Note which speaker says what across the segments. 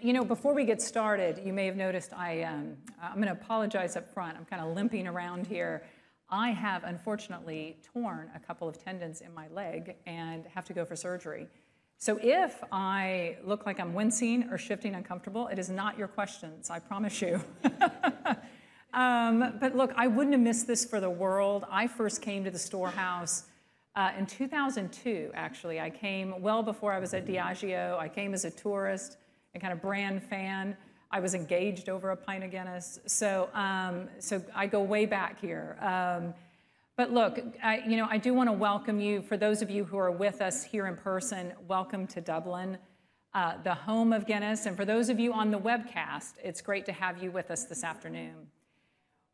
Speaker 1: You know, before we get started, you may have noticed I, I'm going to apologize upfront. I'm kind of limping around here. I have, unfortunately, torn a couple of tendons in my leg and have to go for surgery. If I look like I'm wincing or shifting uncomfortably, it is not your questions, I promise you. I wouldn't have missed this for the world. I first came to the Storehouse in 2002, actually. I came well before I was at Diageo. I came as a tourist, a kind of brand fan. I was engaged over a pint of Guinness. I go way back here. I do want to welcome you. For those of you who are with us here in person, welcome to Dublin, the home of Guinness. For those of you on the webcast, it's great to have you with us this afternoon.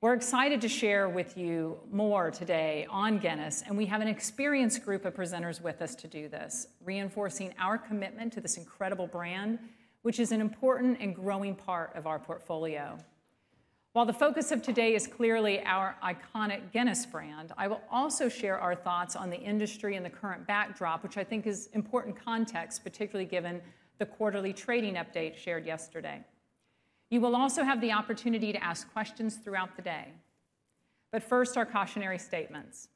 Speaker 1: We're excited to share with you more today on Guinness, and we have an experienced group of presenters with us to do this, reinforcing our commitment to this incredible brand, which is an important and growing part of our portfolio. While the focus of today is clearly our iconic Guinness brand, I will also share our thoughts on the industry and the current backdrop, which I think is important context, particularly given the quarterly trading update shared yesterday. You will also have the opportunity to ask questions throughout the day. First, our cautionary statements.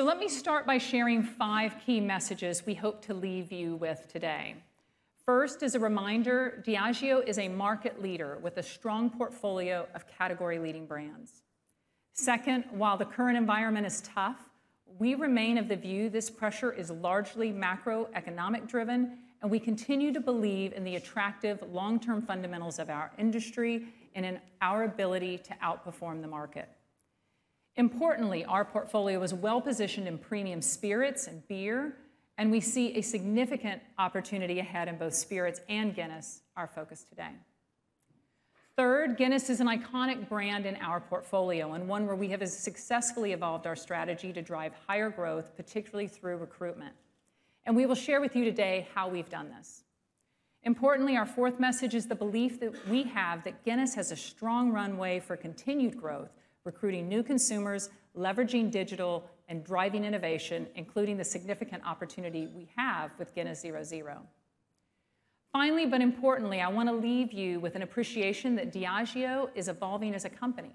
Speaker 1: Let me start by sharing five key messages we hope to leave you with today. First, as a reminder, Diageo is a market leader with a strong portfolio of category-leading brands. Second, while the current environment is tough, we remain of the view this pressure is largely macroeconomic-driven, and we continue to believe in the attractive long-term fundamentals of our industry and in our ability to outperform the market. Importantly, our portfolio is well positioned in premium spirits and beer, and we see a significant opportunity ahead in both spirits and Guinness, our focus today. Third, Guinness is an iconic brand in our portfolio and one where we have successfully evolved our strategy to drive higher growth, particularly through recruitment. We will share with you today how we've done this. Importantly, our fourth message is the belief that we have that Guinness has a strong runway for continued growth, recruiting new consumers, leveraging digital, and driving innovation, including the significant opportunity we have with Guinness Zero Zero. Finally, but importantly, I want to leave you with an appreciation that Diageo is evolving as a company.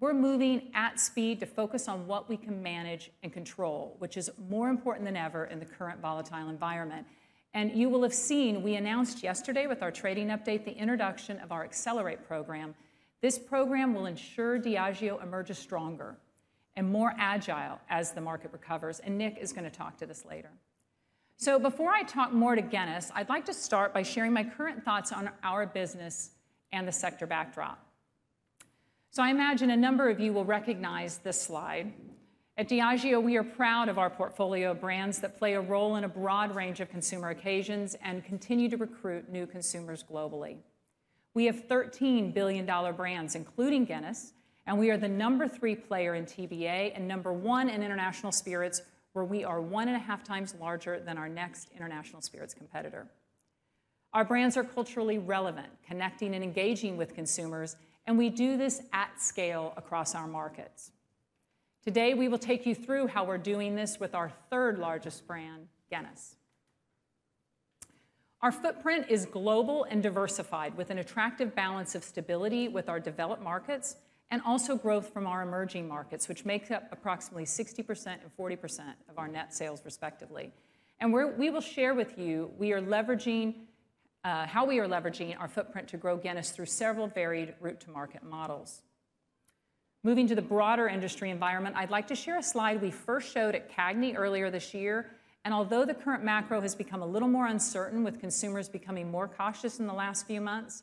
Speaker 1: We're moving at speed to focus on what we can manage and control, which is more important than ever in the current volatile environment. You will have seen we announced yesterday with our trading update the introduction of our Accelerate Program. This program will ensure Diageo emerges stronger and more agile as the market recovers. Nik is going to talk to this later. Before I talk more to Guinness, I'd like to start by sharing my current thoughts on our business and the sector backdrop. I imagine a number of you will recognize this slide. At Diageo, we are proud of our portfolio of brands that play a role in a broad range of consumer occasions and continue to recruit new consumers globally. We have $13 billion brands, including Guinness, and we are the number three player in TBA and number one in international spirits, where we are one and a half times larger than our next international spirits competitor. Our brands are culturally relevant, connecting and engaging with consumers, and we do this at scale across our markets. Today, we will take you through how we're doing this with our third largest brand, Guinness. Our footprint is global and diversified, with an attractive balance of stability with our developed markets and also growth from our emerging markets, which make up approximately 60% and 40% of our net sales, respectively. We will share with you how we are leveraging our footprint to grow Guinness through several varied route-to-market models. Moving to the broader industry environment, I'd like to share a slide we first showed at Cagney earlier this year. Although the current macro has become a little more uncertain, with consumers becoming more cautious in the last few months,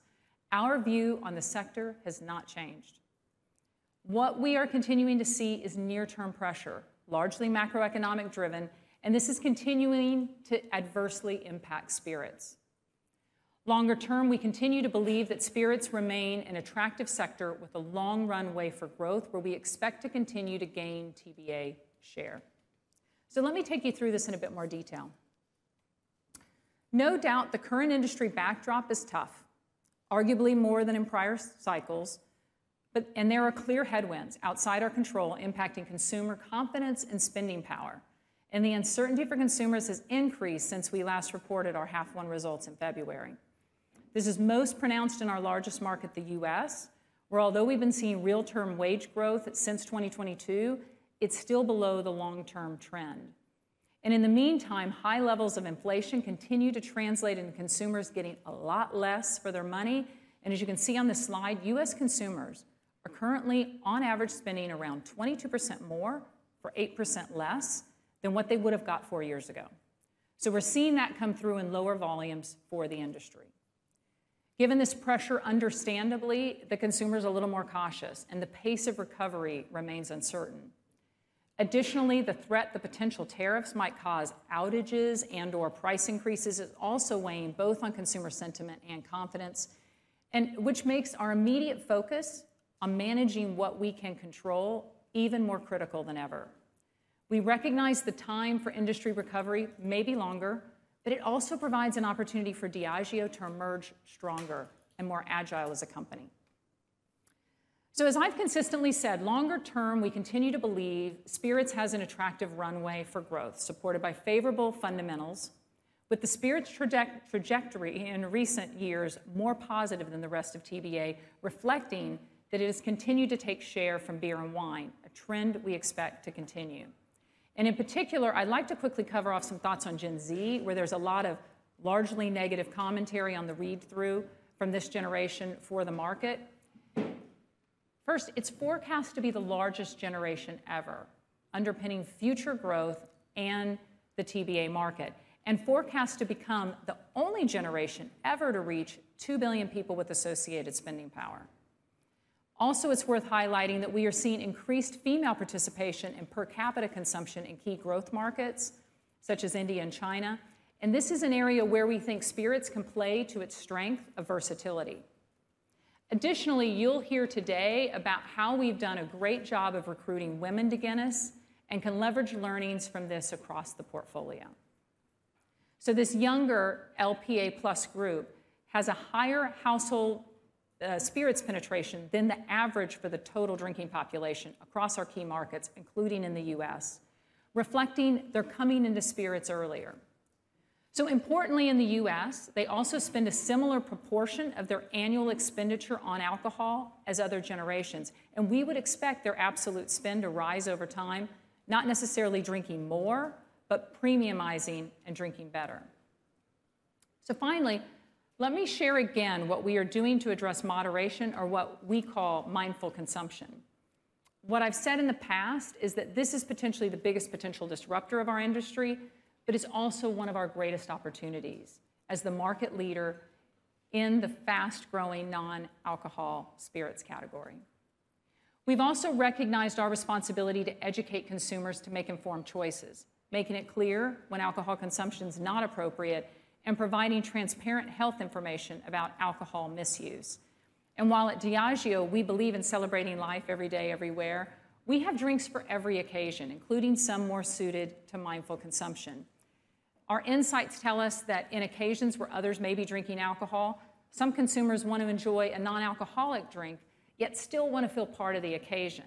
Speaker 1: our view on the sector has not changed. What we are continuing to see is near-term pressure, largely macroeconomic-driven, and this is continuing to adversely impact spirits. Longer term, we continue to believe that spirits remain an attractive sector with a long runway for growth, where we expect to continue to gain TBA share. Let me take you through this in a bit more detail. No doubt, the current industry backdrop is tough, arguably more than in prior cycles, but there are clear headwinds outside our control impacting consumer confidence and spending power. The uncertainty for consumers has increased since we last reported our half-one results in February. This is most pronounced in our largest market, the U.S., where, although we've been seeing real-term wage growth since 2022, it's still below the long-term trend. In the meantime, high levels of inflation continue to translate into consumers getting a lot less for their money. As you can see on this slide, U.S. consumers are currently, on average, spending around 22% more for 8% less than what they would have got four years ago. We are seeing that come through in lower volumes for the industry. Given this pressure, understandably, the consumer is a little more cautious, and the pace of recovery remains uncertain. Additionally, the threat that potential tariffs might cause outages and/or price increases is also weighing both on consumer sentiment and confidence, which makes our immediate focus on managing what we can control even more critical than ever. We recognize the time for industry recovery may be longer, but it also provides an opportunity for Diageo to emerge stronger and more agile as a company. As I've consistently said, longer term, we continue to believe spirits has an attractive runway for growth, supported by favorable fundamentals, with the spirits trajectory in recent years more positive than the rest of TBA, reflecting that it has continued to take share from beer and wine, a trend we expect to continue. In particular, I'd like to quickly cover off some thoughts on Gen Z, where there's a lot of largely negative commentary on the read-through from this generation for the market. First, it's forecast to be the largest generation ever, underpinning future growth and the TBA market, and forecast to become the only generation ever to reach 2 billion people with associated spending power. Also, it's worth highlighting that we are seeing increased female participation in per capita consumption in key growth markets such as India and China. This is an area where we think spirits can play to its strength of versatility. Additionally, you'll hear today about how we've done a great job of recruiting women to Guinness and can leverage learnings from this across the portfolio. This younger LPA plus group has a higher household spirits penetration than the average for the total drinking population across our key markets, including in the U.S., reflecting they're coming into spirits earlier. Importantly, in the U.S., they also spend a similar proportion of their annual expenditure on alcohol as other generations. We would expect their absolute spend to rise over time, not necessarily drinking more, but premiumizing and drinking better. Finally, let me share again what we are doing to address moderation, or what we call mindful consumption. What I have said in the past is that this is potentially the biggest potential disruptor of our industry, but it is also one of our greatest opportunities as the market leader in the fast-growing non-alcohol spirits category. We have also recognized our responsibility to educate consumers to make informed choices, making it clear when alcohol consumption is not appropriate and providing transparent health information about alcohol misuse. While at Diageo, we believe in celebrating life every day, everywhere, we have drinks for every occasion, including some more suited to mindful consumption. Our insights tell us that in occasions where others may be drinking alcohol, some consumers want to enjoy a non-alcoholic drink, yet still want to feel part of the occasion.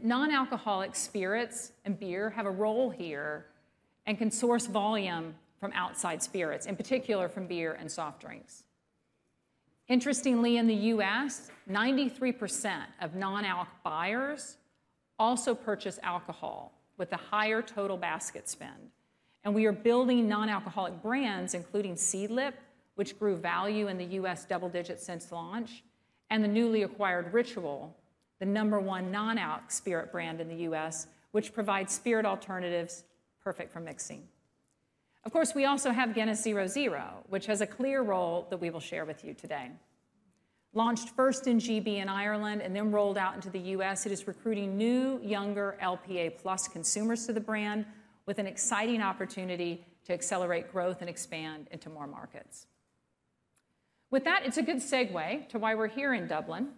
Speaker 1: Non-alcoholic spirits and beer have a role here and can source volume from outside spirits, in particular from beer and soft drinks. Interestingly, in the U.S., 93% of non-alc buyers also purchase alcohol with a higher total basket spend. We are building non-alcoholic brands, including Seedlip, which grew value in the U.S. double digits since launch, and the newly acquired Ritual, the number one non-alc spirit brand in the U.S., which provides spirit alternatives perfect for mixing. Of course, we also have Guinness Zero Zero, which has a clear role that we will share with you today. Launched first in GB and Ireland, and then rolled out into the U.S., it is recruiting new, younger LPA+ consumers to the brand with an exciting opportunity to accelerate growth and expand into more markets. With that, it's a good segue to why we're here in Dublin.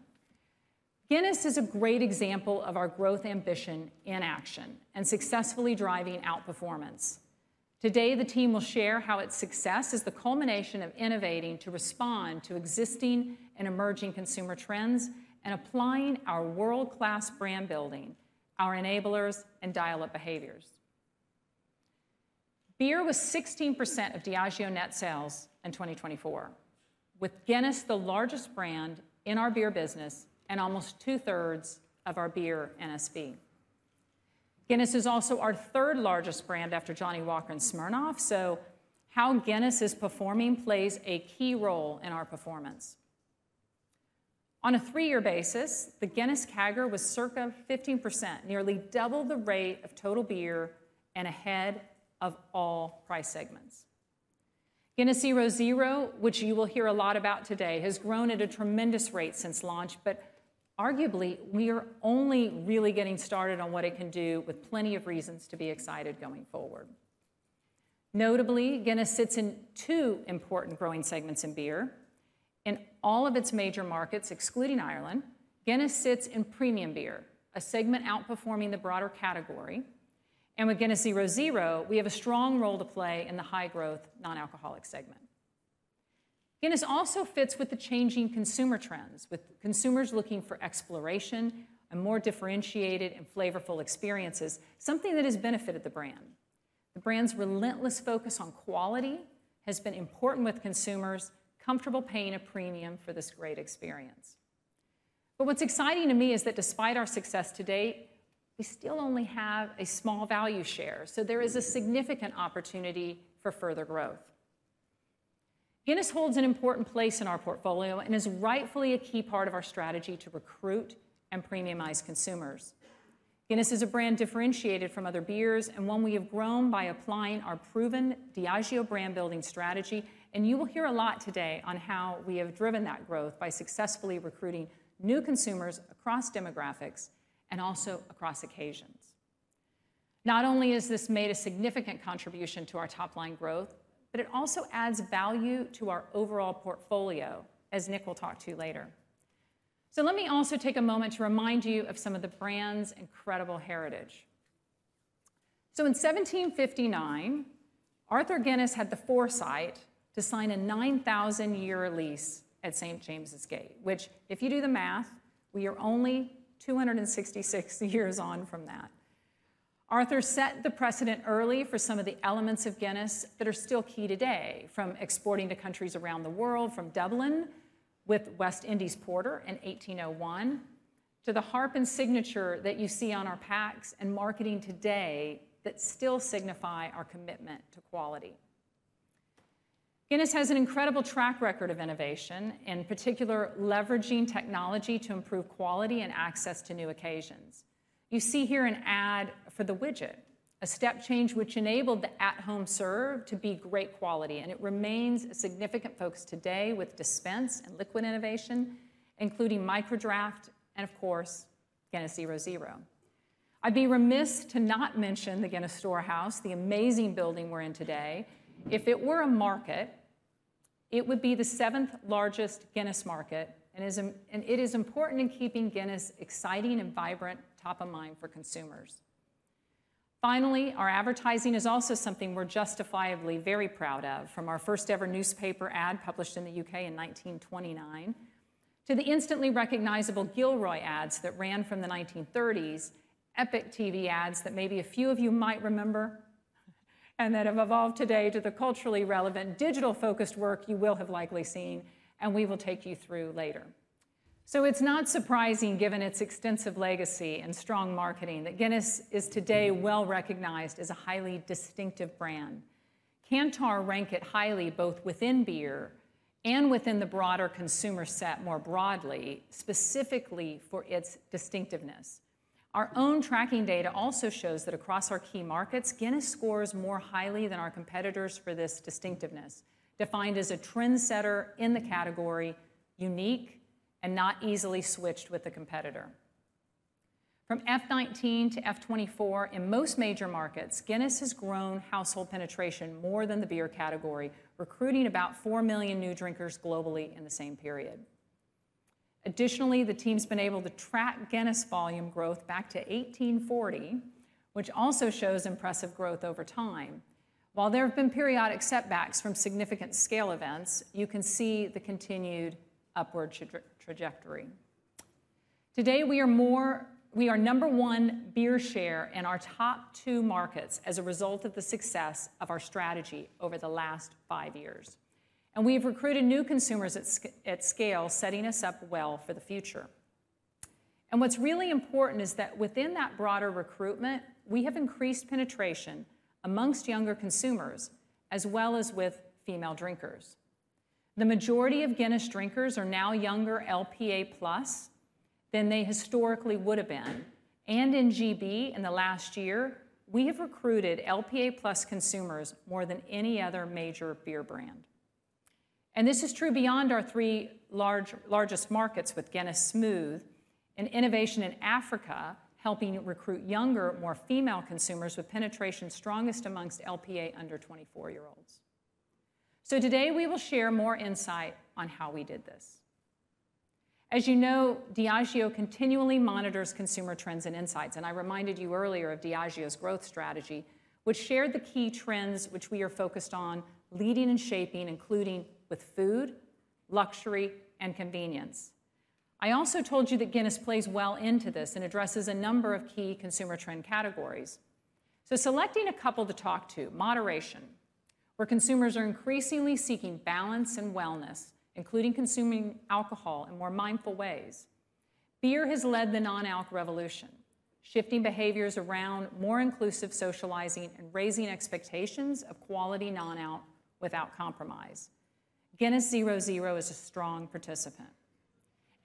Speaker 1: Guinness is a great example of our growth ambition in action and successfully driving outperformance. Today, the team will share how its success is the culmination of innovating to respond to existing and emerging consumer trends and applying our world-class brand building, our enablers, and dial-up behaviors. Beer was 16% of Diageo net sales in 2024, with Guinness the largest brand in our beer business and almost two-thirds of our beer NSV. Guinness is also our third largest brand after Johnnie Walker and Smirnoff. How Guinness is performing plays a key role in our performance. On a three-year basis, the Guinness CAGR was circa 15%, nearly double the rate of total beer and ahead of all price segments. Guinness Zero Zero, which you will hear a lot about today, has grown at a tremendous rate since launch, but arguably we are only really getting started on what it can do with plenty of reasons to be excited going forward. Notably, Guinness sits in two important growing segments in beer. In all of its major markets, excluding Ireland, Guinness sits in premium beer, a segment outperforming the broader category. With Guinness Zero Zero, we have a strong role to play in the high-growth non-alcoholic segment. Guinness also fits with the changing consumer trends, with consumers looking for exploration and more differentiated and flavorful experiences, something that has benefited the brand. The brand's relentless focus on quality has been important with consumers comfortable paying a premium for this great experience. What is exciting to me is that despite our success today, we still only have a small value share. There is a significant opportunity for further growth. Guinness holds an important place in our portfolio and is rightfully a key part of our strategy to recruit and premiumize consumers. Guinness is a brand differentiated from other beers and one we have grown by applying our proven Diageo brand building strategy. You will hear a lot today on how we have driven that growth by successfully recruiting new consumers across demographics and also across occasions. Not only has this made a significant contribution to our top-line growth, it also adds value to our overall portfolio, as Nik will talk to you later. Let me also take a moment to remind you of some of the brand's incredible heritage. In 1759, Arthur Guinness had the foresight to sign a 9,000-year lease at St. James's Gate. James's Gate, which, if you do the math, we are only 266 years on from that. Arthur set the precedent early for some of the elements of Guinness that are still key today, from exporting to countries around the world, from Dublin with West Indies Porter in 1801 to the harp and signature that you see on our packs and marketing today that still signify our commitment to quality. Guinness has an incredible track record of innovation, in particular leveraging technology to improve quality and access to new occasions. You see here an ad for the widget, a step change which enabled the at-home serve to be great quality. It remains a significant focus today with dispense and liquid innovation, including Microdraft and, of course, Guinness Zero Zero. I'd be remiss to not mention the Guinness Storehouse, the amazing building we're in today. If it were a market, it would be the seventh largest Guinness market, and it is important in keeping Guinness exciting and vibrant, top of mind for consumers. Finally, our advertising is also something we're justifiably very proud of, from our first-ever newspaper ad published in the U.K. in 1929 to the instantly recognizable Gilroy ads that ran from the 1930s, epic TV ads that maybe a few of you might remember and that have evolved today to the culturally relevant digital-focused work you will have likely seen, and we will take you through later. It is not surprising, given its extensive legacy and strong marketing, that Guinness is today well recognized as a highly distinctive brand. Kantar rank it highly both within beer and within the broader consumer set more broadly, specifically for its distinctiveness. Our own tracking data also shows that across our key markets, Guinness scores more highly than our competitors for this distinctiveness, defined as a trendsetter in the category, unique and not easily switched with the competitor. From F2019 to F2024, in most major markets, Guinness has grown household penetration more than the beer category, recruiting about 4 million new drinkers globally in the same period. Additionally, the team's been able to track Guinness volume growth back to 1840, which also shows impressive growth over time. While there have been periodic setbacks from significant scale events, you can see the continued upward trajectory. Today, we are number one beer share in our top two markets as a result of the success of our strategy over the last five years. We have recruited new consumers at scale, setting us up well for the future. What's really important is that within that broader recruitment, we have increased penetration amongst younger consumers as well as with female drinkers. The majority of Guinness drinkers are now younger LPA plus than they historically would have been. In GB, in the last year, we have recruited LPA plus consumers more than any other major beer brand. This is true beyond our three largest markets, with Guinness Smooth and innovation in Africa helping recruit younger, more female consumers, with penetration strongest amongst LPA under 24-year-olds. Today, we will share more insight on how we did this. As you know, Diageo continually monitors consumer trends and insights. I reminded you earlier of Diageo's growth strategy, which shared the key trends which we are focused on, leading and shaping, including with food, luxury, and convenience. I also told you that Guinness plays well into this and addresses a number of key consumer trend categories. Selecting a couple to talk to, moderation, where consumers are increasingly seeking balance and wellness, including consuming alcohol in more mindful ways. Beer has led the non-alc revolution, shifting behaviors around more inclusive socializing and raising expectations of quality non-alc without compromise. Guinness Zero Zero is a strong participant.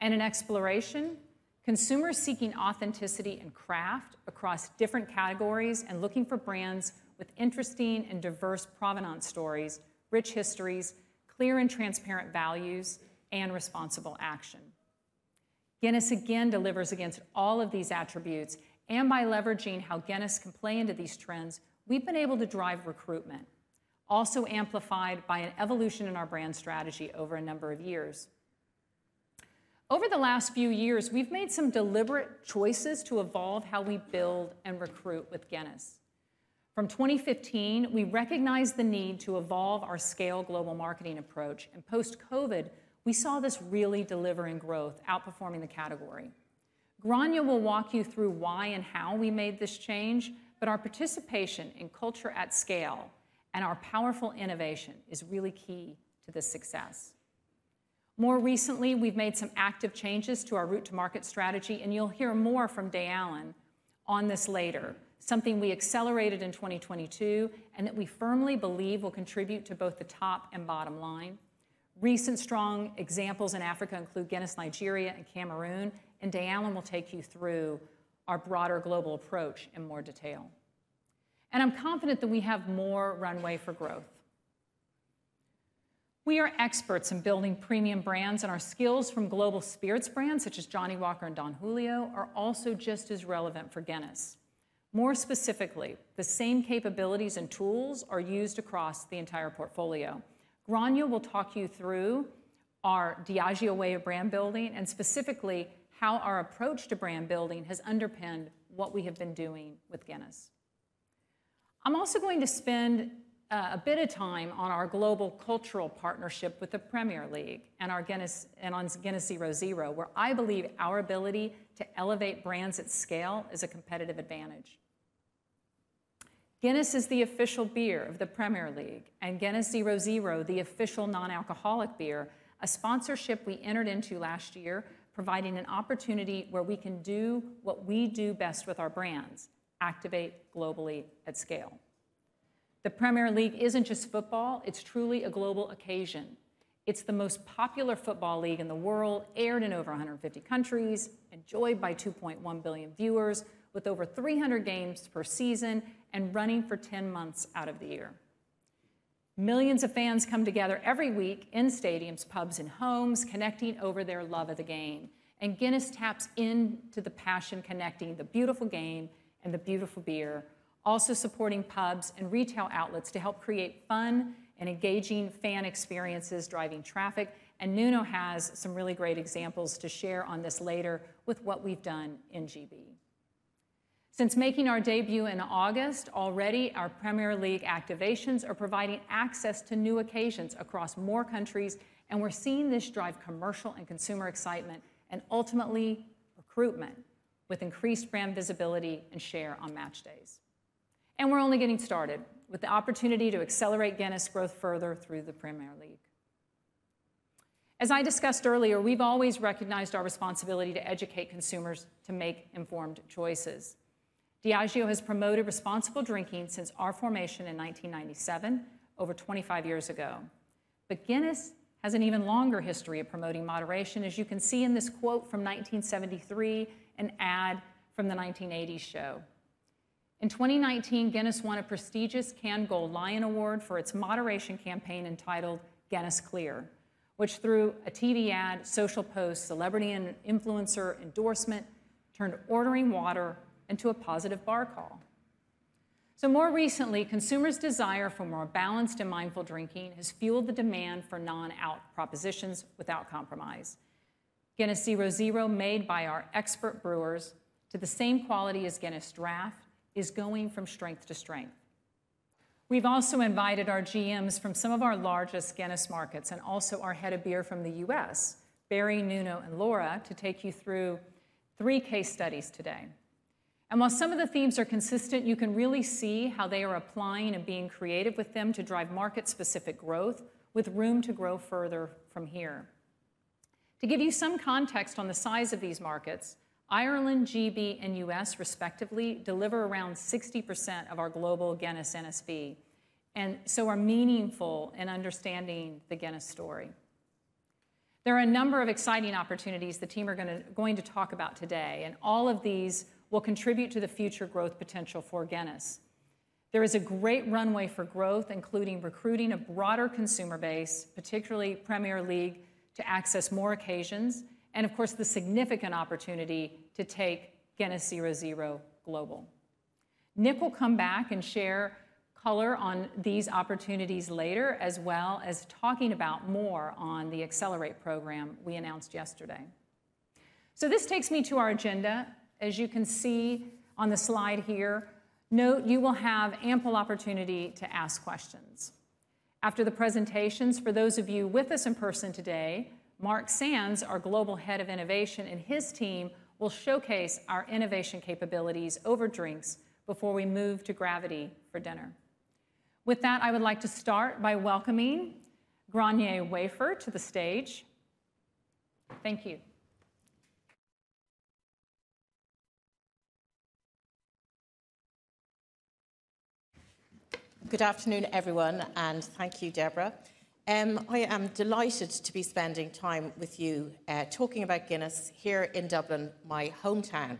Speaker 1: In exploration, consumers seeking authenticity and craft across different categories and looking for brands with interesting and diverse provenance stories, rich histories, clear and transparent values, and responsible action. Guinness again delivers against all of these attributes. By leveraging how Guinness can play into these trends, we have been able to drive recruitment, also amplified by an evolution in our brand strategy over a number of years. Over the last few years, we've made some deliberate choices to evolve how we build and recruit with Guinness. From 2015, we recognized the need to evolve our scale global marketing approach. Post-COVID, we saw this really delivering growth, outperforming the category. Grainne will walk you through why and how we made this change, but our participation in culture at scale and our powerful innovation is really key to this success. More recently, we've made some active changes to our route to market strategy, and you'll hear more from Dayalan on this later, something we accelerated in 2022 and that we firmly believe will contribute to both the top and bottom line. Recent strong examples in Africa include Guinness Nigeria and Cameroon, and Dayalan will take you through our broader global approach in more detail. I'm confident that we have more runway for growth. We are experts in building premium brands, and our skills from global spirits brands such as Johnnie Walker and Don Julio are also just as relevant for Guinness. More specifically, the same capabilities and tools are used across the entire portfolio. Grainne will talk you through our Diageo way of brand building and specifically how our approach to brand building has underpinned what we have been doing with Guinness. I'm also going to spend a bit of time on our global cultural partnership with the Premier League and on Guinness Zero Zero, where I believe our ability to elevate brands at scale is a competitive advantage. Guinness is the official beer of the Premier League and Guinness Zero Zero, the official non-alcoholic beer, a sponsorship we entered into last year, providing an opportunity where we can do what we do best with our brands, activate globally at scale. The Premier League isn't just football; it's truly a global occasion. It's the most popular football league in the world, aired in over 150 countries, enjoyed by 2.1 billion viewers, with over 300 games per season and running for 10 months out of the year. Millions of fans come together every week in stadiums, pubs, and homes, connecting over their love of the game. Guinness taps into the passion, connecting the beautiful game and the beautiful beer, also supporting pubs and retail outlets to help create fun and engaging fan experiences, driving traffic. Nuno has some really great examples to share on this later with what we've done in GB. Since making our debut in August, already our Premier League activations are providing access to new occasions across more countries, and we are seeing this drive commercial and consumer excitement and ultimately recruitment with increased brand visibility and share on match days. We are only getting started with the opportunity to accelerate Guinness growth further through the Premier League. As I discussed earlier, we have always recognized our responsibility to educate consumers to make informed choices. Diageo has promoted responsible drinking since our formation in 1997, over 25 years ago. Guinness has an even longer history of promoting moderation, as you can see in this quote from 1973, an ad from the 1980s show. In 2019, Guinness won a prestigious Cannes Gold Lion Award for its moderation campaign entitled Guinness Clear, which, through a TV ad, social post, celebrity, and influencer endorsement, turned ordering water into a positive bar call. More recently, consumers' desire for more balanced and mindful drinking has fueled the demand for non-alc propositions without compromise. Guinness Zero Zero, made by our expert brewers to the same quality as Guinness Draught, is going from strength to strength. We've also invited our GMs from some of our largest Guinness markets and also our Head of Beer from the U.S., Barry, Nuno, and Laura, to take you through three case studies today. While some of the themes are consistent, you can really see how they are applying and being creative with them to drive market-specific growth with room to grow further from here. To give you some context on the size of these markets, Ireland, GB, and U.S. respectively deliver around 60% of our global Guinness NSV, and so are meaningful in understanding the Guinness story. There are a number of exciting opportunities the team are going to talk about today, and all of these will contribute to the future growth potential for Guinness. There is a great runway for growth, including recruiting a broader consumer base, particularly Premier League, to access more occasions, and of course, the significant opportunity to take Guinness Zero Zero global. Nik will come back and share color on these opportunities later, as well as talking about more on the Accelerate Program we announced yesterday. This takes me to our agenda. As you can see on the slide here, note you will have ample opportunity to ask questions. After the presentations, for those of you with us in person today, Mark Sands, our Global Head of Innovation, and his team will showcase our innovation capabilities over drinks before we move to Gravity for dinner. With that, I would like to start by welcoming Grainne Wafer to the stage. Thank you.
Speaker 2: Good afternoon, everyone, and thank you, Deborah. I am delighted to be spending time with you talking about Guinness here in Dublin, my hometown.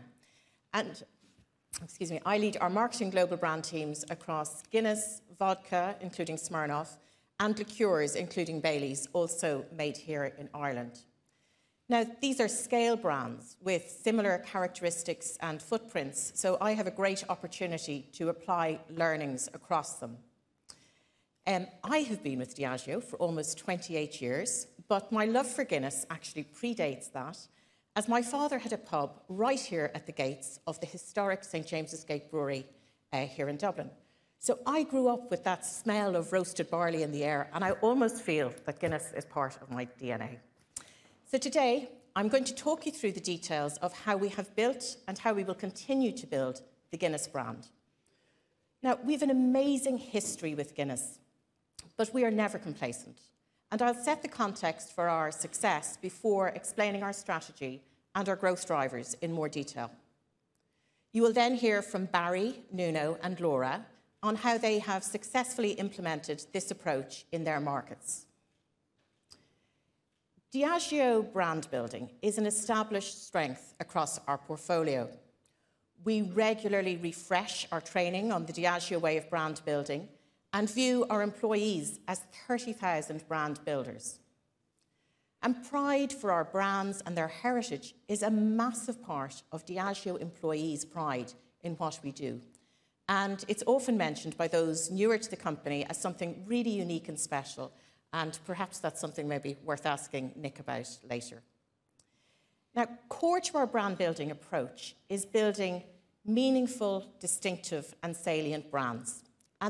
Speaker 2: Excuse me, I lead our marketing global brand teams across Guinness, vodka, including Smirnoff, and liqueurs, including Baileys, also made here in Ireland. These are scale brands with similar characteristics and footprints, so I have a great opportunity to apply learnings across them. I have been with Diageo for almost 28 years, but my love for Guinness actually predates that, as my father had a pub right here at the gates of the historic St. James's Gate Brewery here in Dublin. I grew up with that smell of roasted barley in the air, and I almost feel that Guinness is part of my DNA. Today, I'm going to talk you through the details of how we have built and how we will continue to build the Guinness brand. We have an amazing history with Guinness, but we are never complacent. I'll set the context for our success before explaining our strategy and our growth drivers in more detail. You will then hear from Barry, Nuno, and Laura on how they have successfully implemented this approach in their markets. Diageo brand building is an established strength across our portfolio. We regularly refresh our training on the Diageo way of brand building and view our employees as 30,000 brand builders. Pride for our brands and their heritage is a massive part of Diageo employees' pride in what we do. It is often mentioned by those newer to the company as something really unique and special, and perhaps that is something maybe worth asking Nik about later. Now, core to our brand building approach is building meaningful, distinctive, and salient brands.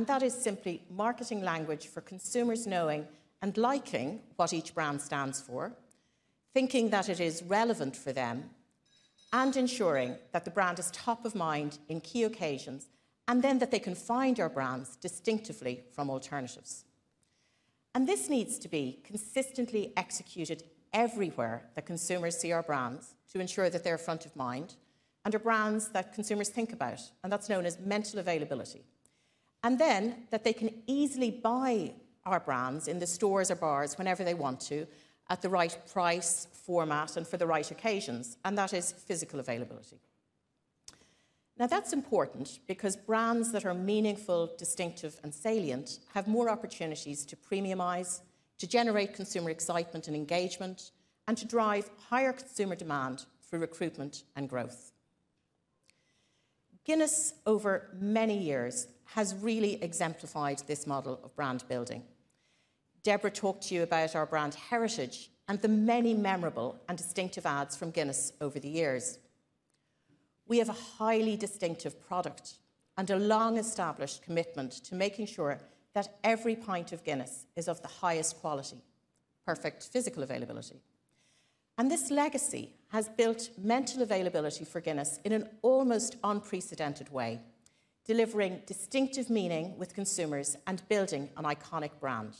Speaker 2: That is simply marketing language for consumers knowing and liking what each brand stands for, thinking that it is relevant for them, and ensuring that the brand is top of mind in key occasions, and then that they can find our brands distinctively from alternatives. This needs to be consistently executed everywhere that consumers see our brands to ensure that they are front of mind and are brands that consumers think about. That is known as mental availability. Then that they can easily buy our brands in the stores or bars whenever they want to at the right price, format, and for the right occasions. That is physical availability. Now, that's important because brands that are meaningful, distinctive, and salient have more opportunities to premiumize, to generate consumer excitement and engagement, and to drive higher consumer demand through recruitment and growth. Guinness, over many years, has really exemplified this model of brand building. Deborah talked to you about our brand heritage and the many memorable and distinctive ads from Guinness over the years. We have a highly distinctive product and a long-established commitment to making sure that every pint of Guinness is of the highest quality, perfect physical availability. This legacy has built mental availability for Guinness in an almost unprecedented way, delivering distinctive meaning with consumers and building an iconic brand.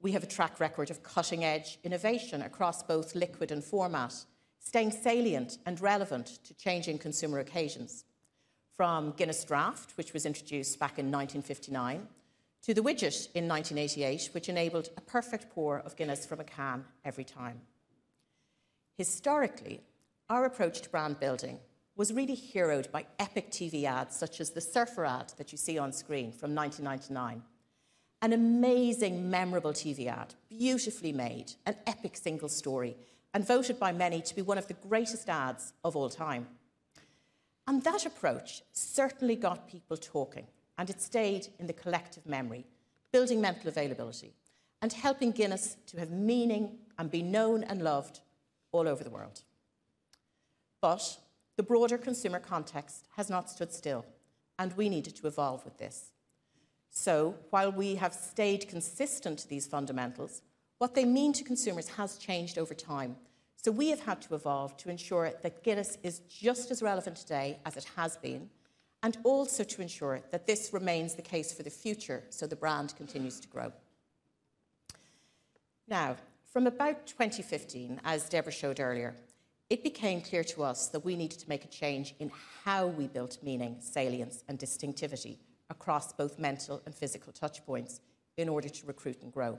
Speaker 2: We have a track record of cutting-edge innovation across both liquid and format, staying salient and relevant to changing consumer occasions, from Guinness Draught, which was introduced back in 1959, to the widget in 1988, which enabled a perfect pour of Guinness from a can every time. Historically, our approach to brand building was really heroed by epic TV ads such as the Surfer ad that you see on screen from 1999, an amazing, memorable TV ad, beautifully made, an epic single story, and voted by many to be one of the greatest ads of all time. That approach certainly got people talking, and it stayed in the collective memory, building mental availability and helping Guinness to have meaning and be known and loved all over the world. The broader consumer context has not stood still, and we needed to evolve with this. While we have stayed consistent to these fundamentals, what they mean to consumers has changed over time. We have had to evolve to ensure that Guinness is just as relevant today as it has been, and also to ensure that this remains the case for the future so the brand continues to grow. Now, from about 2015, as Deborah showed earlier, it became clear to us that we needed to make a change in how we built meaning, salience, and distinctivity across both mental and physical touchpoints in order to recruit and grow.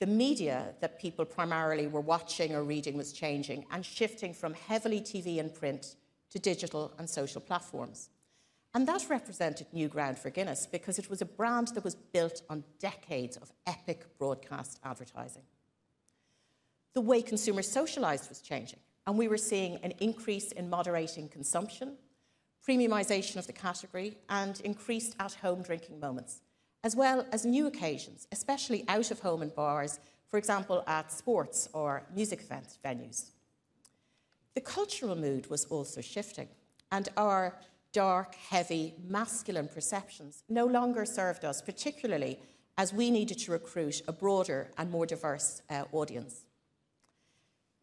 Speaker 2: The media that people primarily were watching or reading was changing and shifting from heavily TV and print to digital and social platforms. That represented new ground for Guinness because it was a brand that was built on decades of epic broadcast advertising. The way consumers socialized was changing, and we were seeing an increase in moderating consumption, premiumization of the category, and increased at-home drinking moments, as well as new occasions, especially out of home and bars, for example, at sports or music event venues. The cultural mood was also shifting, and our dark, heavy, masculine perceptions no longer served us, particularly as we needed to recruit a broader and more diverse audience.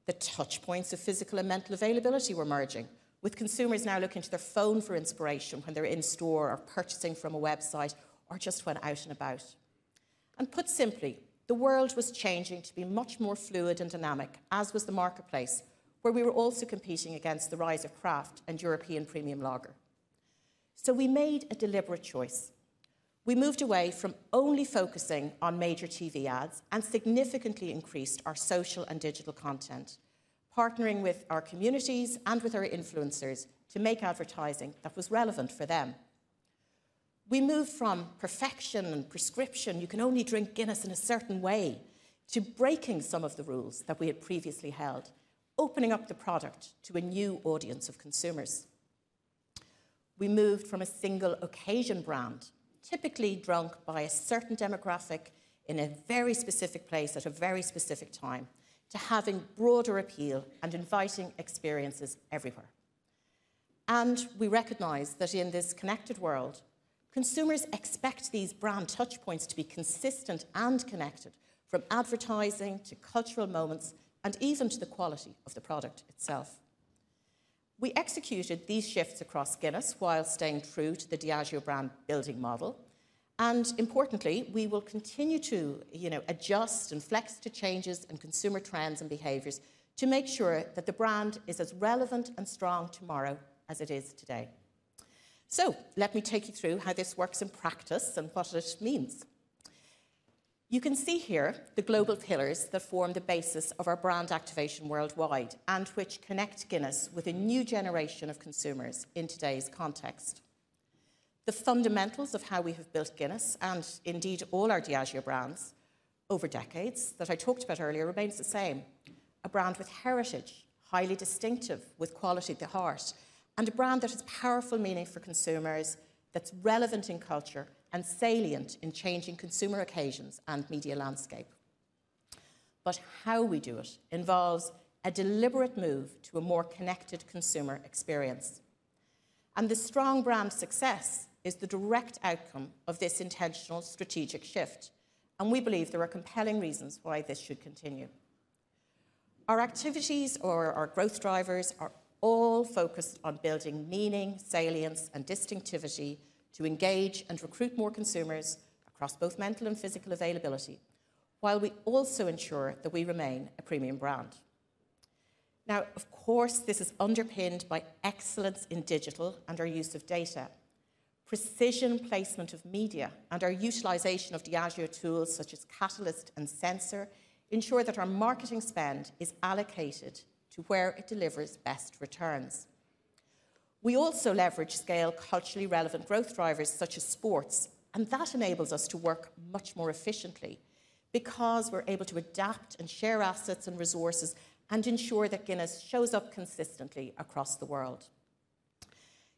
Speaker 2: The touchpoints of physical and mental availability were merging, with consumers now looking to their phone for inspiration when they're in store or purchasing from a website or just when out and about. Put simply, the world was changing to be much more fluid and dynamic, as was the marketplace, where we were also competing against the rise of craft and European premium lager. We made a deliberate choice. We moved away from only focusing on major TV ads and significantly increased our social and digital content, partnering with our communities and with our influencers to make advertising that was relevant for them. We moved from perfection and prescription, you can only drink Guinness in a certain way, to breaking some of the rules that we had previously held, opening up the product to a new audience of consumers. We moved from a single occasion brand, typically drunk by a certain demographic in a very specific place at a very specific time, to having broader appeal and inviting experiences everywhere. We recognize that in this connected world, consumers expect these brand touchpoints to be consistent and connected from advertising to cultural moments and even to the quality of the product itself. We executed these shifts across Guinness while staying true to the Diageo brand building model. Importantly, we will continue to adjust and flex to changes and consumer trends and behaviors to make sure that the brand is as relevant and strong tomorrow as it is today. Let me take you through how this works in practice and what it means. You can see here the global pillars that form the basis of our brand activation worldwide and which connect Guinness with a new generation of consumers in today's context. The fundamentals of how we have built Guinness and indeed all our Diageo brands over decades that I talked about earlier remains the same: a brand with heritage, highly distinctive, with quality at the heart, and a brand that has powerful meaning for consumers, that's relevant in culture and salient in changing consumer occasions and media landscape. How we do it involves a deliberate move to a more connected consumer experience. The strong brand success is the direct outcome of this intentional strategic shift. We believe there are compelling reasons why this should continue. Our activities or our growth drivers are all focused on building meaning, salience, and distinctivity to engage and recruit more consumers across both mental and physical availability, while we also ensure that we remain a premium brand. Of course, this is underpinned by excellence in digital and our use of data. Precision placement of media and our utilization of Diageo tools such as Catalyst and Sensor ensure that our marketing spend is allocated to where it delivers best returns. We also leverage scale, culturally relevant growth drivers such as sports, and that enables us to work much more efficiently because we are able to adapt and share assets and resources and ensure that Guinness shows up consistently across the world.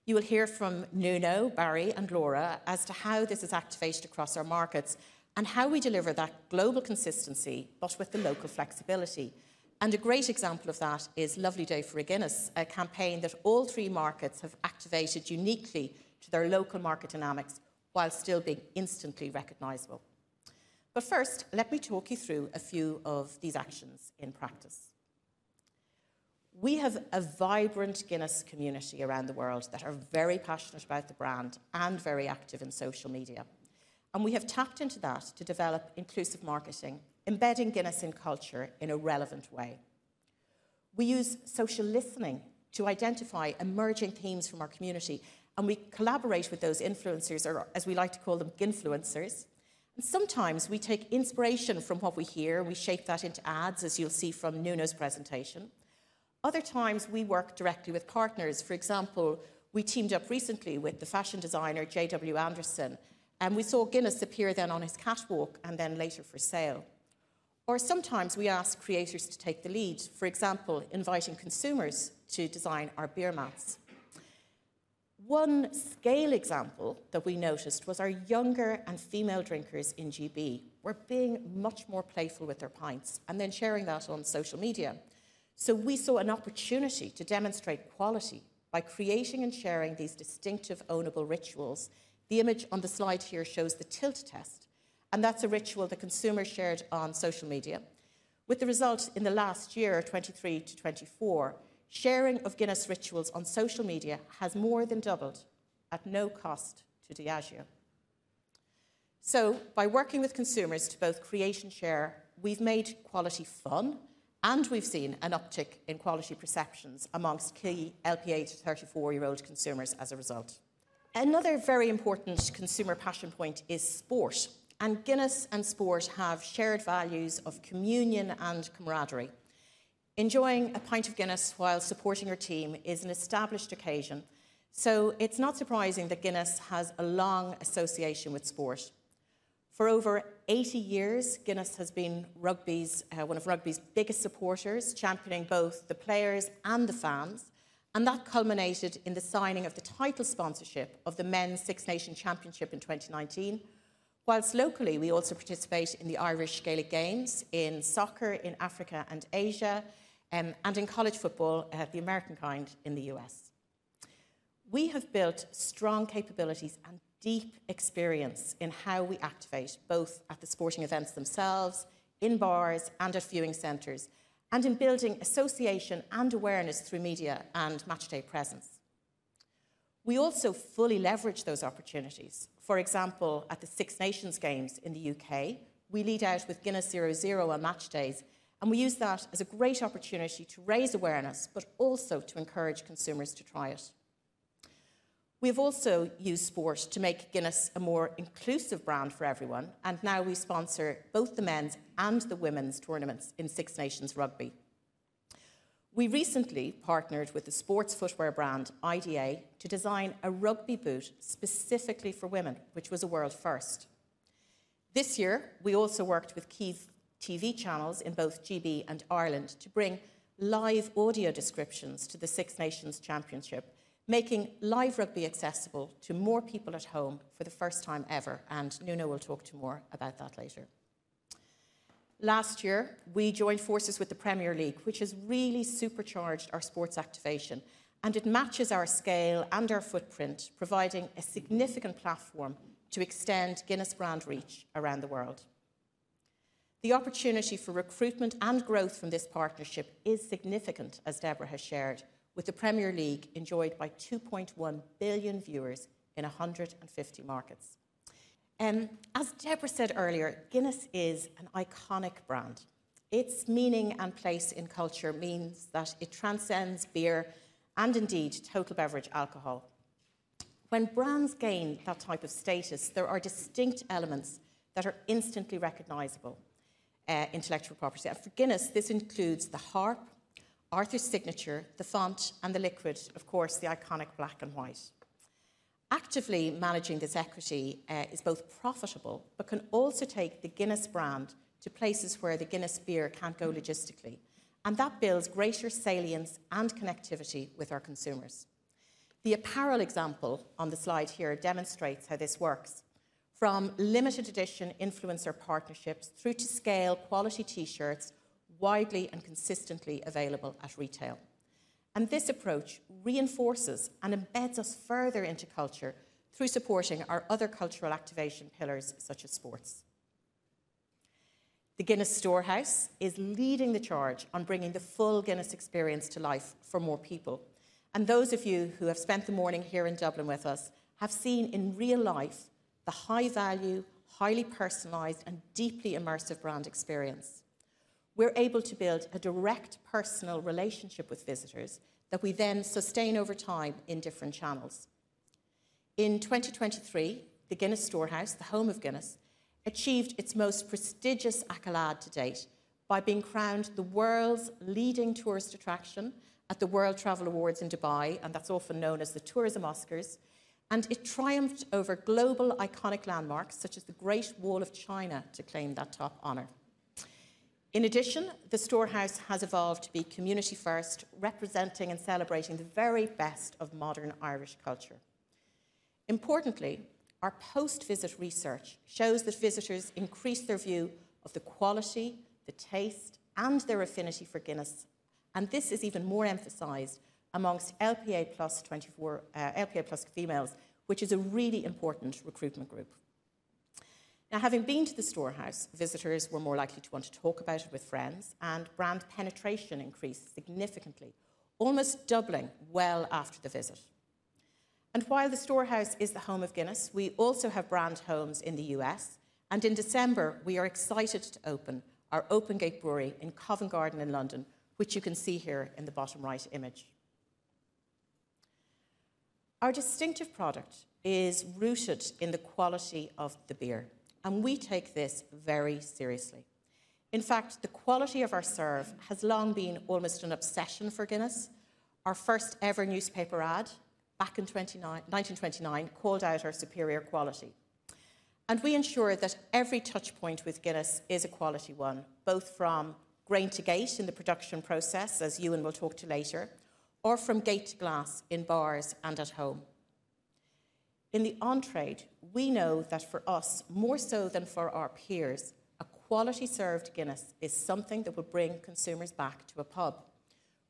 Speaker 2: You will hear from Nuno, Barry, and Laura as to how this is activated across our markets and how we deliver that global consistency, but with the local flexibility. A great example of that is Lovely Day for a Guinness, a campaign that all three markets have activated uniquely to their local market dynamics while still being instantly recognizable. First, let me talk you through a few of these actions in practice. We have a vibrant Guinness community around the world that are very passionate about the brand and very active in social media. We have tapped into that to develop inclusive marketing, embedding Guinness in culture in a relevant way. We use social listening to identify emerging themes from our community, and we collaborate with those influencers, or as we like to call them, Ginflowencers. We sometimes take inspiration from what we hear, and we shape that into ads, as you'll see from Nuno's presentation. Other times, we work directly with partners. For example, we teamed up recently with the fashion designer J.W. Anderson, and we saw Guinness appear then on his catwalk and then later for sale. Sometimes we ask creators to take the lead, for example, inviting consumers to design our beer mats. One scale example that we noticed was our younger and female drinkers in GB were being much more playful with their pints and then sharing that on social media. We saw an opportunity to demonstrate quality by creating and sharing these distinctive ownable rituals. The image on the slide here shows the tilt test, and that is a ritual that consumers shared on social media. With the result in the last year, 2023 to 2024, sharing of Guinness rituals on social media has more than doubled at no cost to Diageo. By working with consumers to both create and share, we've made quality fun, and we've seen an uptick in quality perceptions amongst key LPA 34-year-old consumers as a result. Another very important consumer passion point is sport. Guinness and sport have shared values of communion and camaraderie. Enjoying a pint of Guinness while supporting your team is an established occasion. It is not surprising that Guinness has a long association with sport. For over 80 years, Guinness has been one of rugby's biggest supporters, championing both the players and the fans. That culminated in the signing of the title sponsorship of the Men's Six Nation Championship in 2019. Whilst locally, we also participate in the Irish Gaelic Games, in soccer in Africa and Asia, and in college football at the American kind in the U.S.. We have built strong capabilities and deep experience in how we activate both at the sporting events themselves, in bars and at viewing centers, and in building association and awareness through media and match day presence. We also fully leverage those opportunities. For example, at the Six Nations Games in the U.K., we lead out with Guinness 0.0 on match days, and we use that as a great opportunity to raise awareness, but also to encourage consumers to try it. We have also used sport to make Guinness a more inclusive brand for everyone, and now we sponsor both the men's and the women's tournaments in Six Nations rugby. We recently partnered with the sports footwear brand IDA to design a rugby boot specifically for women, which was a world first. This year, we also worked with key TV channels in both GB and Ireland to bring live audio descriptions to the Six Nations Championship, making live rugby accessible to more people at home for the first time ever. Nuno will talk more about that later. Last year, we joined forces with the Premier League, which has really supercharged our sports activation, and it matches our scale and our footprint, providing a significant platform to extend Guinness brand reach around the world. The opportunity for recruitment and growth from this partnership is significant, as Deborah has shared, with the Premier League enjoyed by 2.1 billion viewers in 150 markets. As Deborah said earlier, Guinness is an iconic brand. Its meaning and place in culture means that it transcends beer and indeed total beverage alcohol. When brands gain that type of status, there are distinct elements that are instantly recognizable: intellectual property. For Guinness, this includes the harp, Arthur's signature, the font, and the liquid, of course, the iconic black and white. Actively managing this equity is both profitable, but can also take the Guinness brand to places where the Guinness beer cannot go logistically. That builds greater salience and connectivity with our consumers. The apparel example on the slide here demonstrates how this works, from limited edition influencer partnerships through to scale quality T-shirts widely and consistently available at retail. This approach reinforces and embeds us further into culture through supporting our other cultural activation pillars such as sports. The Guinness Storehouse is leading the charge on bringing the full Guinness experience to life for more people. Those of you who have spent the morning here in Dublin with us have seen in real life the high value, highly personalized, and deeply immersive brand experience. We're able to build a direct personal relationship with visitors that we then sustain over time in different channels. In 2023, the Guinness Storehouse, the home of Guinness, achieved its most prestigious accolade to date by being crowned the world's leading tourist attraction at the World Travel Awards in Dubai, and that's often known as the Tourism Oscars. It triumphed over global iconic landmarks such as the Great Wall of China to claim that top honor. In addition, the Storehouse has evolved to be community first, representing and celebrating the very best of modern Irish culture. Importantly, our post-visit research shows that visitors increase their view of the quality, the taste, and their affinity for Guinness. This is even more emphasized amongst LPA Plus females, which is a really important recruitment group. Now, having been to the Storehouse, visitors were more likely to want to talk about it with friends, and brand penetration increased significantly, almost doubling well after the visit. While the Storehouse is the home of Guinness, we also have brand homes in the U.S.. In December, we are excited to open our Open Gate Brewery in Covent Garden in London, which you can see here in the bottom right image. Our distinctive product is rooted in the quality of the beer, and we take this very seriously. In fact, the quality of our serve has long been almost an obsession for Guinness. Our first ever newspaper ad back in 1929 called out our superior quality. We ensure that every touchpoint with Guinness is a quality one, both from grain to gate in the production process, as Ewan will talk to later, or from gate to glass in bars and at home. In the on-trade, we know that for us, more so than for our peers, a quality served Guinness is something that will bring consumers back to a pub,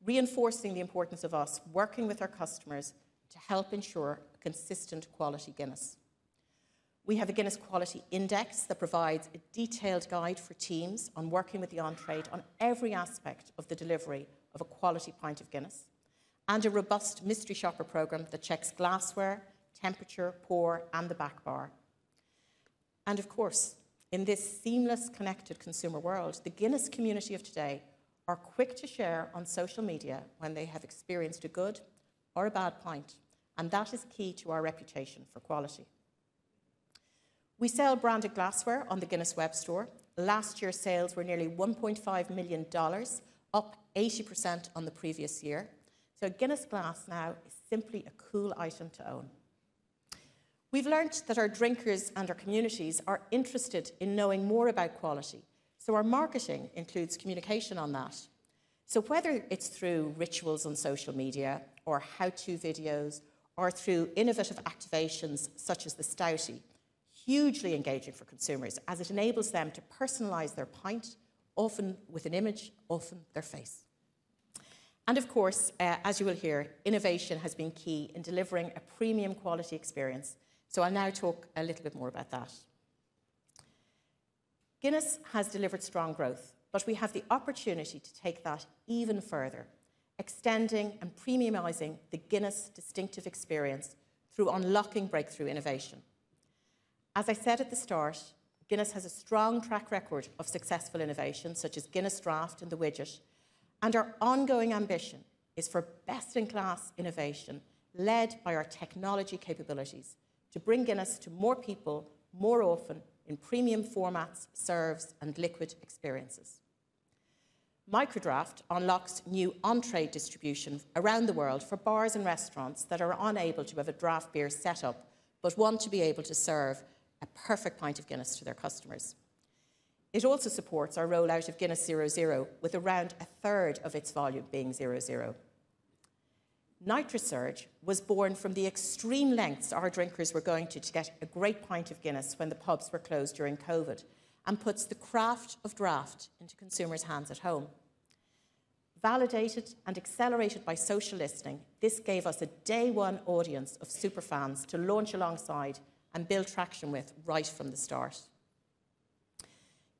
Speaker 2: reinforcing the importance of us working with our customers to help ensure a consistent quality Guinness. We have a Guinness Quality Index that provides a detailed guide for teams on working with the on-trade on every aspect of the delivery of a quality pint of Guinness, and a robust mystery shopper program that checks glassware, temperature, pour, and the back bar. Of course, in this seamless connected consumer world, the Guinness community of today are quick to share on social media when they have experienced a good or a bad pint, and that is key to our reputation for quality. We sell branded glassware on the Guinness web store. Last year, sales were nearly $1.5 million, up 80% on the previous year. Guinness glass now is simply a cool item to own. We've learned that our drinkers and our communities are interested in knowing more about quality. Our marketing includes communication on that. Whether it is through rituals on social media or how-to videos or through innovative activations such as the Stoutie, hugely engaging for consumers as it enables them to personalize their pint, often with an image, often their face. As you will hear, innovation has been key in delivering a premium quality experience. I'll now talk a little bit more about that. Guinness has delivered strong growth, but we have the opportunity to take that even further, extending and premiumizing the Guinness distinctive experience through unlocking breakthrough innovation. As I said at the start, Guinness has a strong track record of successful innovation such as Guinness Draught and the Widget. Our ongoing ambition is for best-in-class innovation led by our technology capabilities to bring Guinness to more people more often in premium formats, serves, and liquid experiences. Microdraft unlocks new on-trade distribution around the world for bars and restaurants that are unable to have a draught beer setup, but want to be able to serve a perfect pint of Guinness to their customers. It also supports our rollout of Guinness 0.0, with around a third of its volume being 0.0. Night Research was born from the extreme lengths our drinkers were going to to get a great pint of Guinness when the pubs were closed during COVID and puts the craft of draft into consumers' hands at home. Validated and accelerated by social listening, this gave us a day-one audience of super fans to launch alongside and build traction with right from the start.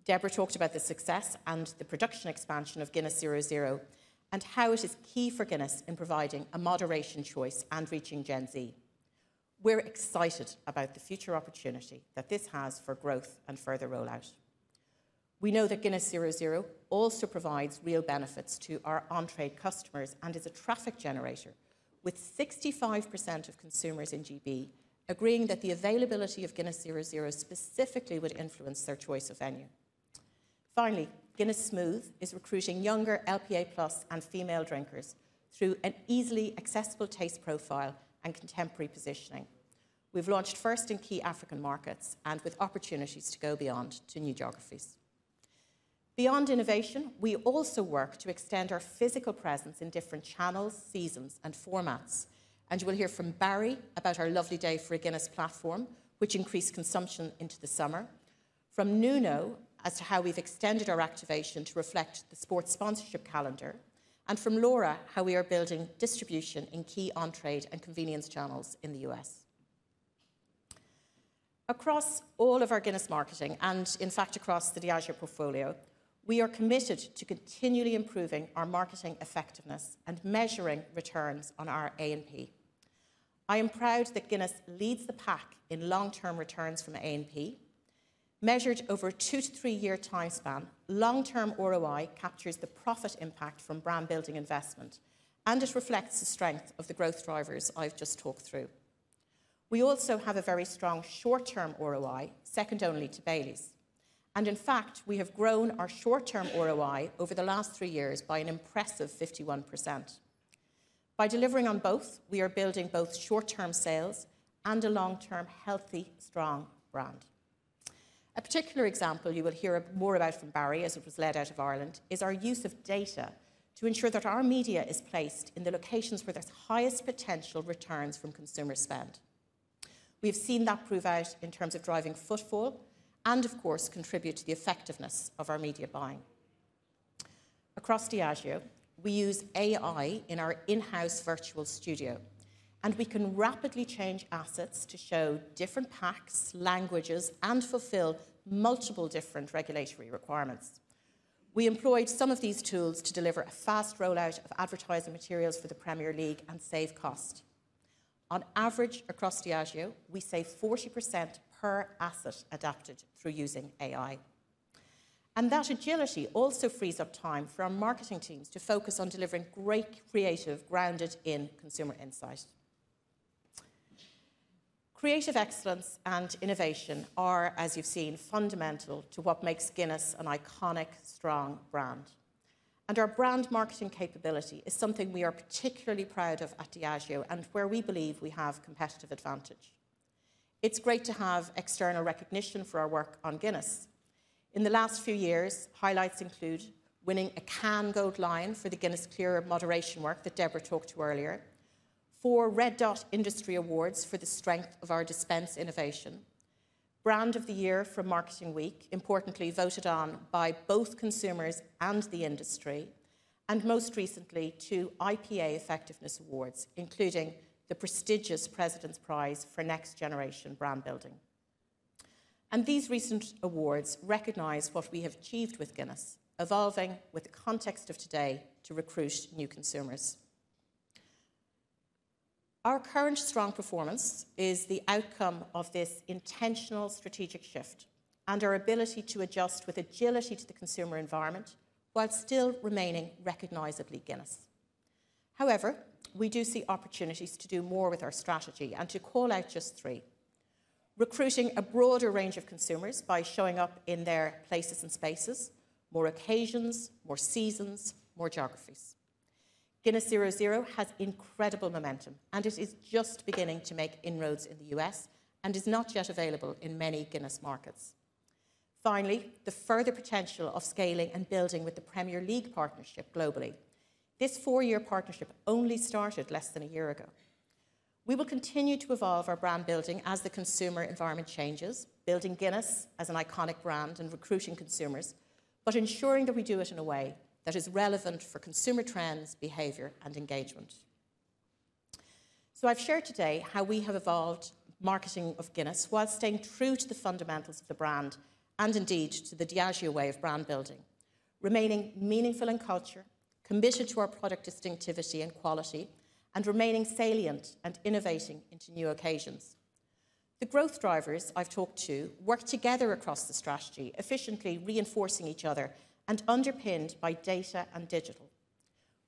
Speaker 2: Deborah talked about the success and the production expansion of Guinness 0.0 and how it is key for Guinness in providing a moderation choice and reaching Gen Z. We're excited about the future opportunity that this has for growth and further rollout. We know that Guinness 0.0 also provides real benefits to our on-trade customers and is a traffic generator, with 65% of consumers in GB agreeing that the availability of Guinness 0.0 specifically would influence their choice of venue. Finally, Guinness Smooth is recruiting younger LPA Plus and female drinkers through an easily accessible taste profile and contemporary positioning. We have launched first in key African markets and with opportunities to go beyond to new geographies. Beyond innovation, we also work to extend our physical presence in different channels, seasons, and formats. You will hear from Barry about our Lovely Day for a Guinness platform, which increased consumption into the summer. From Nuno as to how we have extended our activation to reflect the sports sponsorship calendar. From Laura, how we are building distribution in key on-trade and convenience channels in the U.S.. Across all of our Guinness marketing, and in fact, across the Diageo portfolio, we are committed to continually improving our marketing effectiveness and measuring returns on our A&P. I am proud that Guinness leads the pack in long-term returns from A&P. Measured over a two to three-year timespan, long-term ROI captures the profit impact from brand-building investment, and it reflects the strength of the growth drivers I've just talked through. We also have a very strong short-term ROI, second only to Baileys. In fact, we have grown our short-term ROI over the last three years by an impressive 51%. By delivering on both, we are building both short-term sales and a long-term healthy, strong brand. A particular example you will hear more about from Barry, as it was led out of Ireland, is our use of data to ensure that our media is placed in the locations where there's highest potential returns from consumer spend. We have seen that prove out in terms of driving footfall and, of course, contribute to the effectiveness of our media buying. Across Diageo, we use AI in our in-house virtual studio, and we can rapidly change assets to show different packs, languages, and fulfill multiple different regulatory requirements. We employed some of these tools to deliver a fast rollout of advertising materials for the Premier League and save cost. On average, across Diageo, we save 40% per asset adapted through using AI. That agility also frees up time for our marketing teams to focus on delivering great creative grounded in consumer insight. Creative excellence and innovation are, as you've seen, fundamental to what makes Guinness an iconic, strong brand. Our brand marketing capability is something we are particularly proud of at Diageo and where we believe we have competitive advantage. It's great to have external recognition for our work on Guinness. In the last few years, highlights include winning a Cannes Gold Lion for the Guinness Clear moderation work that Deborah talked to earlier, four Red Dot Industry Awards for the strength of our dispense innovation, Brand of the Year for Marketing Week, importantly voted on by both consumers and the industry, and most recently, two IPA Effectiveness Awards, including the prestigious President's Prize for Next Generation Brand Building. These recent awards recognize what we have achieved with Guinness, evolving with the context of today to recruit new consumers. Our current strong performance is the outcome of this intentional strategic shift and our ability to adjust with agility to the consumer environment while still remaining recognizably Guinness. However, we do see opportunities to do more with our strategy and to call out just three: recruiting a broader range of consumers by showing up in their places and spaces, more occasions, more seasons, more geographies. Guinness 0.0 has incredible momentum, and it is just beginning to make inroads in the U.S. and is not yet available in many Guinness markets. Finally, the further potential of scaling and building with the Premier League partnership globally. This four-year partnership only started less than a year ago. We will continue to evolve our brand building as the consumer environment changes, building Guinness as an iconic brand and recruiting consumers, but ensuring that we do it in a way that is relevant for consumer trends, behavior, and engagement. I have shared today how we have evolved marketing of Guinness while staying true to the fundamentals of the brand and indeed to the Diageo way of brand building, remaining meaningful in culture, committed to our product distinctivity and quality, and remaining salient and innovating into new occasions. The growth drivers I have talked to work together across the strategy, efficiently reinforcing each other and underpinned by data and digital.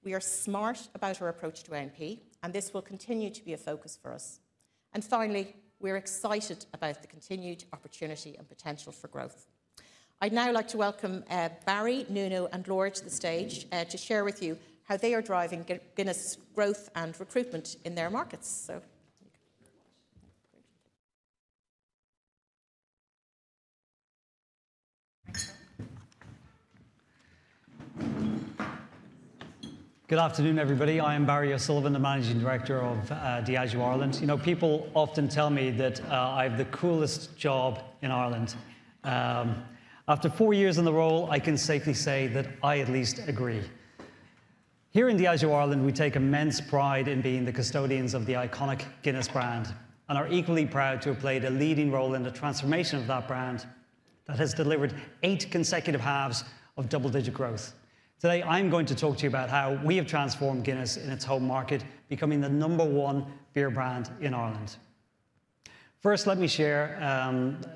Speaker 2: We are smart about our approach to A&P, and this will continue to be a focus for us. Finally, we are excited about the continued opportunity and potential for growth. I would now like to welcome Barry, Nuno, and Laura to the stage to share with you how they are driving Guinness growth and recruitment in their markets.
Speaker 3: Good afternoon, everybody. I am Barry O'Sullivan, the Managing Director of Diageo Ireland. You know, people often tell me that I have the coolest job in Ireland. After four years in the role, I can safely say that I at least agree. Here in Diageo Ireland, we take immense pride in being the custodians of the iconic Guinness brand and are equally proud to have played a leading role in the transformation of that brand that has delivered eight consecutive halves of double-digit growth. Today, I'm going to talk to you about how we have transformed Guinness in its home market, becoming the number one beer brand in Ireland. First, let me share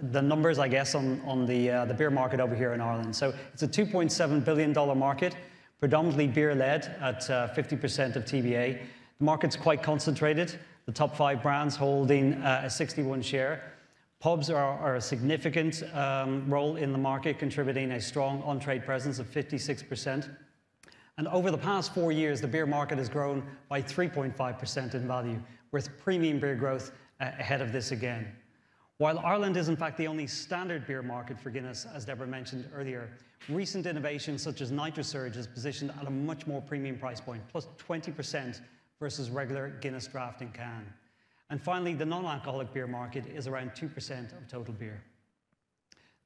Speaker 3: the numbers, I guess, on the beer market over here in Ireland. It is a $2.7 billion market, predominantly beer-led at 50% of TBA. The market's quite concentrated. The top five brands holding a 61 share. Pubs are a significant role in the market, contributing a strong on-trade presence of 56%. Over the past four years, the beer market has grown by 3.5% in value, with premium beer growth ahead of this again. While Ireland is, in fact, the only standard beer market for Guinness, as Deborah mentioned earlier, recent innovations such as NitroSurge has positioned at a much more premium price point, plus 20% versus regular Guinness Draught and can. Finally, the non-alcoholic beer market is around 2% of total beer.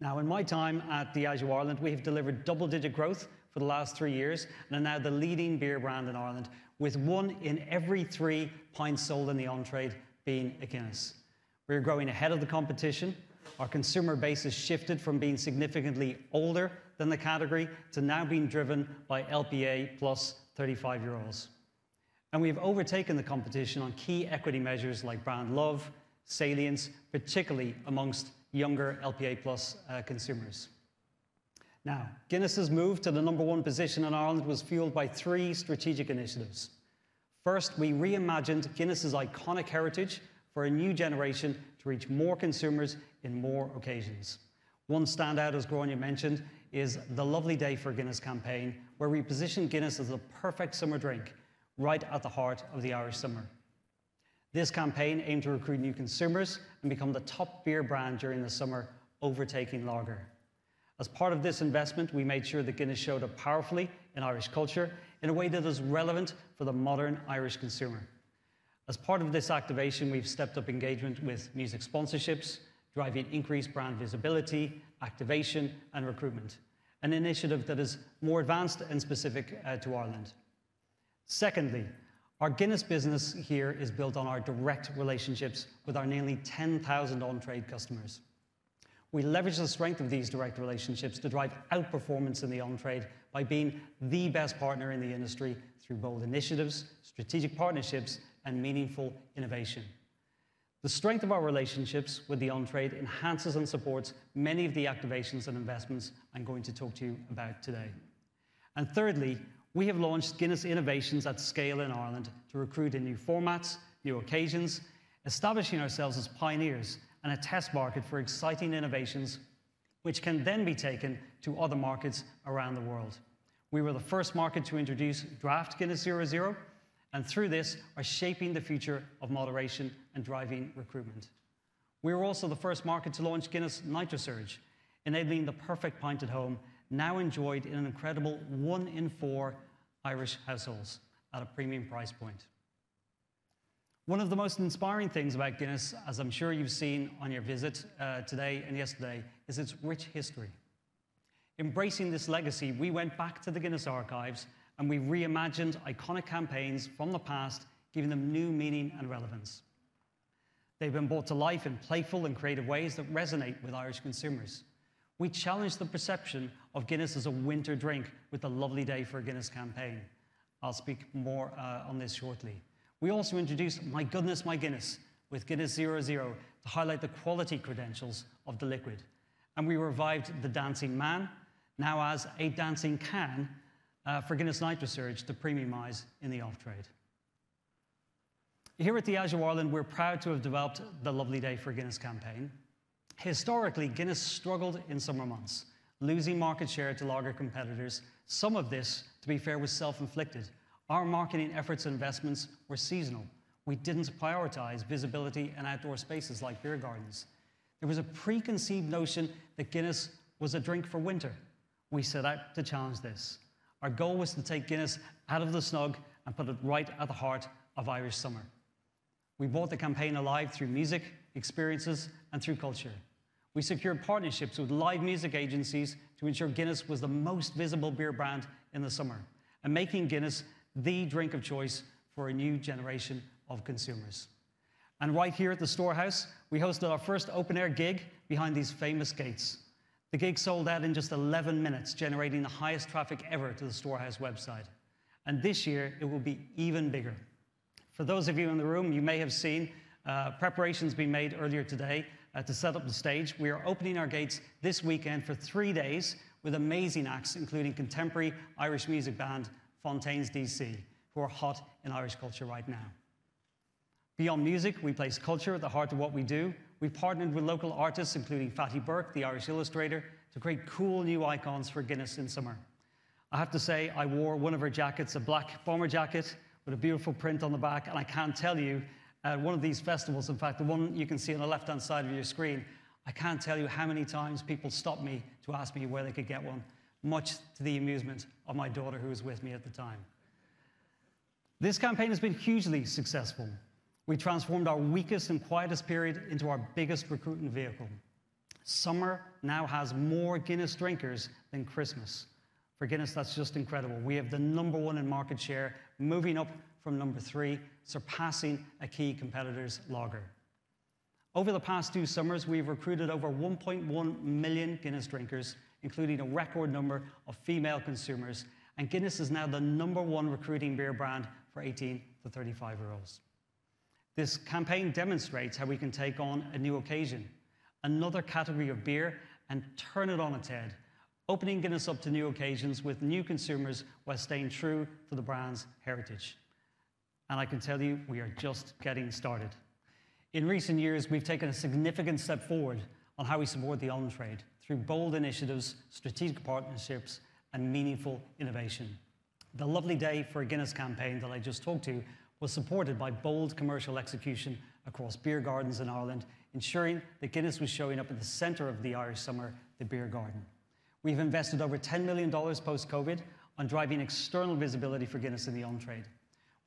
Speaker 3: Now, in my time at Diageo Ireland, we have delivered double-digit growth for the last three years and are now the leading beer brand in Ireland, with one in every three pints sold in the on-trade being a Guinness. We are growing ahead of the competition. Our consumer base has shifted from being significantly older than the category to now being driven by LPA Plus 35-year-olds. We have overtaken the competition on key equity measures like brand love, salience, particularly amongst younger LPA Plus consumers. Guinness's move to the number one position in Ireland was fueled by three strategic initiatives. First, we reimagined Guinness's iconic heritage for a new generation to reach more consumers in more occasions. One standout, as Grainne mentioned, is the Lovely Day for Guinness campaign, where we positioned Guinness as the perfect summer drink right at the heart of the Irish summer. This campaign aimed to recruit new consumers and become the top beer brand during the summer, overtaking lager. As part of this investment, we made sure that Guinness showed up powerfully in Irish culture in a way that is relevant for the modern Irish consumer. As part of this activation, we've stepped up engagement with music sponsorships, driving increased brand visibility, activation, and recruitment, an initiative that is more advanced and specific to Ireland. Secondly, our Guinness business here is built on our direct relationships with our nearly 10,000 on-trade customers. We leverage the strength of these direct relationships to drive outperformance in the on-trade by being the best partner in the industry through bold initiatives, strategic partnerships, and meaningful innovation. The strength of our relationships with the on-trade enhances and supports many of the activations and investments I'm going to talk to you about today. Thirdly, we have launched Guinness innovations at scale in Ireland to recruit in new formats, new occasions, establishing ourselves as pioneers and a test market for exciting innovations, which can then be taken to other markets around the world. We were the first market to introduce Draft Guinness 0.0, and through this, are shaping the future of moderation and driving recruitment. We were also the first market to launch Guinness NitroSurge, enabling the perfect pint at home, now enjoyed in an incredible one in four Irish households at a premium price point. One of the most inspiring things about Guinness, as I'm sure you've seen on your visit today and yesterday, is its rich history. Embracing this legacy, we went back to the Guinness archives, and we reimagined iconic campaigns from the past, giving them new meaning and relevance. They've been brought to life in playful and creative ways that resonate with Irish consumers. We challenged the perception of Guinness as a winter drink with the Lovely Day for Guinness campaign. I'll speak more on this shortly. We also introduced My Goodness, My Guinness with Guinness 0.0 to highlight the quality credentials of the liquid. We revived the Dancing Man, now as a Dancing Kahn for Guinness Night Research to premiumize in the off trade. Here at Diageo Ireland, we're proud to have developed the Lovely Day for Guinness campaign. Historically, Guinness struggled in summer months, losing market share to lager competitors. Some of this, to be fair, was self-inflicted. Our marketing efforts and investments were seasonal. We did not prioritize visibility and outdoor spaces like beer gardens. There was a preconceived notion that Guinness was a drink for winter. We set out to challenge this. Our goal was to take Guinness out of the snug and put it right at the heart of Irish summer. We brought the campaign alive through music, experiences, and through culture. We secured partnerships with live music agencies to ensure Guinness was the most visible beer brand in the summer and making Guinness the drink of choice for a new generation of consumers. Right here at the Storehouse, we hosted our first open-air gig behind these famous gates. The gig sold out in just 11 minutes, generating the highest traffic ever to the Storehouse website. This year, it will be even bigger. For those of you in the room, you may have seen preparations be made earlier today to set up the stage. We are opening our gates this weekend for three days with amazing acts, including contemporary Irish music band Fontaines D.C., who are hot in Irish culture right now. Beyond music, we place culture at the heart of what we do. We've partnered with local artists, including Fatty Burke, the Irish illustrator, to create cool new icons for Guinness in summer. I have to say, I wore one of her jackets, a black bomber jacket with a beautiful print on the back, and I can tell you, at one of these festivals, in fact, the one you can see on the left-hand side of your screen, I can't tell you how many times people stopped me to ask me where they could get one, much to the amusement of my daughter, who was with me at the time. This campaign has been hugely successful. We transformed our weakest and quietest period into our biggest recruiting vehicle. Summer now has more Guinness drinkers than Christmas. For Guinness, that's just incredible. We have the number one in market share, moving up from number three, surpassing a key competitor's lager. Over the past two summers, we have recruited over 1.1 million Guinness drinkers, including a record number of female consumers, and Guinness is now the number one recruiting beer brand for 18-35-year-olds. This campaign demonstrates how we can take on a new occasion, another category of beer, and turn it on its head, opening Guinness up to new occasions with new consumers while staying true to the brand's heritage. I can tell you, we are just getting started. In recent years, we have taken a significant step forward on how we support the on-trade through bold initiatives, strategic partnerships, and meaningful innovation. The Lovely Day for Guinness campaign that I just talked to was supported by bold commercial execution across beer gardens in Ireland, ensuring that Guinness was showing up at the center of the Irish summer, the beer garden. We've invested over $10 million post-COVID on driving external visibility for Guinness in the on-trade.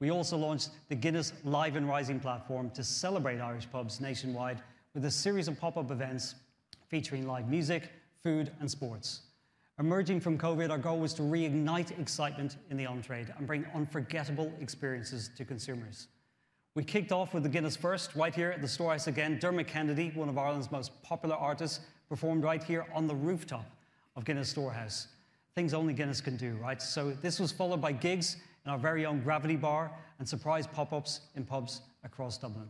Speaker 3: We also launched the Guinness Live and Rising platform to celebrate Irish pubs nationwide with a series of pop-up events featuring live music, food, and sports. Emerging from COVID, our goal was to reignite excitement in the on-trade and bring unforgettable experiences to consumers. We kicked off with the Guinness first right here at the Storehouse again. Dermot Kennedy, one of Ireland's most popular artists, performed right here on the rooftop of Guinness Storehouse. Things only Guinness can do, right? This was followed by gigs in our very own Gravity Bar and surprise pop-ups in pubs across Dublin.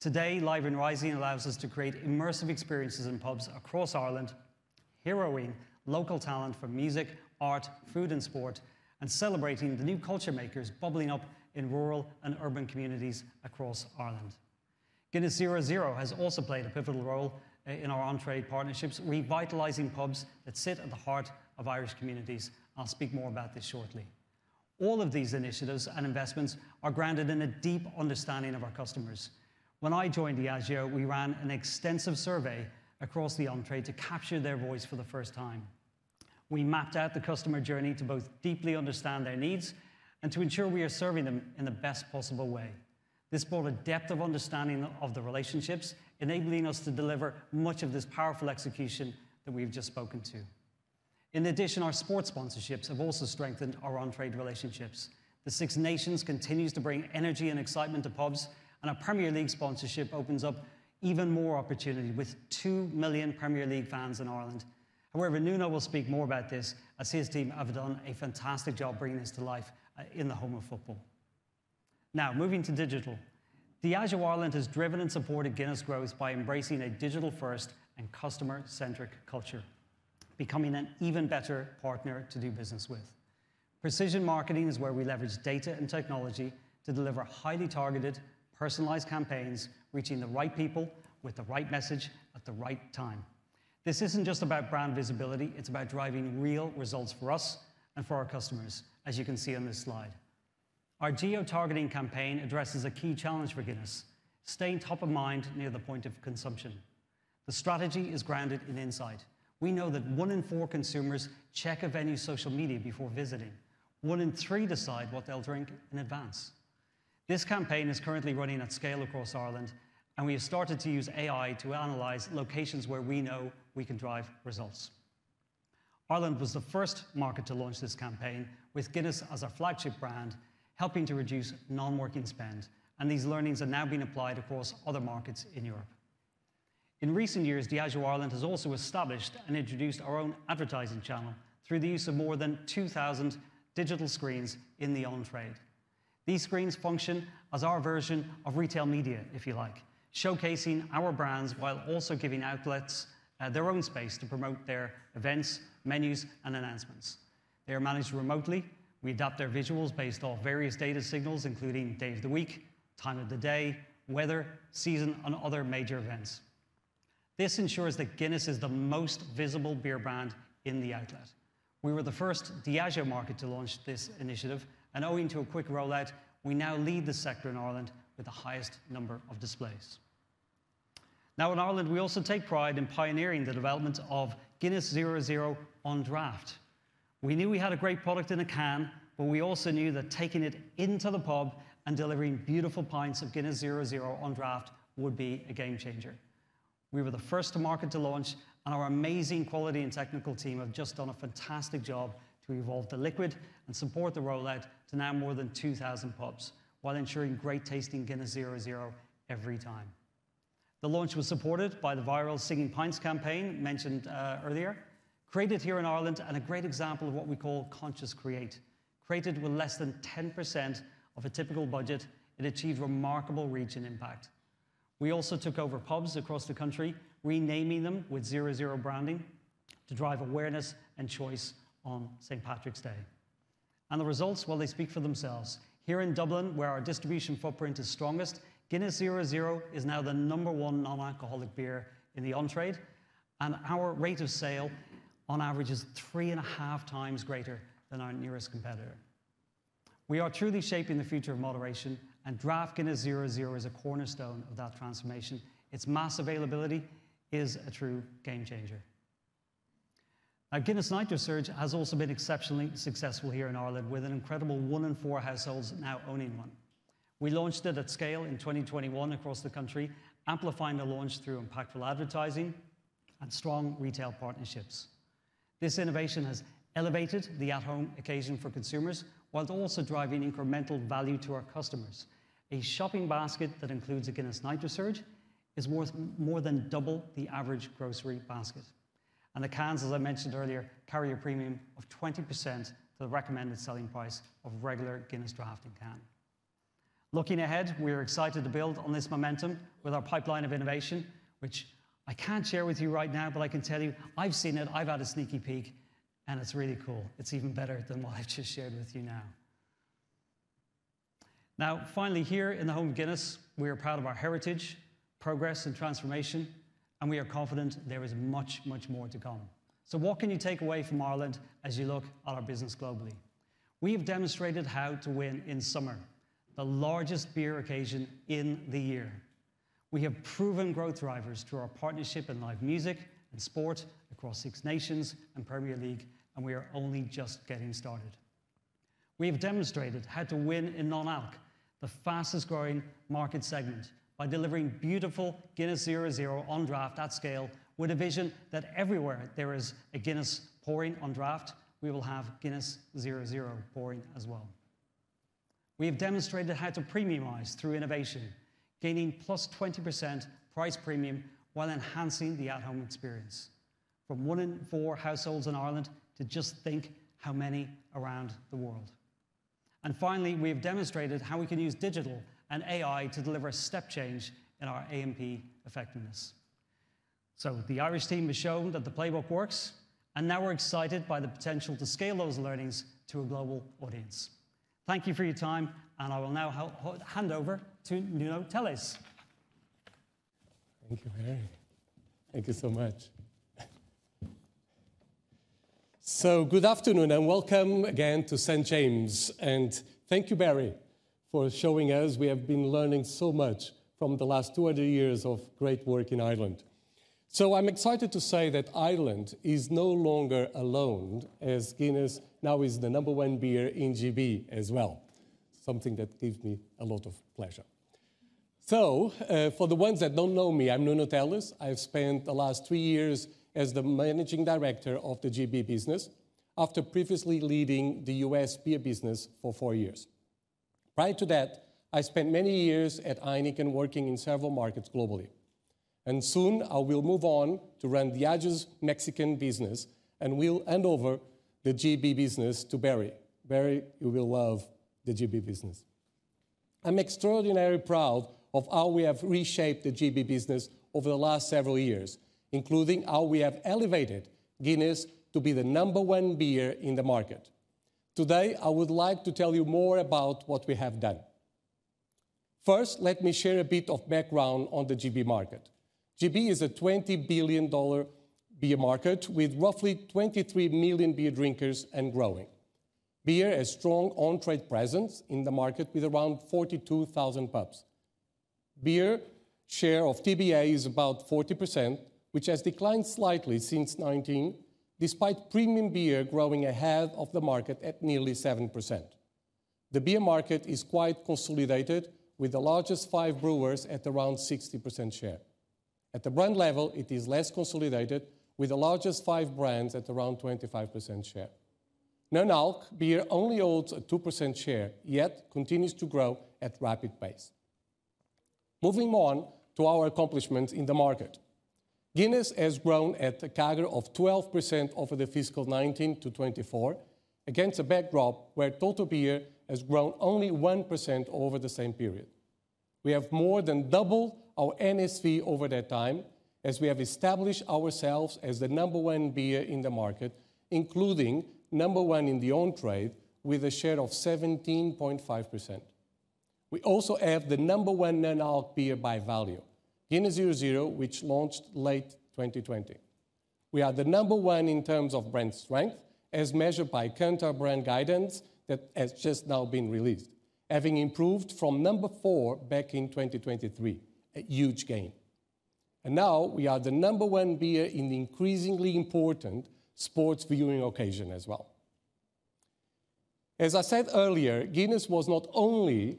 Speaker 3: Today, Live and Rising allows us to create immersive experiences in pubs across Ireland, heroing local talent for music, art, food, and sport, and celebrating the new culture makers bubbling up in rural and urban communities across Ireland. Guinness 0.0 has also played a pivotal role in our entree partnerships, revitalizing pubs that sit at the heart of Irish communities. I'll speak more about this shortly. All of these initiatives and investments are grounded in a deep understanding of our customers. When I joined Diageo, we ran an extensive survey across the entree to capture their voice for the first time. We mapped out the customer journey to both deeply understand their needs and to ensure we are serving them in the best possible way. This brought a depth of understanding of the relationships, enabling us to deliver much of this powerful execution that we've just spoken to. In addition, our sports sponsorships have also strengthened our on-trade relationships. The Six Nations continues to bring energy and excitement to pubs, and our Premier League sponsorship opens up even more opportunity with 2 million Premier League fans in Ireland. However, Nuno will speak more about this as his team have done a fantastic job bringing this to life in the home of football. Now, moving to digital, Diageo Ireland has driven and supported Guinness growth by embracing a digital-first and customer-centric culture, becoming an even better partner to do business with. Precision marketing is where we leverage data and technology to deliver highly targeted, personalized campaigns, reaching the right people with the right message at the right time. This isn't just about brand visibility. It's about driving real results for us and for our customers, as you can see on this slide. Our geo-targeting campaign addresses a key challenge for Guinness: staying top of mind near the point of consumption. The strategy is grounded in insight. We know that one in four consumers check a venue's social media before visiting. One in three decide what they'll drink in advance. This campaign is currently running at scale across Ireland, and we have started to use AI to analyze locations where we know we can drive results. Ireland was the first market to launch this campaign with Guinness as our flagship brand, helping to reduce non-working spend. These learnings are now being applied across other markets in Europe. In recent years, Diageo Ireland has also established and introduced our own advertising channel through the use of more than 2,000 digital screens in the on-trade. These screens function as our version of retail media, if you like, showcasing our brands while also giving outlets their own space to promote their events, menus, and announcements. They are managed remotely. We adapt their visuals based off various data signals, including day of the week, time of the day, weather, season, and other major events. This ensures that Guinness is the most visible beer brand in the outlet. We were the first Diageo market to launch this initiative, and owing to a quick rollout, we now lead the sector in Ireland with the highest number of displays. Now, in Ireland, we also take pride in pioneering the development of Guinness 0.0 on draft. We knew we had a great product in a can, but we also knew that taking it into the pub and delivering beautiful pints of Guinness 0.0 on draft would be a game changer. We were the first market to launch, and our amazing quality and technical team have just done a fantastic job to evolve the liquid and support the rollout to now more than 2,000 pubs while ensuring great tasting Guinness 0.0 every time. The launch was supported by the viral Singing Pints campaign mentioned earlier, created here in Ireland, and a great example of what we call conscious create. Created with less than 10% of a typical budget, it achieved remarkable region impact. We also took over pubs across the country, renaming them with 0.0 branding to drive awareness and choice on St. Patrick's Day. The results, well, they speak for themselves. Here in Dublin, where our distribution footprint is strongest, Guinness 0.0 is now the number one non-alcoholic beer in the on-trade, and our rate of sale on average is three and a half times greater than our nearest competitor. We are truly shaping the future of moderation, and Draft Guinness 0.0 is a cornerstone of that transformation. Its mass availability is a true game changer. Now, Guinness NitroSurge has also been exceptionally successful here in Ireland, with an incredible one in four households now owning one. We launched it at scale in 2021 across the country, amplifying the launch through impactful advertising and strong retail partnerships. This innovation has elevated the at-home occasion for consumers while also driving incremental value to our customers. A shopping basket that includes a Guinness NitroSurge is worth more than double the average groery basket. The cans, as I mentioned earlier, carry a premium of 20% to the recommended selling price of a regular Guinness Draught can. Looking ahead, we are excited to build on this momentum with our pipeline of innovation, which I cannot share with you right now, but I can tell you I have seen it. I have had a sneaky peek, and it is really cool. It is even better than what I have just shared with you now. Finally, here in the home of Guinness, we are proud of our heritage, progress, and transformation, and we are confident there is much, much more to come. What can you take away from Ireland as you look at our business globally? We have demonstrated how to win in summer, the largest beer occasion in the year. We have proven growth drivers through our partnership in live music and sport across Six Nations and Premier League, and we are only just getting started. We have demonstrated how to win in non-alc, the fastest-growing market segment, by delivering beautiful Guinness 0.0 on draft at scale with a vision that everywhere there is a Guinness pouring on draft, we will have Guinness 0.0 pouring as well. We have demonstrated how to premiumize through innovation, gaining a 20% price premium while enhancing the at-home experience from one in four households in Ireland to just think how many around the world. Finally, we have demonstrated how we can use digital and AI to deliver a step change in our A&P effectiveness. The Irish team has shown that the playbook works, and now we're excited by the potential to scale those learnings to a global audience. Thank you for your time, and I will now hand over to Nuno Teles.
Speaker 4: Thank you, Barry. Thank you so much. Good afternoon and welcome again to St. James's. Thank you, Barry, for showing us. We have been learning so much from the last 200 years of great work in Ireland. I'm excited to say that Ireland is no longer alone, as Guinness now is the number one beer in GB as well, something that gives me a lot of pleasure. For the ones that do not know me, I'm Nuno Telles. I've spent the last three years as the Managing Director of the GB business after previously leading the U.S. beer business for four years. Prior to that, I spent many years at Heineken working in several markets globally. Soon, I will move on to run Diageo's Mexican business and will hand over the GB business to Barry. Barry, you will love the GB business. I'm extraordinarily proud of how we have reshaped the GB business over the last several years, including how we have elevated Guinness to be the number one beer in the market. Today, I would like to tell you more about what we have done. First, let me share a bit of background on the GB market. GB is a $20 billion beer market with roughly 23 million beer drinkers and growing. Beer has a strong on-trade presence in the market with around 42,000 pubs. Beer share of TBA is about 40%, which has declined slightly since 2019, despite premium beer growing ahead of the market at nearly 7%. The beer market is quite consolidated with the largest five brewers at around 60% share. At the brand level, it is less consolidated with the largest five brands at around 25% share. Non-alc beer only holds a 2% share, yet continues to grow at a rapid pace. Moving on to our accomplishments in the market, Guinness has grown at a CAGR of 12% over the fiscal 2019 to 2024, against a backdrop where total beer has grown only 1% over the same period. We have more than doubled our NSV over that time as we have established ourselves as the number one beer in the market, including number one in the on-trade with a share of 17.5%. We also have the number one non-alc beer by value, Guinness 0.0, which launched late 2020. We are the number one in terms of brand strength as measured by Kantar brand guidance that has just now been released, having improved from number four back in 2023, a huge gain. We are now the number one beer in the increasingly important sports viewing occasion as well. As I said earlier, Guinness was not only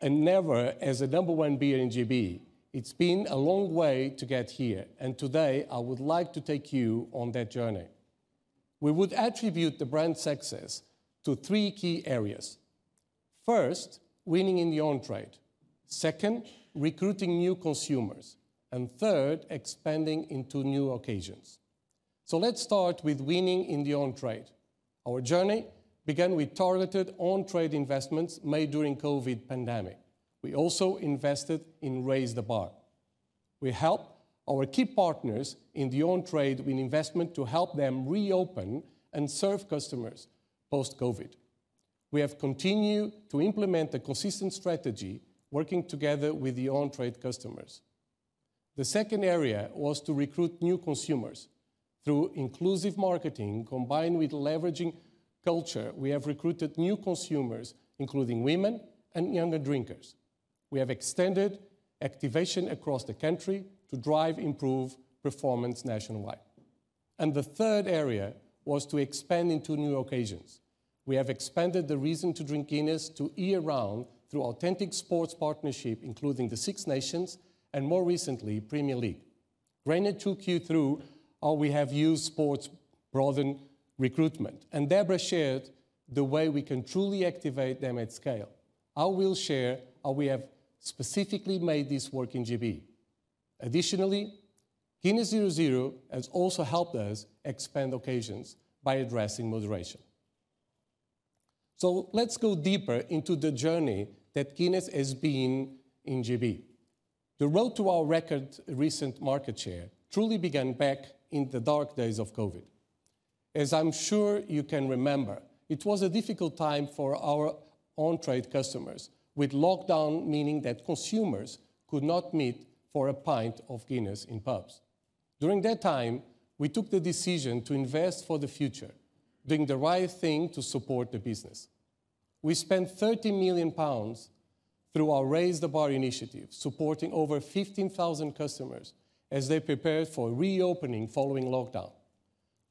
Speaker 4: and never as a number one beer in GB. It's been a long way to get here, and today, I would like to take you on that journey. We would attribute the brand's success to three key areas. First, winning in the on-trade. Second, recruiting new consumers. And third, expanding into new occasions. Let's start with winning in the on-trade. Our journey began with targeted on-trade investments made during the COVID pandemic. We also invested in Raise the Bar. We helped our key partners in the on-trade with investment to help them reopen and serve customers post-COVID. We have continued to implement a consistent strategy, working together with the on-trade customers. The second area was to recruit new consumers through inclusive marketing combined with leveraging culture. We have recruited new consumers, including women and younger drinkers. We have extended activation across the country to drive improved performance nationwide. The third area was to expand into new occasions. We have expanded the reason to drink Guinness to year-round through authentic sports partnership, including the Six Nations and more recently, Premier League. Grainne took you through how we have used sports to broaden recruitment, and Deborah shared the way we can truly activate them at scale. I will share how we have specifically made this work in GB. Additionally, Guinness 0.0 has also helped us expand occasions by addressing moderation. Let's go deeper into the journey that Guinness has been in GB. The road to our record recent market share truly began back in the dark days of COVID. As I'm sure you can remember, it was a difficult time for our on-trade customers, with lockdown meaning that consumers could not meet for a pint of Guinness in pubs. During that time, we took the decision to invest for the future, doing the right thing to support the business. We spent 30 million pounds through our Raise the Bar initiative, supporting over 15,000 customers as they prepared for reopening following lockdown.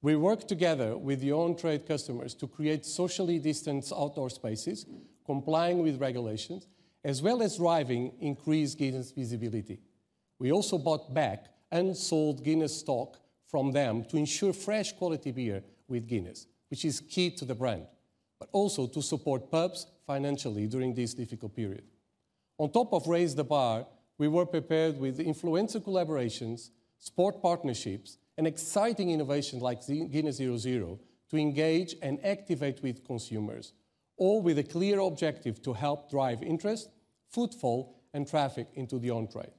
Speaker 4: We worked together with the on-trade customers to create socially distanced outdoor spaces, complying with regulations, as well as driving increased Guinness visibility. We also bought back and sold Guinness stock from them to ensure fresh quality beer with Guinness, which is key to the brand, but also to support pubs financially during this difficult period. On top of Raise the Bar, we were prepared with influencer collaborations, sport partnerships, and exciting innovations like Guinness 0.0 to engage and activate with consumers, all with a clear objective to help drive interest, footfall, and traffic into the on-trade.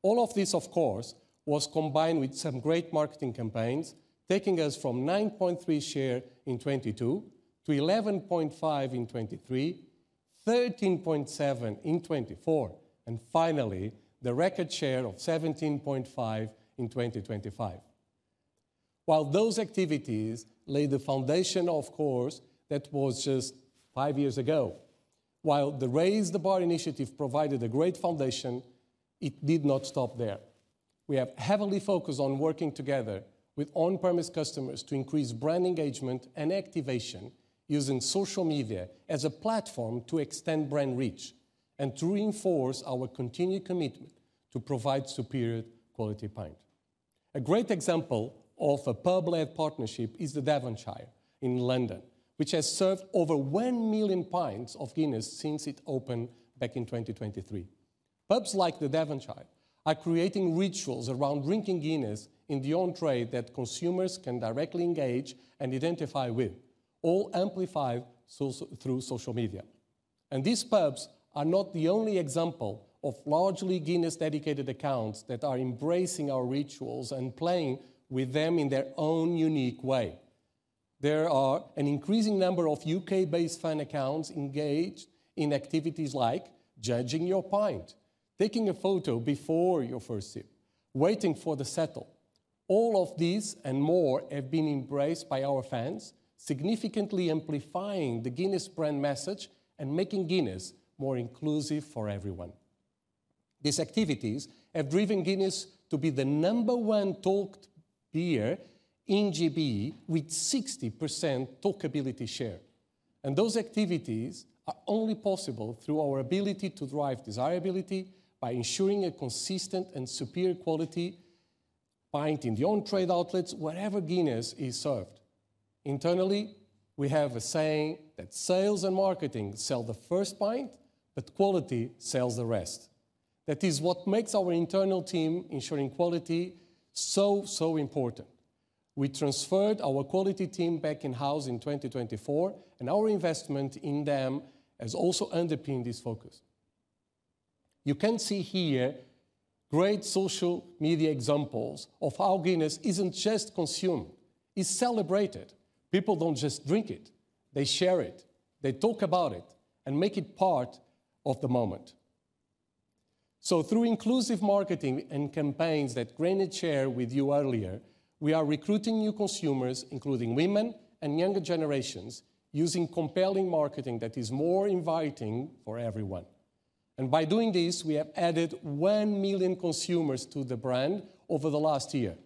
Speaker 4: All of this, of course, was combined with some great marketing campaigns, taking us from 9.3% share in 2022 to 11.5% in 2023, 13.7% in 2024, and finally, the record share of 17.5% in 2025. While those activities laid the foundation, of course, that was just five years ago. While the Raise the Bar initiative provided a great foundation, it did not stop there. We have heavily focused on working together with on-premise customers to increase brand engagement and activation using social media as a platform to extend brand reach and to reinforce our continued commitment to provide superior quality pints. A great example of a pub-led partnership is the Devonshire in London, which has served over 1 million pints of Guinness since it opened back in 2023. Pubs like the Devonshire are creating rituals around drinking Guinness in the on-trade that consumers can directly engage and identify with, all amplified through social media. These pubs are not the only example of largely Guinness-dedicated accounts that are embracing our rituals and playing with them in their own unique way. There are an increasing number of U.K.-based fan accounts engaged in activities like judging your pint, taking a photo before your first sip, waiting for the settle. All of these and more have been embraced by our fans, significantly amplifying the Guinness brand message and making Guinness more inclusive for everyone. These activities have driven Guinness to be the number one talked beer in GB with 60% talkability share. Those activities are only possible through our ability to drive desirability by ensuring a consistent and superior quality pint in the on-trade outlets wherever Guinness is served. Internally, we have a saying that sales and marketing sell the first pint, but quality sells the rest. That is what makes our internal team ensuring quality so, so important. We transferred our quality team back in-house in 2024, and our investment in them has also underpinned this focus. You can see here great social media examples of how Guinness is not just consumed; it is celebrated. People do not just drink it. They share it. They talk about it and make it part of the moment. Through inclusive marketing and campaigns that Grainne shared with you earlier, we are recruiting new consumers, including women and younger generations, using compelling marketing that is more inviting for everyone. By doing this, we have added 1 million consumers to the brand over the last year,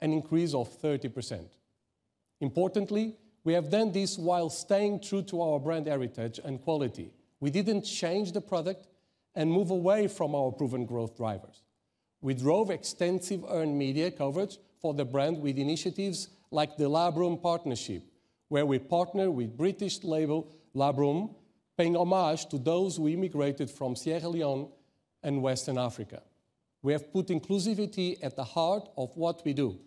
Speaker 4: an increase of 30%. Importantly, we have done this while staying true to our brand heritage and quality. We did not change the product and move away from our proven growth drivers. We drove extensive earned media coverage for the brand with initiatives like the Labrum partnership, where we partner with British label Labrum, paying homage to those who immigrated from Sierra Leone and Western Africa. We have put inclusivity at the heart of what we do,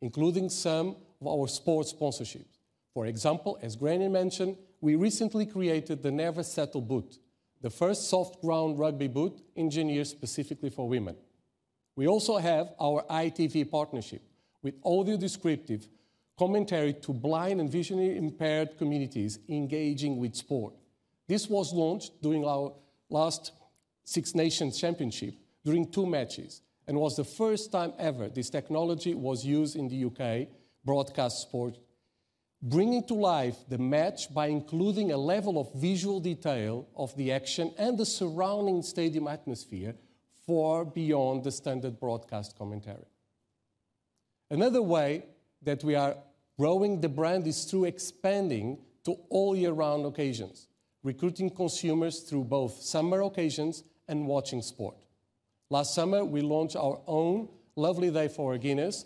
Speaker 4: including some of our sports sponsorships. For example, as Grainne mentioned, we recently created the Never Settle boot, the first soft ground rugby boot engineered specifically for women. We also have our ITV partnership with audio descriptive commentary to blind and vision impaired communities engaging with sport. This was launched during our last Six Nations Championship during two matches and was the first time ever this technology was used in the U.K. broadcast sport, bringing to life the match by including a level of visual detail of the action and the surrounding stadium atmosphere far beyond the standard broadcast commentary. Another way that we are growing the brand is through expanding to all year-round occasions, recruiting consumers through both summer occasions and watching sport. Last summer, we launched our own Lovely Day for Guinness.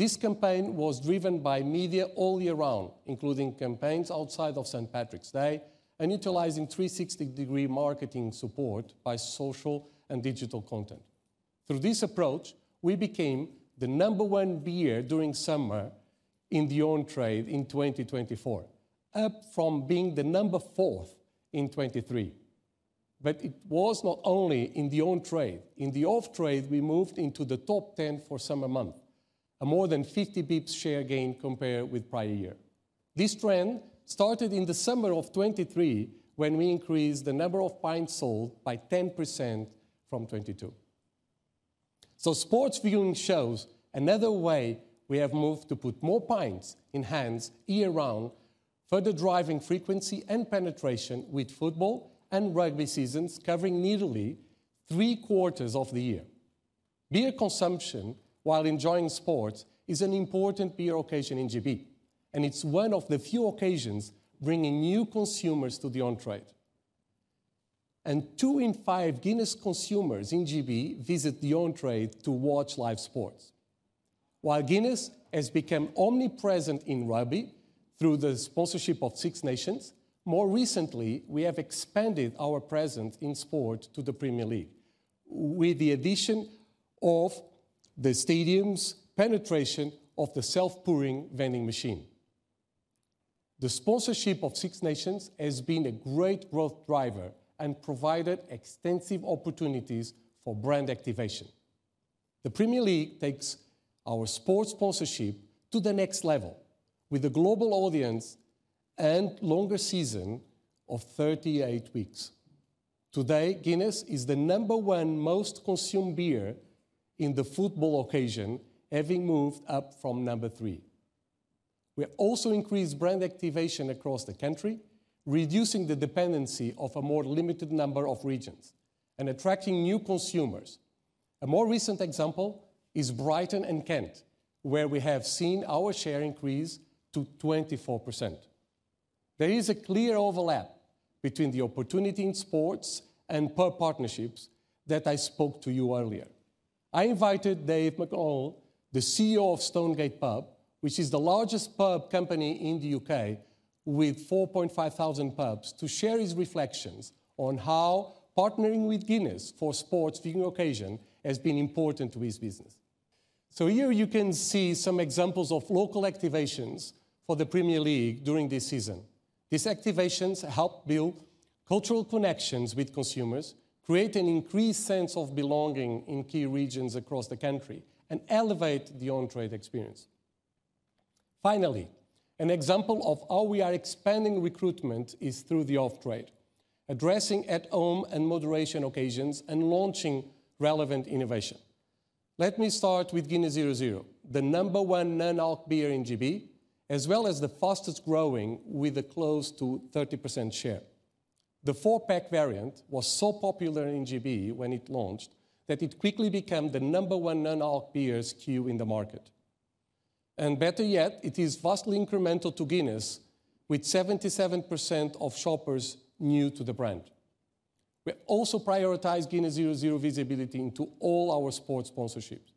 Speaker 4: This campaign was driven by media all year round, including campaigns outside of St. Patrick's Day and utilizing 360-degree marketing support by social and digital content. Through this approach, we became the number one beer during summer in the on-trade in 2024, up from being the number four in 2023. It was not only in the on-trade. In the off-trade, we moved into the top 10 for summer months, a more than 50 basis points share gain compared with the prior year. This trend started in the summer of 2023 when we increased the number of pints sold by 10% from 2022. Sports viewing shows another way we have moved to put more pints in hands year-round, further driving frequency and penetration with football and rugby seasons covering nearly three quarters of the year. Beer consumption while enjoying sports is an important beer occasion in GB, and it is one of the few occasions bringing new consumers to the on-trade. Two in five Guinness consumers in GB visit the on-trade to watch live sports. While Guinness has become omnipresent in rugby through the sponsorship of Six Nations, more recently, we have expanded our presence in sport to the Premier League with the addition of the stadium's penetration of the self-pouring vending machine. The sponsorship of Six Nations has been a great growth driver and provided extensive opportunities for brand activation. The Premier League takes our sports sponsorship to the next level with a global audience and a longer season of 38 weeks. Today, Guinness is the number one most consumed beer in the football occasion, having moved up from number three. We also increased brand activation across the country, reducing the dependency on a more limited number of regions and attracting new consumers. A more recent example is Brighton and Kent, where we have seen our share increase to 24%. There is a clear overlap between the opportunity in sports and pub partnerships that I spoke to you earlier. I invited Dave McCall, the CEO of Stonegate Pub Company, which is the largest pub company in the U.K. with 4,500 pubs, to share his reflections on how partnering with Guinness for sports viewing occasion has been important to his business. Here you can see some examples of local activations for the Premier League during this season. These activations help build cultural connections with consumers, create an increased sense of belonging in key regions across the country, and elevate the on-trade experience. Finally, an example of how we are expanding recruitment is through the off-trade, addressing at-home and moderation occasions and launching relevant innovation. Let me start with Guinness 0.0, the number one non-alc beer in GB, as well as the fastest growing with a close to 30% share. The four-pack variant was so popular in GB when it launched that it quickly became the number one non-alc beer SKU in the market. Better yet, it is vastly incremental to Guinness, with 77% of shoppers new to the brand. We also prioritize Guinness 0.0 visibility into all our sports sponsorships.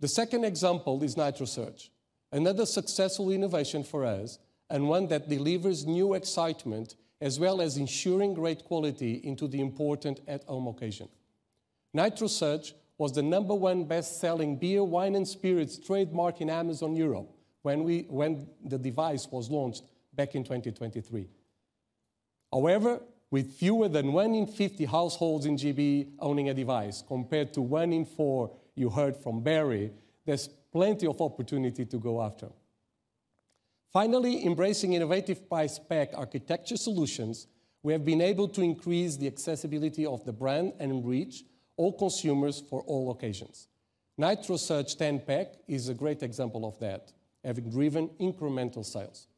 Speaker 4: The second example is NitroSurge, another successful innovation for us and one that delivers new excitement as well as ensuring great quality into the important at-home occasion. NitroSurge was the number one best-selling beer, wine, and spirits trademark in Amazon Europe when the device was launched back in 2023. However, with fewer than one in 50 households in GB owning a device compared to one in four you heard from Barry, there's plenty of opportunity to go after. Finally, embracing innovative price-pack architecture solutions, we have been able to increase the accessibility of the brand and reach all consumers for all occasions. NitroSurge 10-pack is a great example of that, having driven incremental sales.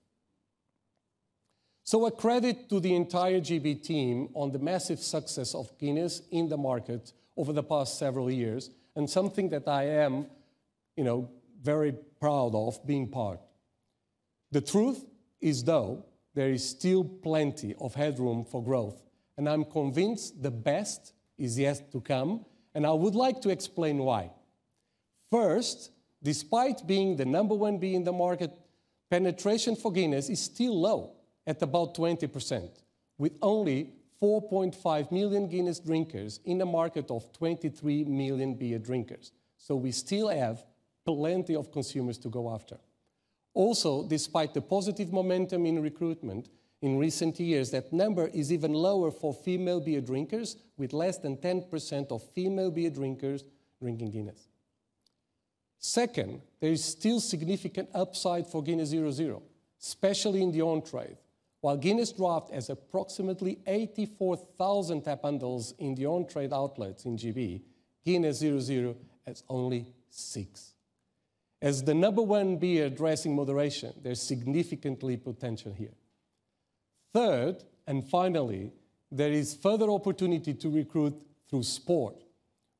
Speaker 4: A credit to the entire GB team on the massive success of Guinness in the market over the past several years and something that I am, you know, very proud of being part. The truth is, though, there is still plenty of headroom for growth, and I'm convinced the best is yet to come, and I would like to explain why. First, despite being the number one beer in the market, penetration for Guinness is still low at about 20%, with only 4.5 million Guinness drinkers in a market of 23 million beer drinkers. We still have plenty of consumers to go after. Also, despite the positive momentum in recruitment in recent years, that number is even lower for female beer drinkers, with less than 10% of female beer drinkers drinking Guinness. Second, there is still significant upside for Guinness 0.0, especially in the on-trade. While Guinness Draught has approximately 84,000 tap handles in on-trade outlets in GB, Guinness 0.0 has only six. As the number one beer addressing moderation, there is significant potential here. Third, and finally, there is further opportunity to recruit through sport,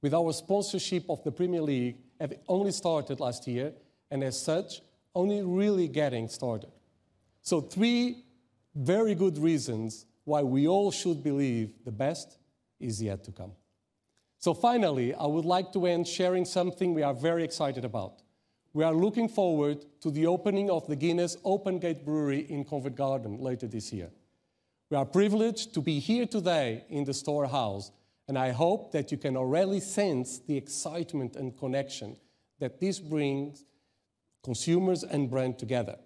Speaker 4: with our sponsorship of the Premier League having only started last year and, as such, only really getting started. Three very good reasons why we all should believe the best is yet to come. Finally, I would like to end sharing something we are very excited about. We are looking forward to the opening of the Guinness Open Gate Brewery in Covent Garden later this year. We are privileged to be here today in the Storehouse, and I hope that you can already sense the excitement and connection that this brings consumers and brand together.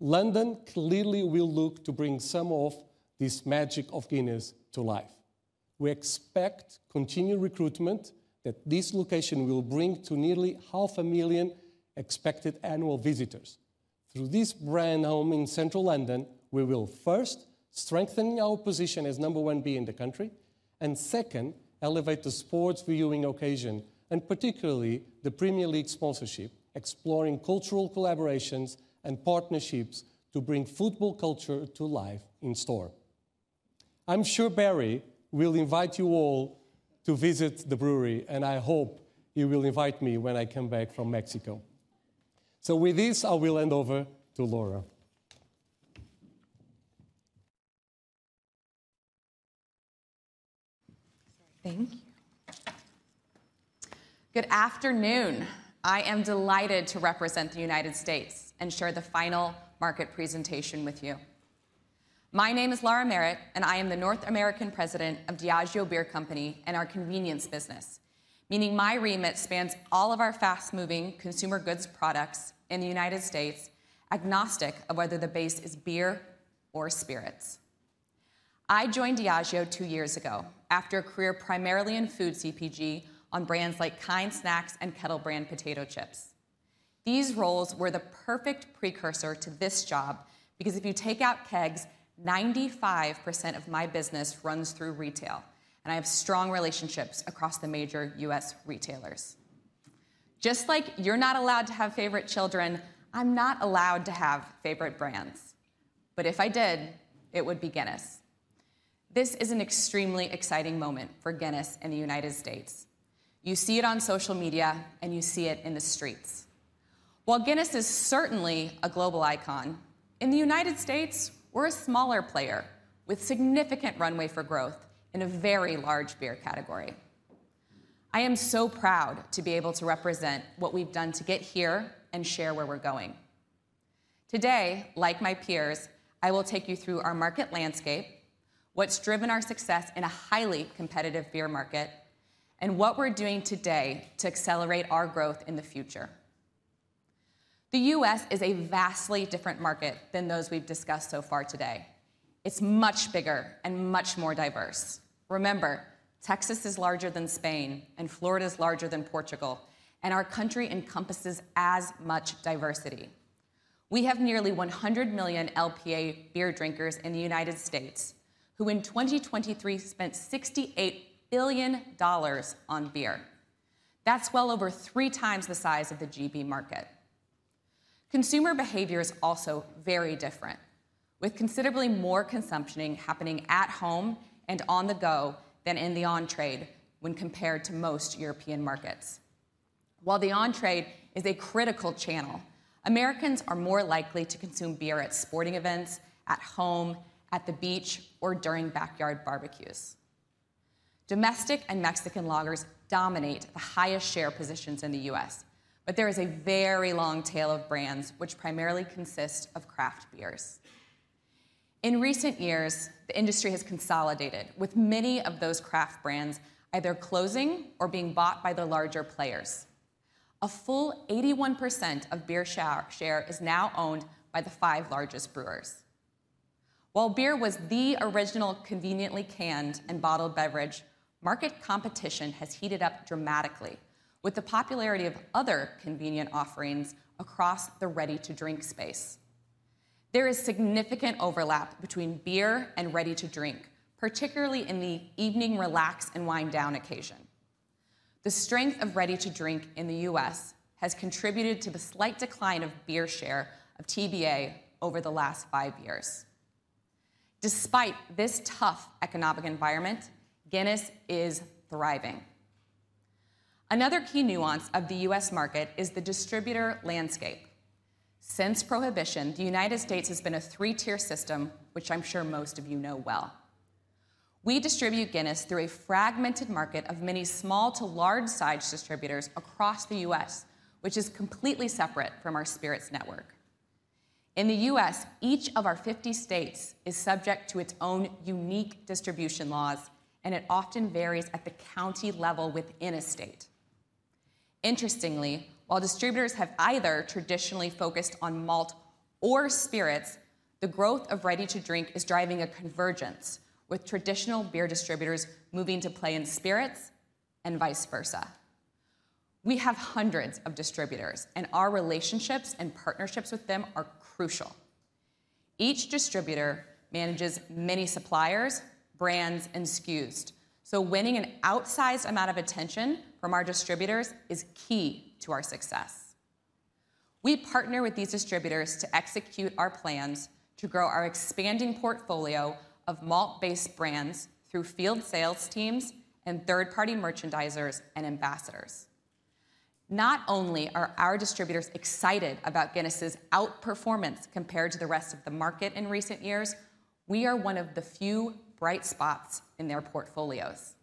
Speaker 4: London clearly will look to bring some of this magic of Guinness to life. We expect continued recruitment that this location will bring to nearly 500,000 expected annual visitors. Through this brand home in central London, we will first strengthen our position as number one beer in the country and second, elevate the sports viewing occasion and particularly the Premier League sponsorship, exploring cultural collaborations and partnerships to bring football culture to life in store. I'm sure Barry will invite you all to visit the brewery, and I hope you will invite me when I come back from Mexico. With this, I will hand over to Laura.
Speaker 5: Thank you. Good afternoon. I am delighted to represent the United States and share the final market presentation with you. My name is Laura Merritt, and I am the North American President of Diageo Beer Company and our Convenience business, meaning my remit spans all of our fast-moving consumer goods products in the United States, agnostic of whether the base is beer or spirits. I joined Diageo two years ago after a career primarily in food CPG on brands like Kind Snacks and Kettle Brand Potato Chips. These roles were the perfect precursor to this job because if you take out kegs, 95% of my business runs through retail, and I have strong relationships across the major U.S. retailers. Just like you're not allowed to have favorite children, I'm not allowed to have favorite brands. If I did, it would be Guinness. This is an extremely exciting moment for Guinness in the United States. You see it on social media, and you see it in the streets. While Guinness is certainly a global icon, in the United States, we're a smaller player with significant runway for growth in a very large beer category. I am so proud to be able to represent what we've done to get here and share where we're going. Today, like my peers, I will take you through our market landscape, what's driven our success in a highly competitive beer market, and what we're doing today to accelerate our growth in the future. The U.S. is a vastly different market than those we've discussed so far today. It's much bigger and much more diverse. Remember, Texas is larger than Spain, and Florida is larger than Portugal, and our country encompasses as much diversity. We have nearly 100 million LPA beer drinkers in the United States who in 2023 spent $68 billion on beer. That's well over three times the size of the GB market. Consumer behavior is also very different, with considerably more consumption happening at home and on the go than in the on-trade when compared to most European markets. While the on-trade is a critical channel, Americans are more likely to consume beer at sporting events, at home, at the beach, or during backyard barbecues. Domestic and Mexican lagers dominate the highest share positions in the U.S., but there is a very long tail of brands which primarily consist of craft beers. In recent years, the industry has consolidated, with many of those craft brands either closing or being bought by the larger players. A full 81% of beer share is now owned by the five largest brewers. While beer was the original conveniently canned and bottled beverage, market competition has heated up dramatically with the popularity of other convenient offerings across the ready-to-drink space. There is significant overlap between beer and ready-to-drink, particularly in the evening relax and wind down occasion. The strength of ready-to-drink in the U.S. has contributed to the slight decline of beer share of TBA over the last five years. Despite this tough economic environment, Guinness is thriving. Another key nuance of the U.S. market is the distributor landscape. Since Prohibition, the United States has been a three-tier system, which I'm sure most of you know well. We distribute Guinness through a fragmented market of many small to large-sized distributors across the U.S., which is completely separate from our spirits network. In the U.S., each of our 50 states is subject to its own unique distribution laws, and it often varies at the county level within a state. Interestingly, while distributors have either traditionally focused on malt or spirits, the growth of ready-to-drink is driving a convergence, with traditional beer distributors moving to play in spirits and vice versa. We have hundreds of distributors, and our relationships and partnerships with them are crucial. Each distributor manages many suppliers, brands, and SKUs, so winning an outsized amount of attention from our distributors is key to our success. We partner with these distributors to execute our plans to grow our expanding portfolio of malt-based brands through field sales teams and third-party merchandisers and ambassadors. Not only are our distributors excited about Guinness's outperformance compared to the rest of the market in recent years, we are one of the few bright spots in their portfolios.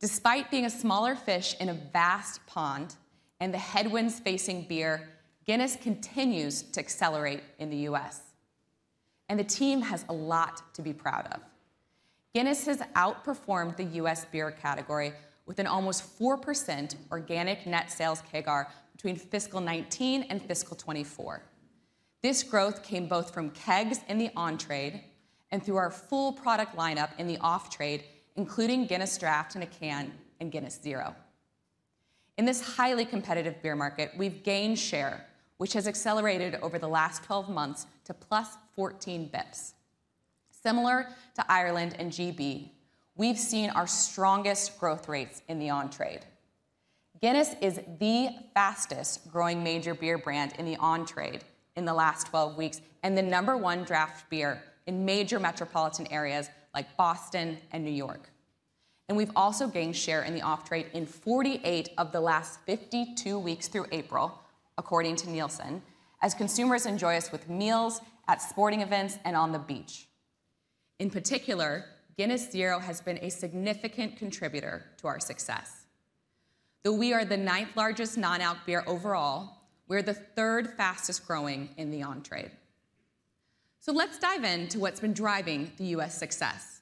Speaker 5: Despite being a smaller fish in a vast pond and the headwinds facing beer, Guinness continues to accelerate in the U.S., and the team has a lot to be proud of. Guinness has outperformed the U.S. beer category with an almost 4% organic net sales CAGR between fiscal 2019 and fiscal 2024. This growth came both from kegs in the on-trade and through our full product lineup in the off-trade, including Guinness Draught in a can and Guinness 0.0. In this highly competitive beer market, we have gained share, which has accelerated over the last 12 months to plus 14 basis points. Similar to Ireland and Great Britain, we have seen our strongest growth rates in the on-trade. Guinness is the fastest growing major beer brand in the on-trade in the last 12 weeks and the number one draft beer in major metropolitan areas like Boston and New York. We have also gained share in the off-trade in 48 of the last 52 weeks through April, according to Nielsen, as consumers enjoy us with meals, at sporting events, and on the beach. In particular, Guinness 0.0 has been a significant contributor to our success. Though we are the ninth largest non-alc beer overall, we're the third fastest growing in the on-trade. Let us dive into what's been driving the U.S. success.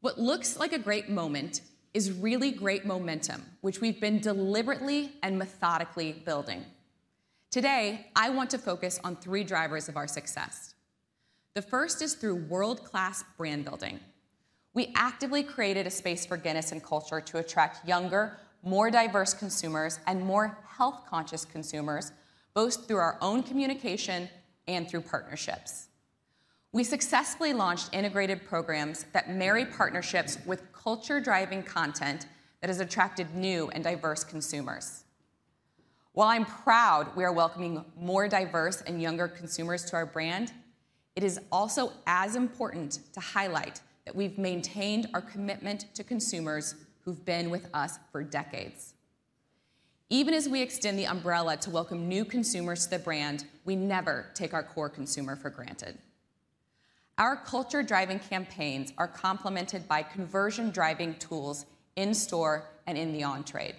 Speaker 5: What looks like a great moment is really great momentum, which we've been deliberately and methodically building. Today, I want to focus on three drivers of our success. The first is through world-class brand building. We actively created a space for Guinness in culture to attract younger, more diverse consumers and more health-conscious consumers, both through our own communication and through partnerships. We successfully launched integrated programs that marry partnerships with culture-driving content that has attracted new and diverse consumers. While I'm proud we are welcoming more diverse and younger consumers to our brand, it is also as important to highlight that we've maintained our commitment to consumers who've been with us for decades. Even as we extend the umbrella to welcome new consumers to the brand, we never take our core consumer for granted. Our culture-driving campaigns are complemented by conversion-driving tools in store and in the on-trade.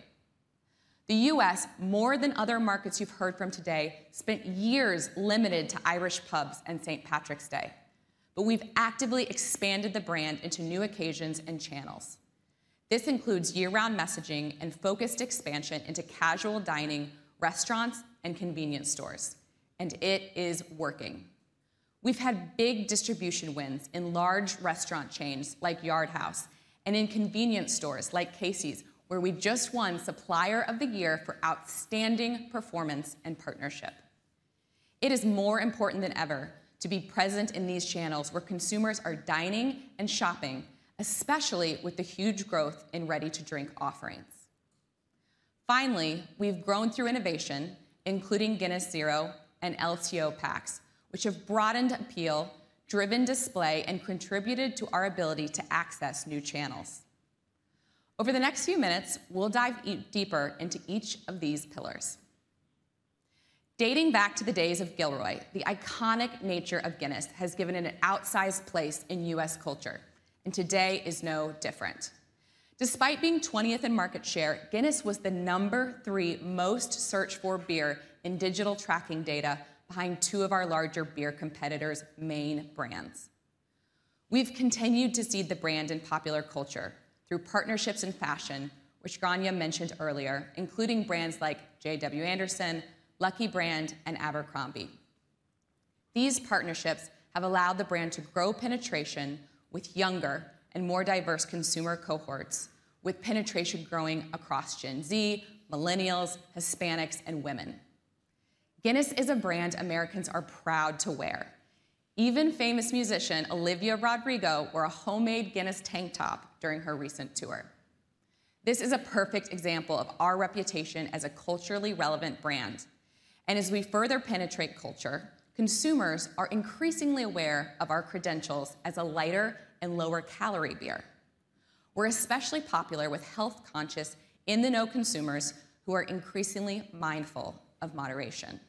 Speaker 5: The U.S., more than other markets you've heard from today, spent years limited to Irish pubs and St. Patrick's Day, but we've actively expanded the brand into new occasions and channels. This includes year-round messaging and focused expansion into casual dining restaurants and convenience stores, and it is working. We've had big distribution wins in large restaurant chains like Yard House and in convenience stores like Casey's, where we just won Supplier of the Year for outstanding performance and partnership. It is more important than ever to be present in these channels where consumers are dining and shopping, especially with the huge growth in ready-to-drink offerings. Finally, we've grown through innovation, including Guinness 0.0 and LTO packs, which have broadened appeal, driven display, and contributed to our ability to access new channels. Over the next few minutes, we'll dive deeper into each of these pillars. Dating back to the days of Gilroy, the iconic nature of Guinness has given it an outsized place in U.S. culture, and today is no different. Despite being 20th in market share, Guinness was the number three most searched-for beer in digital tracking data behind two of our larger beer competitors' main brands. We've continued to seed the brand in popular culture through partnerships in fashion, which Grainne mentioned earlier, including brands like J.W. Anderson, Lucky Brand, and Abercrombie. These partnerships have allowed the brand to grow penetration with younger and more diverse consumer cohorts, with penetration growing across Gen Z, millennials, Hispanics, and women. Guinness is a brand Americans are proud to wear. Even famous musician Olivia Rodrigo wore a homemade Guinness tank top during her recent tour. This is a perfect example of our reputation as a culturally relevant brand. As we further penetrate culture, consumers are increasingly aware of our credentials as a lighter and lower-calorie beer. We're especially popular with health-conscious in-the-know consumers who are increasingly mindful of moderation.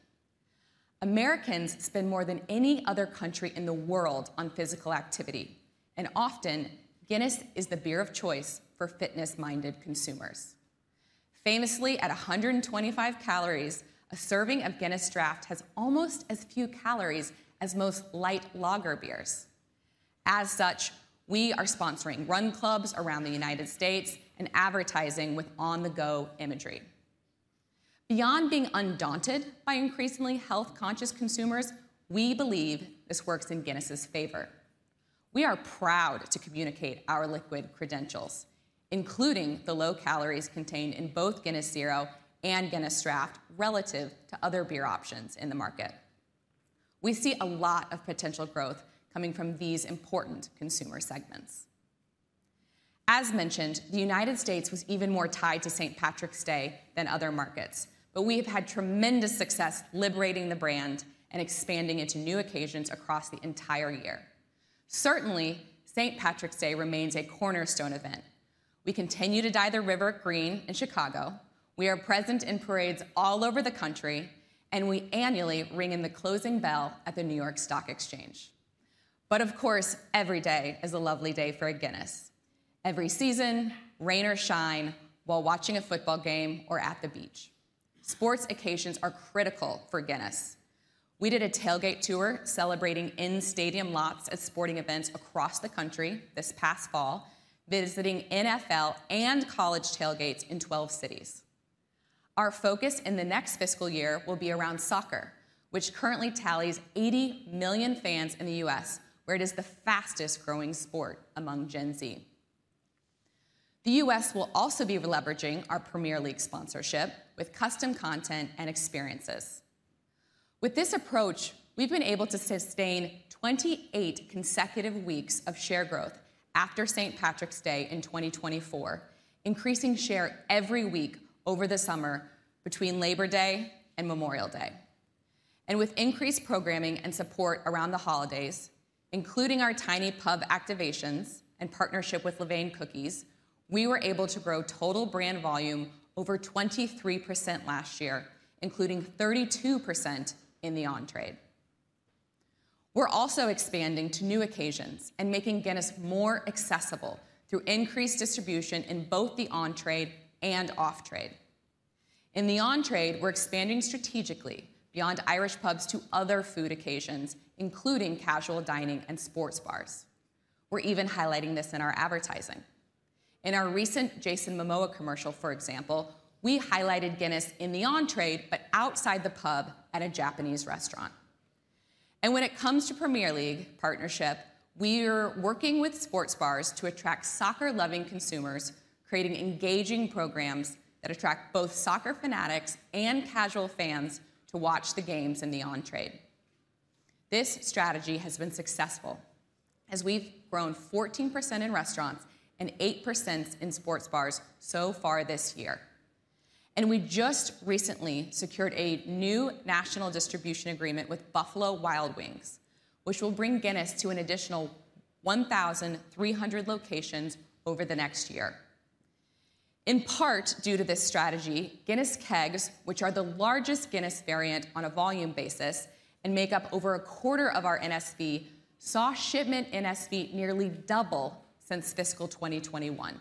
Speaker 5: Americans spend more than any other country in the world on physical activity, and often Guinness is the beer of choice for fitness-minded consumers. Famously, at 125 calories, a serving of Guinness Draught has almost as few calories as most light lager beers. As such, we are sponsoring run clubs around the United States and advertising with on-the-go imagery. Beyond being undaunted by increasingly health-conscious consumers, we believe this works in Guinness's favor. We are proud to communicate our liquid credentials, including the low calories contained in both Guinness 0 and Guinness Draught relative to other beer options in the market. We see a lot of potential growth coming from these important consumer segments. As mentioned, the United States was even more tied to St. Patrick's Day than other markets, but we have had tremendous success liberating the brand and expanding into new occasions across the entire year. Certainly, St. Patrick's Day remains a cornerstone event. We continue to dye the river green in Chicago. We are present in parades all over the country, and we annually ring in the closing bell at the New York Stock Exchange. Of course, every day is a lovely day for a Guinness. Every season, rain or shine, while watching a football game or at the beach, sports occasions are critical for Guinness. We did a tailgate tour celebrating in-stadium lots at sporting events across the country this past fall, visiting NFL and college tailgates in 12 cities. Our focus in the next fiscal year will be around soccer, which currently tallies 80 million fans in the U.S., where it is the fastest-growing sport among Gen Z. The U.S. will also be leveraging our Premier League sponsorship with custom content and experiences. With this approach, we have been able to sustain 28 consecutive weeks of share growth after St. Patrick's Day in 2024, increasing share every week over the summer between Labor Day and Memorial Day. With increased programming and support around the holidays, including our tiny pub activations and partnership with Levain Cookies, we were able to grow total brand volume over 23% last year, including 32% in the entree. We're also expanding to new occasions and making Guinness more accessible through increased distribution in both the on-trade and off-trade. In the on-trade, we're expanding strategically beyond Irish pubs to other food occasions, including casual dining and sports bars. We're even highlighting this in our advertising. In our recent Jason Momoa commercial, for example, we highlighted Guinness in the on-trade, but outside the pub at a Japanese restaurant. When it comes to Premier League partnership, we are working with sports bars to attract soccer-loving consumers, creating engaging programs that attract both soccer fanatics and casual fans to watch the games in the on-trade. This strategy has been successful, as we've grown 14% in restaurants and 8% in sports bars so far this year. We just recently secured a new national distribution agreement with Buffalo Wild Wings, which will bring Guinness to an additional 1,300 locations over the next year. In part due to this strategy, Guinness kegs, which are the largest Guinness variant on a volume basis and make up over a quarter of our NSV, saw shipment NSV nearly double since fiscal 2021.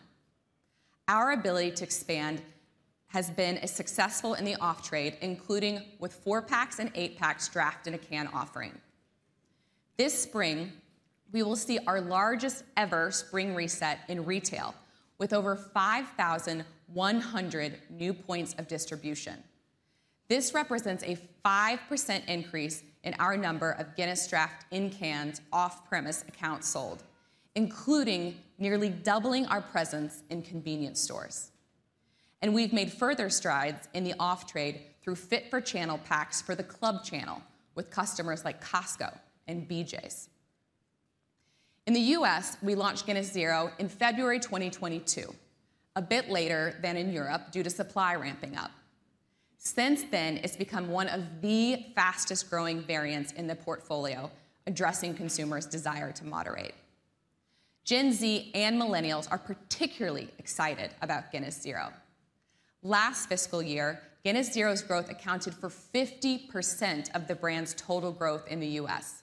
Speaker 5: Our ability to expand has been successful in the off-trade, including with four-packs and eight-packs draft in a can offering. This spring, we will see our largest ever spring reset in retail with over 5,100 new points of distribution. This represents a 5% increase in our number of Guinness draft in cans off-premise accounts sold, including nearly doubling our presence in convenience stores. We have made further strides in the off-trade through fit-for-channel packs for the club channel with customers like Costco and BJ's. In the U.S., we launched Guinness 0.0 in February 2022, a bit later than in Europe due to supply ramping up. Since then, it's become one of the fastest-growing variants in the portfolio, addressing consumers' desire to moderate. Gen Z and millennials are particularly excited about Guinness 0.0. Last fiscal year, Guinness 0.0's growth accounted for 50% of the brand's total growth in the U.S.,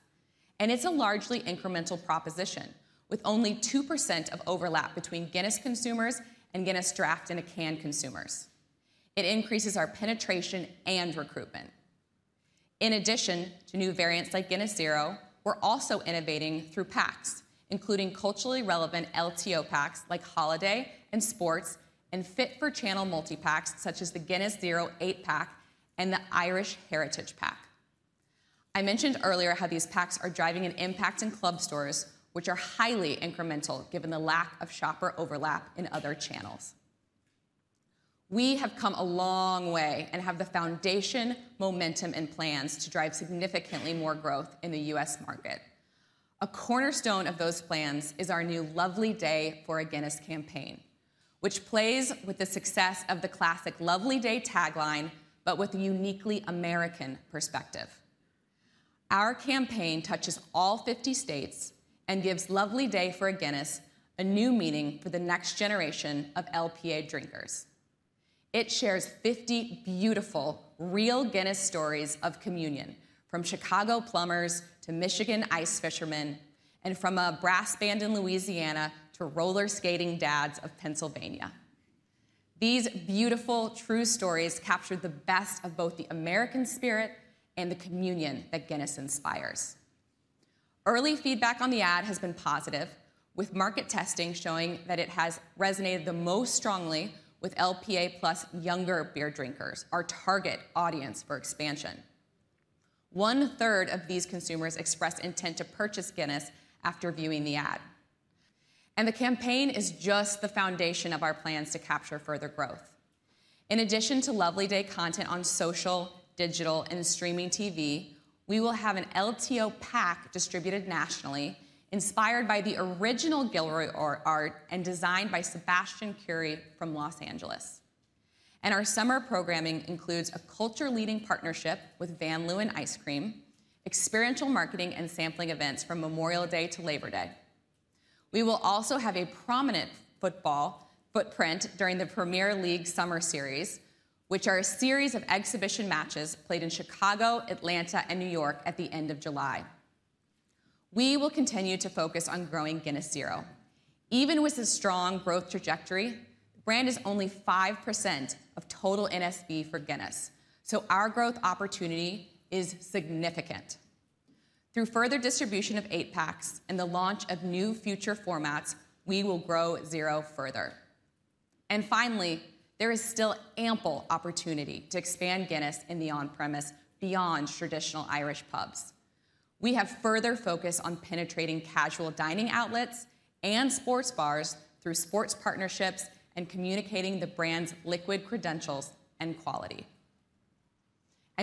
Speaker 5: and it's a largely incremental proposition, with only 2% of overlap between Guinness consumers and Guinness Draught in a can consumers. It increases our penetration and recruitment. In addition to new variants like Guinness 0.0, we're also innovating through packs, including culturally relevant LTO packs like Holiday and Sports, and fit-for-channel multi-packs such as the Guinness 0.0 eight-pack and the Irish Heritage pack. I mentioned earlier how these packs are driving an impact in club stores, which are highly incremental given the lack of shopper overlap in other channels. We have come a long way and have the foundation, momentum, and plans to drive significantly more growth in the U.S. market. A cornerstone of those plans is our new Lovely Day for a Guinness campaign, which plays with the success of the classic Lovely Day tagline, but with a uniquely American perspective. Our campaign touches all 50 states and gives Lovely Day for a Guinness a new meaning for the next generation of LPA drinkers. It shares 50 beautiful, real Guinness stories of communion, from Chicago plumbers to Michigan ice fishermen, and from a brass band in Louisiana to roller skating dads of Pennsylvania. These beautiful, true stories capture the best of both the American spirit and the communion that Guinness inspires. Early feedback on the ad has been positive, with market testing showing that it has resonated the most strongly with LPA plus younger beer drinkers, our target audience for expansion. One-third of these consumers expressed intent to purchase Guinness after viewing the ad. The campaign is just the foundation of our plans to capture further growth. In addition to Lovely Day content on social, digital, and streaming TV, we will have an LTO pack distributed nationally, inspired by the original Gilroy art and designed by Sebastian Curie from Los Angeles. Our summer programming includes a culture-leading partnership with Van Loen Ice Cream, experiential marketing and sampling events from Memorial Day to Labor Day. We will also have a prominent football footprint during the Premier League Summer Series, which are a series of exhibition matches played in Chicago, Atlanta, and New York at the end of July. We will continue to focus on growing Guinness 0.0. Even with a strong growth trajectory, the brand is only 5% of total NSV for Guinness, so our growth opportunity is significant. Through further distribution of eight-packs and the launch of new future formats, we will grow 0.0 further. There is still ample opportunity to expand Guinness in the on-premise beyond traditional Irish pubs. We have further focus on penetrating casual dining outlets and sports bars through sports partnerships and communicating the brand's liquid credentials and quality.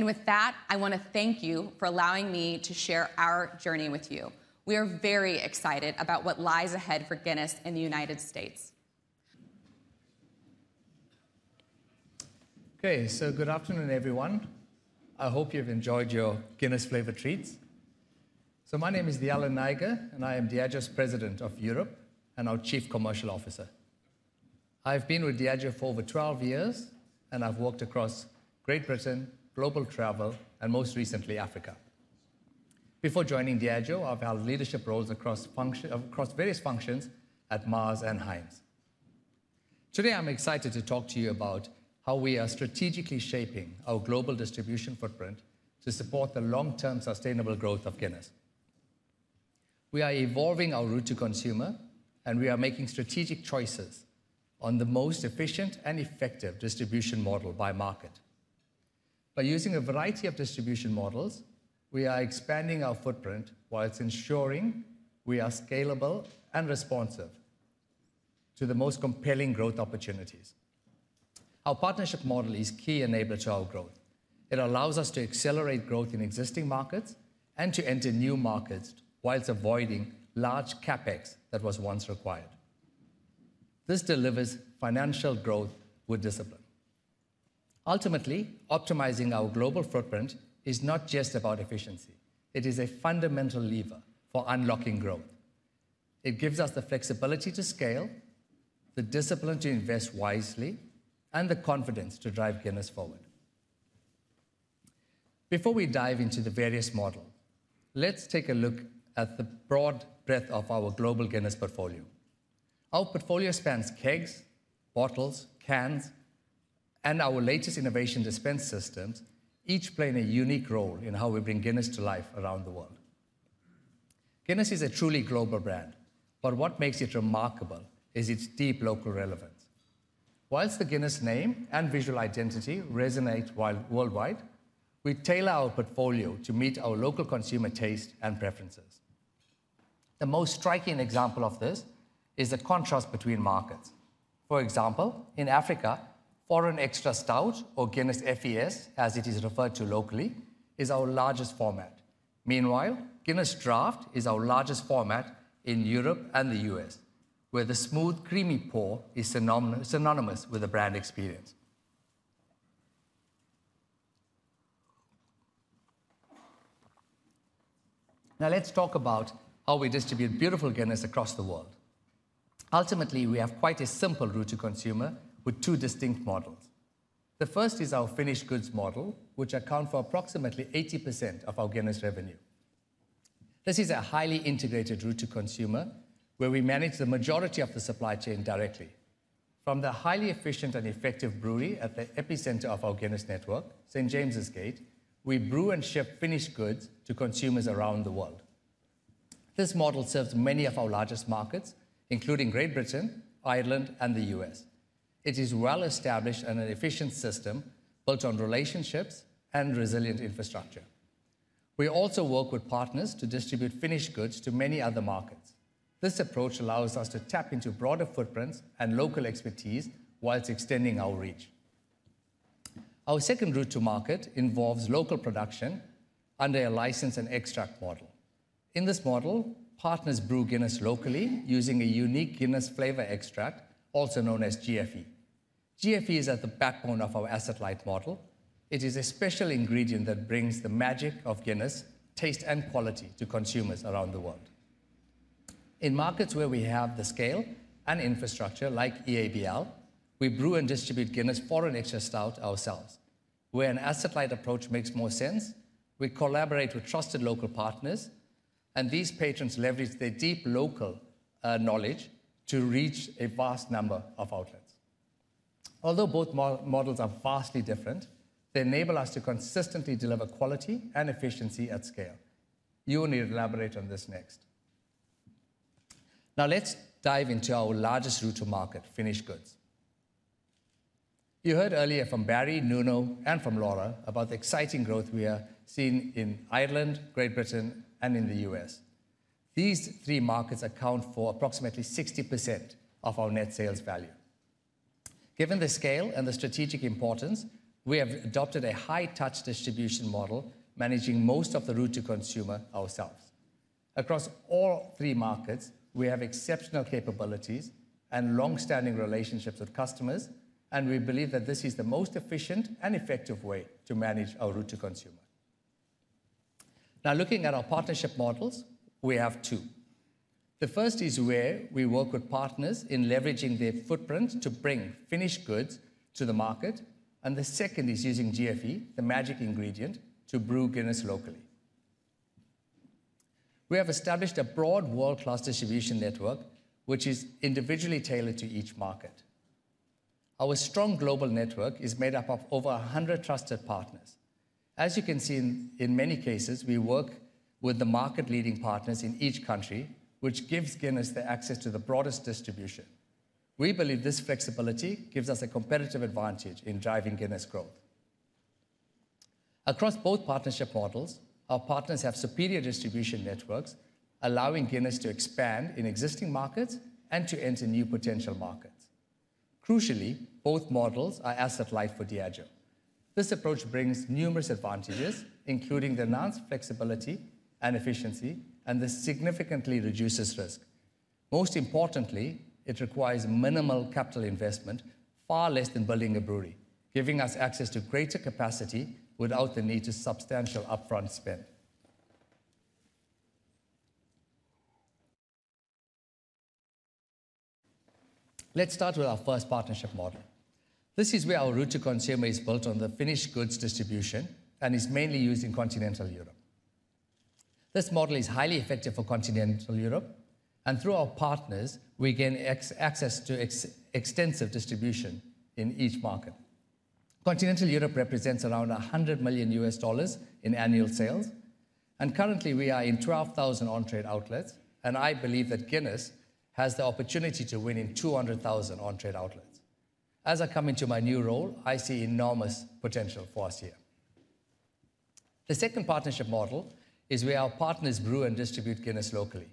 Speaker 5: With that, I want to thank you for allowing me to share our journey with you. We are very excited about what lies ahead for Guinness in the United States.
Speaker 6: Good afternoon, everyone. I hope you have enjoyed your Guinness flavor treats. My name is Dayalan Nayager, and I am Diageo's President of Europe and our Chief Commercial Officer. I've been with Diageo for over 12 years, and I've worked across Great Britain, global travel, and most recently, Africa. Before joining Diageo, I've held leadership roles across various functions at Mars and Heinz. Today, I'm excited to talk to you about how we are strategically shaping our global distribution footprint to support the long-term sustainable growth of Guinness. We are evolving our route to consumer, and we are making strategic choices on the most efficient and effective distribution model by market. By using a variety of distribution models, we are expanding our footprint while ensuring we are scalable and responsive to the most compelling growth opportunities. Our partnership model is a key enabler to our growth. It allows us to accelerate growth in existing markets and to enter new markets while avoiding large CapEx that was once required. This delivers financial growth with discipline. Ultimately, optimizing our global footprint is not just about efficiency. It is a fundamental lever for unlocking growth. It gives us the flexibility to scale, the discipline to invest wisely, and the confidence to drive Guinness forward. Before we dive into the various models, let's take a look at the broad breadth of our global Guinness portfolio. Our portfolio spans kegs, bottles, cans, and our latest innovation dispense systems, each playing a unique role in how we bring Guinness to life around the world. Guinness is a truly global brand, but what makes it remarkable is its deep local relevance. Whilst the Guinness name and visual identity resonate worldwide, we tailor our portfolio to meet our local consumer taste and preferences. The most striking example of this is the contrast between markets. For example, in Africa, foreign extra stout, or Guinness FES, as it is referred to locally, is our largest format. Meanwhile, Guinness draught is our largest format in Europe and the U.S., where the smooth, creamy pour is synonymous with a brand experience. Now let's talk about how we distribute beautiful Guinness across the world. Ultimately, we have quite a simple route to consumer with two distinct models. The first is our finished goods model, which accounts for approximately 80% of our Guinness revenue. This is a highly integrated route to consumer, where we manage the majority of the supply chain directly. From the highly efficient and effective brewery at the epicenter of our Guinness network, St. James's Gate, we brew and ship finished goods to consumers around the world. This model serves many of our largest markets, including Great Britain, Ireland, and the U.S. It is well-established and an efficient system built on relationships and resilient infrastructure. We also work with partners to distribute finished goods to many other markets. This approach allows us to tap into broader footprints and local expertise whilst extending our reach. Our second route to market involves local production under a license and extract model. In this model, partners brew Guinness locally using a unique Guinness flavor extract, also known as GFE. GFE is at the backbone of our asset-light model. It is a special ingredient that brings the magic of Guinness taste and quality to consumers around the world. In markets where we have the scale and infrastructure like EABL, we brew and distribute Guinness Foreign Extra Stout ourselves. When an asset-light approach makes more sense, we collaborate with trusted local partners, and these partners leverage their deep local knowledge to reach a vast number of outlets. Although both models are vastly different, they enable us to consistently deliver quality and efficiency at scale. You will need to elaborate on this next. Now let's dive into our largest route to market, finished goods. You heard earlier from Barry, Nuno, and from Laura about the exciting growth we have seen in Ireland, Great Britain, and in the U.S. These three markets account for approximately 60% of our net sales value. Given the scale and the strategic importance, we have adopted a high-touch distribution model, managing most of the route to consumer ourselves. Across all three markets, we have exceptional capabilities and long-standing relationships with customers, and we believe that this is the most efficient and effective way to manage our route to consumer. Now looking at our partnership models, we have two. The first is where we work with partners in leveraging their footprint to bring finished goods to the market, and the second is using GFE, the magic ingredient, to brew Guinness locally. We have established a broad world-class distribution network, which is individually tailored to each market. Our strong global network is made up of over 100 trusted partners. As you can see, in many cases, we work with the market-leading partners in each country, which gives Guinness the access to the broadest distribution. We believe this flexibility gives us a competitive advantage in driving Guinness growth. Across both partnership models, our partners have superior distribution networks, allowing Guinness to expand in existing markets and to enter new potential markets. Crucially, both models are asset light for Diageo. This approach brings numerous advantages, including the enhanced flexibility and efficiency, and this significantly reduces risk. Most importantly, it requires minimal capital investment, far less than building a brewery, giving us access to greater capacity without the need to substantial upfront spend. Let's start with our first partnership model. This is where our route to consumer is built on the finished goods distribution and is mainly used in continental Europe. This model is highly effective for continental Europe, and through our partners, we gain access to extensive distribution in each market. Continental Europe represents around $100 million U.S. dollars in annual sales, and currently, we are in 12,000 on-trade outlets, and I believe that Guinness has the opportunity to win in 200,000 on-trade outlets. As I come into my new role, I see enormous potential for us here. The second partnership model is where our partners brew and distribute Guinness locally.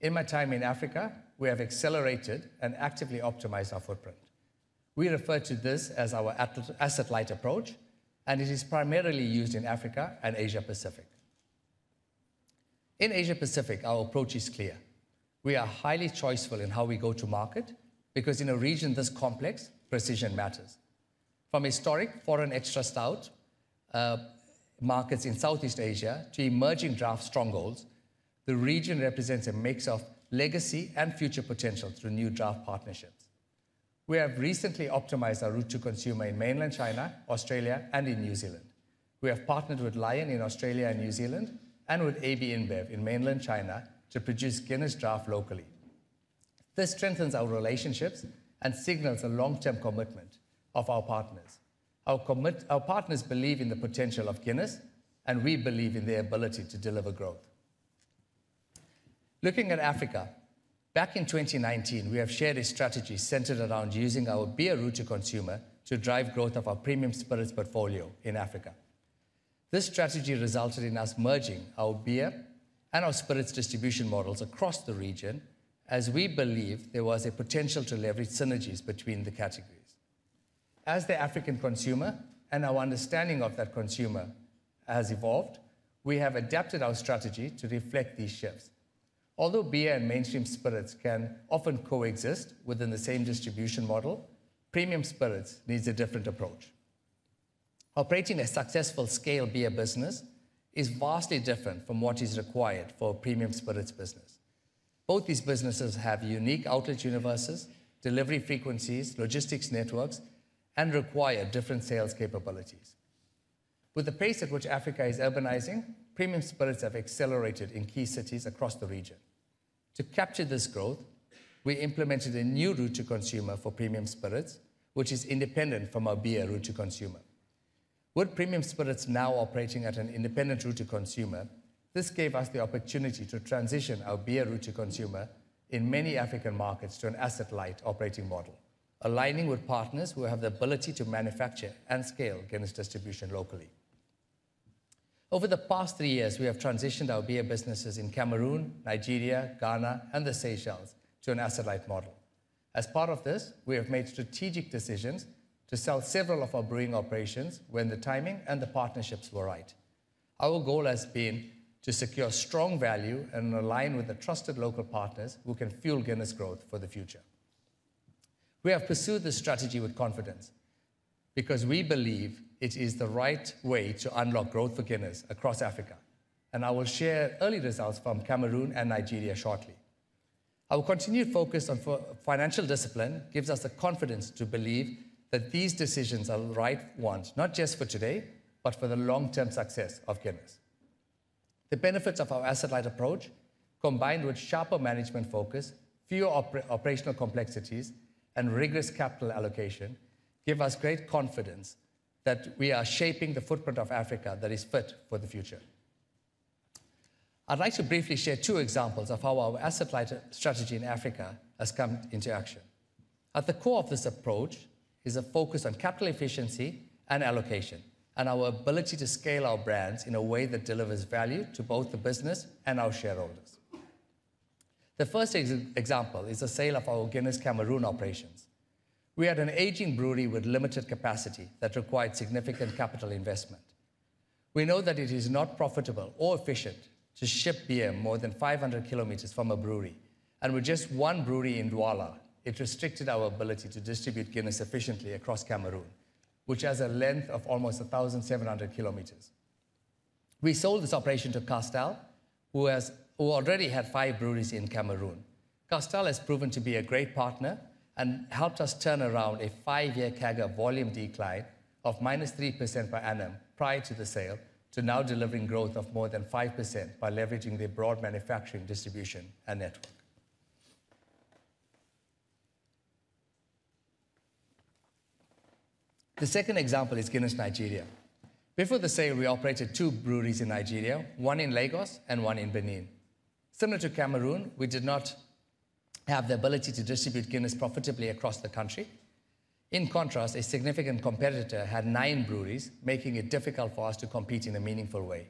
Speaker 6: In my time in Africa, we have accelerated and actively optimized our footprint. We refer to this as our asset-light approach, and it is primarily used in Africa and Asia-Pacific. In Asia-Pacific, our approach is clear. We are highly choiceful in how we go to market because in a region this complex, precision matters. From historic Foreign Extra Stout markets in Southeast Asia to emerging draft strongholds, the region represents a mix of legacy and future potential through new draft partnerships. We have recently optimized our route to consumer in mainland China, Australia, and in New Zealand. We have partnered with Lion in Australia and New Zealand, and with AB InBev in mainland China to produce Guinness Draught locally. This strengthens our relationships and signals a long-term commitment of our partners. Our partners believe in the potential of Guinness, and we believe in their ability to deliver growth. Looking at Africa, back in 2019, we have shared a strategy centered around using our beer route to consumer to drive growth of our premium spirits portfolio in Africa. This strategy resulted in us merging our beer and our spirits distribution models across the region, as we believe there was a potential to leverage synergies between the categories. As the African consumer and our understanding of that consumer has evolved, we have adapted our strategy to reflect these shifts. Although beer and mainstream spirits can often coexist within the same distribution model, premium spirits needs a different approach. Operating a successful scale beer business is vastly different from what is required for a premium spirits business. Both these businesses have unique outlet universes, delivery frequencies, logistics networks, and require different sales capabilities. With the pace at which Africa is urbanizing, premium spirits have accelerated in key cities across the region. To capture this growth, we implemented a new route to consumer for premium spirits, which is independent from our beer route to consumer. With premium spirits now operating at an independent route to consumer, this gave us the opportunity to transition our beer route to consumer in many African markets to an asset-light operating model, aligning with partners who have the ability to manufacture and scale Guinness distribution locally. Over the past three years, we have transitioned our beer businesses in Cameroon, Nigeria, Ghana, and the Seychelles to an asset-light model. As part of this, we have made strategic decisions to sell several of our brewing operations when the timing and the partnerships were right. Our goal has been to secure strong value and align with the trusted local partners who can fuel Guinness growth for the future. We have pursued this strategy with confidence because we believe it is the right way to unlock growth for Guinness across Africa, and I will share early results from Cameroon and Nigeria shortly. Our continued focus on financial discipline gives us the confidence to believe that these decisions are the right ones, not just for today, but for the long-term success of Guinness. The benefits of our asset-light approach, combined with sharper management focus, fewer operational complexities, and rigorous capital allocation, give us great confidence that we are shaping the footprint of Africa that is fit for the future. I'd like to briefly share two examples of how our asset-light strategy in Africa has come into action. At the core of this approach is a focus on capital efficiency and allocation, and our ability to scale our brands in a way that delivers value to both the business and our shareholders. The first example is the sale of our Guinness Cameroon operations. We had an aging brewery with limited capacity that required significant capital investment. We know that it is not profitable or efficient to ship beer more than 500 km from a brewery, and with just one brewery in Douala, it restricted our ability to distribute Guinness efficiently across Cameroon, which has a length of almost 1,700 km. We sold this operation to Castel, who already had five breweries in Cameroon. Castel has proven to be a great partner and helped us turn around a five-year CAGR volume decline of -3% per annum prior to the sale to now delivering growth of more than 5% by leveraging their broad manufacturing, distribution, and network. The second example is Guinness Nigeria. Before the sale, we operated two breweries in Nigeria, one in Lagos and one in Benin. Similar to Cameroon, we did not have the ability to distribute Guinness profitably across the country. In contrast, a significant competitor had nine breweries, making it difficult for us to compete in a meaningful way.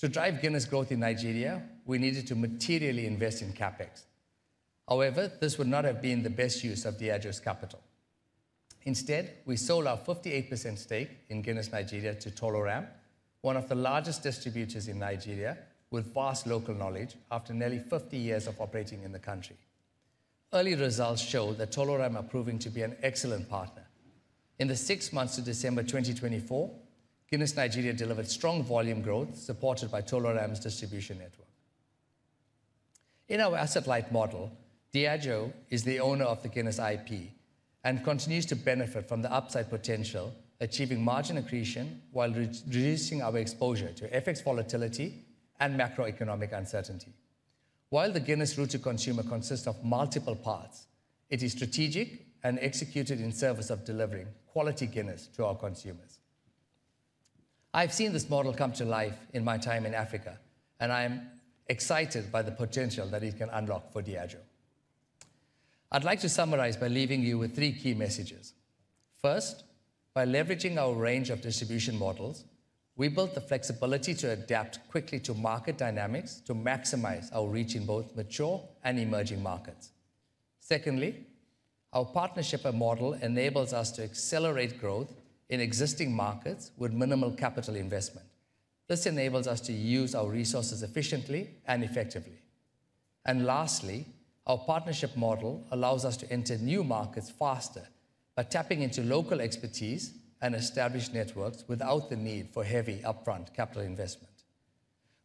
Speaker 6: To drive Guinness growth in Nigeria, we needed to materially invest in CapEx. However, this would not have been the best use of Diageo's capital. Instead, we sold our 58% stake in Guinness Nigeria to Tolaram, one of the largest distributors in Nigeria with vast local knowledge after nearly 50 years of operating in the country. Early results show that Tolaram are proving to be an excellent partner. In the six months to December 2024, Guinness Nigeria delivered strong volume growth supported by Tolaram's distribution network. In our asset-light model, Diageo is the owner of the Guinness IP and continues to benefit from the upside potential, achieving margin accretion while reducing our exposure to FX volatility and macroeconomic uncertainty. While the Guinness route to consumer consists of multiple parts, it is strategic and executed in service of delivering quality Guinness to our consumers. I've seen this model come to life in my time in Africa, and I'm excited by the potential that it can unlock for Diageo. I'd like to summarize by leaving you with three key messages. First, by leveraging our range of distribution models, we built the flexibility to adapt quickly to market dynamics to maximize our reach in both mature and emerging markets. Secondly, our partnership model enables us to accelerate growth in existing markets with minimal capital investment. This enables us to use our resources efficiently and effectively. Lastly, our partnership model allows us to enter new markets faster by tapping into local expertise and established networks without the need for heavy upfront capital investment.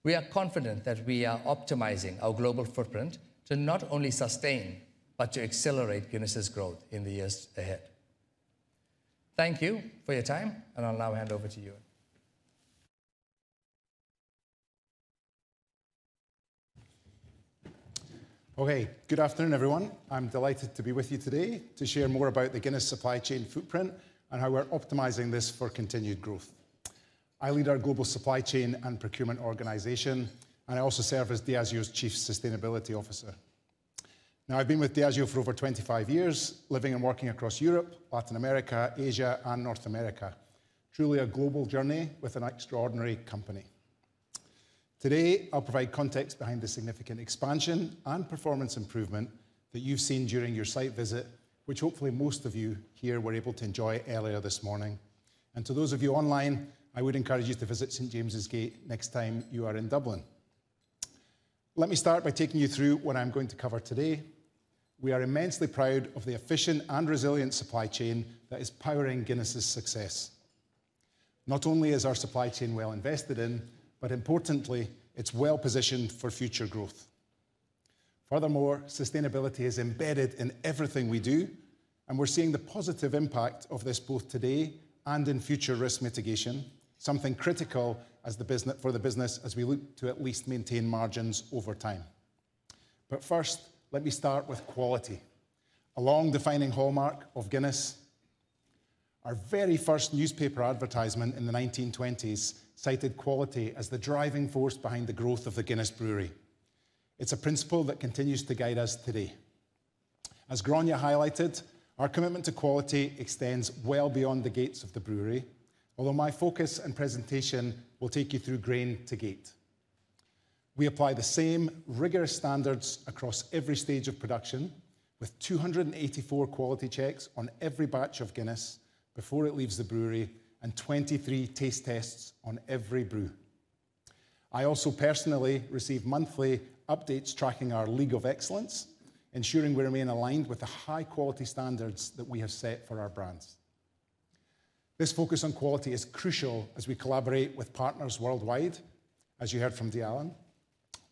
Speaker 6: We are confident that we are optimizing our global footprint to not only sustain, but to accelerate Guinness's growth in the years ahead. Thank you for your time, and I'll now hand over to you.
Speaker 7: Okay, good afternoon, everyone. I'm delighted to be with you today to share more about the Guinness supply chain footprint and how we're optimizing this for continued growth. I lead our global supply chain and procurement organization, and I also serve as Diageo's Chief Sustainability Officer. Now, I've been with Diageo for over 25 years, living and working across Europe, Latin America, Asia, and North America. Truly a global journey with an extraordinary company. Today, I'll provide context behind the significant expansion and performance improvement that you've seen during your site visit, which hopefully most of you here were able to enjoy earlier this morning. To those of you online, I would encourage you to visit St. James's Gate next time you are in Dublin. Let me start by taking you through what I'm going to cover today. We are immensely proud of the efficient and resilient supply chain that is powering Guinness's success. Not only is our supply chain well invested in, but importantly, it's well positioned for future growth. Furthermore, sustainability is embedded in everything we do, and we're seeing the positive impact of this both today and in future risk mitigation, something critical for the business as we look to at least maintain margins over time. First, let me start with quality. A long defining hallmark of Guinness, our very first newspaper advertisement in the 1920s cited quality as the driving force behind the growth of the Guinness brewery. It's a principle that continues to guide us today. As Grainne highlighted, our commitment to quality extends well beyond the gates of the brewery, although my focus and presentation will take you through grain to gate. We apply the same rigorous standards across every stage of production, with 284 quality checks on every batch of Guinness before it leaves the brewery and 23 taste tests on every brew. I also personally receive monthly updates tracking our League of Excellence, ensuring we remain aligned with the high-quality standards that we have set for our brands. This focus on quality is crucial as we collaborate with partners worldwide, as you heard from Dayalan,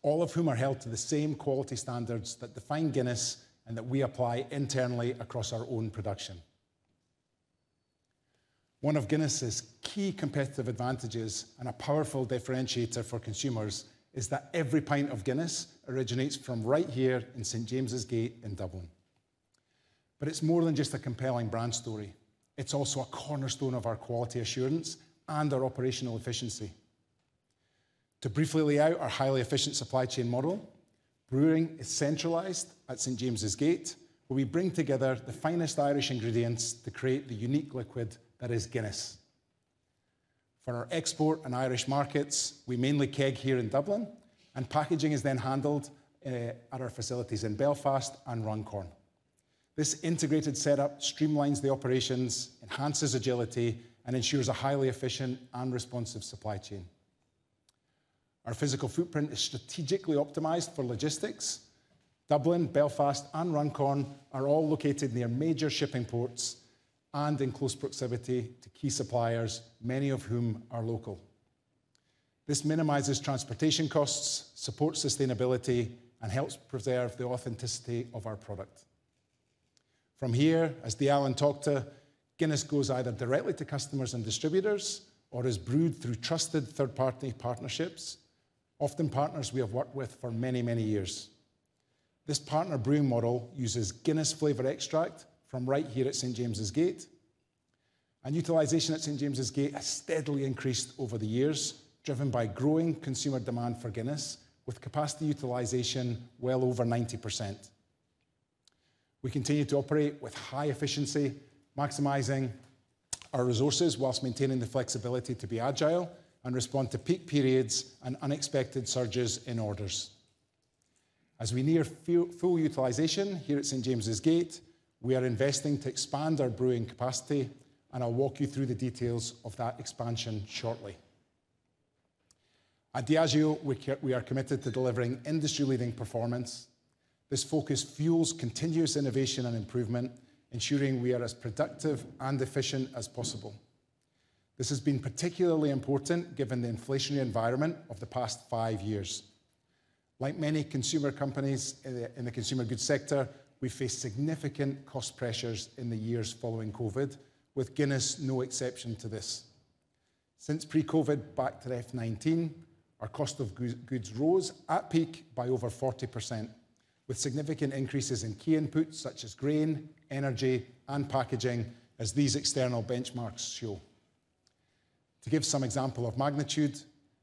Speaker 7: all of whom are held to the same quality standards that define Guinness and that we apply internally across our own production. One of Guinness's key competitive advantages and a powerful differentiator for consumers is that every pint of Guinness originates from right here in St. James's Gate in Dublin. It is more than just a compelling brand story. It is also a cornerstone of our quality assurance and our operational efficiency. To briefly lay out our highly efficient supply chain model, brewing is centralized at St. James's Gate, where we bring together the finest Irish ingredients to create the unique liquid that is Guinness. For our export and Irish markets, we mainly keg here in Dublin, and packaging is then handled at our facilities in Belfast and Runcorn. This integrated setup streamlines the operations, enhances agility, and ensures a highly efficient and responsive supply chain. Our physical footprint is strategically optimized for logistics. Dublin, Belfast, and Runcorn are all located near major shipping ports and in close proximity to key suppliers, many of whom are local. This minimizes transportation costs, supports sustainability, and helps preserve the authenticity of our product. From here, as Dayalan talked to, Guinness goes either directly to customers and distributors or is brewed through trusted third-party partnerships, often partners we have worked with for many, many years. This partner brewing model uses Guinness flavor extract from right here at St. James's Gate, and utilization at St. James's Gate has steadily increased over the years, driven by growing consumer demand for Guinness, with capacity utilization well over 90%. We continue to operate with high efficiency, maximizing our resources whilst maintaining the flexibility to be agile and respond to peak periods and unexpected surges in orders. As we near full utilization here at St. James's Gate, we are investing to expand our brewing capacity, and I'll walk you through the details of that expansion shortly. At Diageo, we are committed to delivering industry-leading performance. This focus fuels continuous innovation and improvement, ensuring we are as productive and efficient as possible. This has been particularly important given the inflationary environment of the past five years. Like many consumer companies in the consumer goods sector, we face significant cost pressures in the years following COVID, with Guinness no exception to this. Since pre-COVID, back to 2019, our cost of goods rose at peak by over 40%, with significant increases in key inputs such as grain, energy, and packaging, as these external benchmarks show. To give some example of magnitude,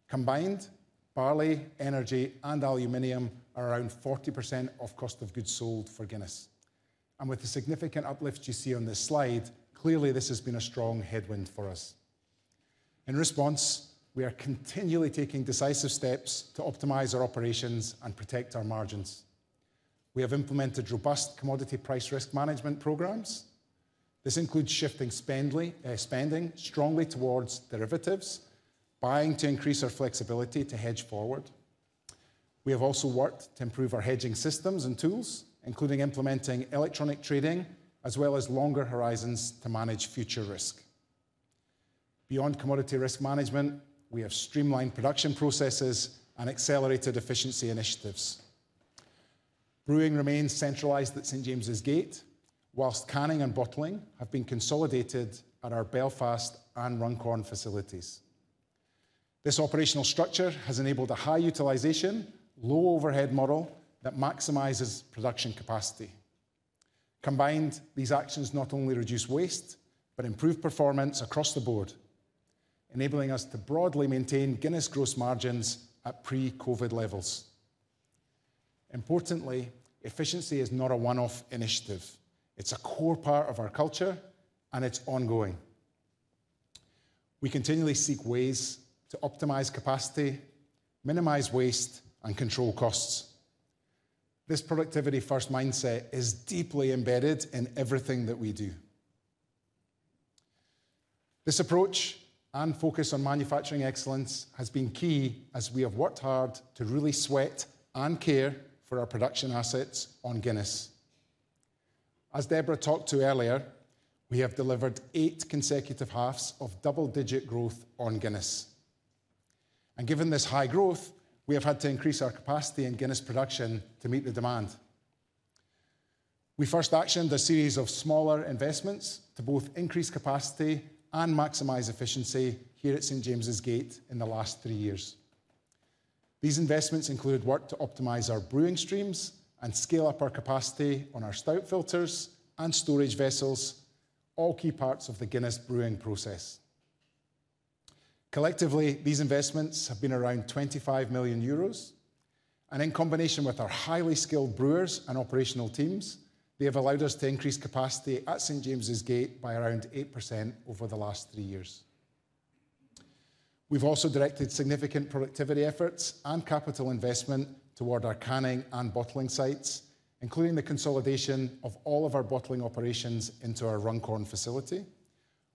Speaker 7: combined, barley, energy, and aluminum are around 40% of cost of goods sold for Guinness. With the significant uplift you see on this slide, clearly this has been a strong headwind for us. In response, we are continually taking decisive steps to optimize our operations and protect our margins. We have implemented robust commodity price risk management programs. This includes shifting spending strongly towards derivatives, buying to increase our flexibility to hedge forward. We have also worked to improve our hedging systems and tools, including implementing electronic trading, as well as longer horizons to manage future risk. Beyond commodity risk management, we have streamlined production processes and accelerated efficiency initiatives. Brewing remains centralized at St. James's Gate, whilst canning and bottling have been consolidated at our Belfast and Runcorn facilities. This operational structure has enabled a high utilization, low overhead model that maximizes production capacity. Combined, these actions not only reduce waste, but improve performance across the board, enabling us to broadly maintain Guinness gross margins at pre-COVID levels. Importantly, efficiency is not a one-off initiative. It's a core part of our culture, and it's ongoing. We continually seek ways to optimize capacity, minimize waste, and control costs. This productivity-first mindset is deeply embedded in everything that we do. This approach and focus on manufacturing excellence has been key as we have worked hard to really sweat and care for our production assets on Guinness. As Deborah talked to earlier, we have delivered eight consecutive halves of double-digit growth on Guinness. Given this high growth, we have had to increase our capacity in Guinness production to meet the demand. We first actioned a series of smaller investments to both increase capacity and maximize efficiency here at St. James's Gate in the last three years. These investments included work to optimize our brewing streams and scale up our capacity on our stout filters and storage vessels, all key parts of the Guinness brewing process. Collectively, these investments have been around 25 million euros. In combination with our highly skilled brewers and operational teams, they have allowed us to increase capacity at St. James's Gate by around 8% over the last three years. We have also directed significant productivity efforts and capital investment toward our canning and bottling sites, including the consolidation of all of our bottling operations into our Runcorn facility,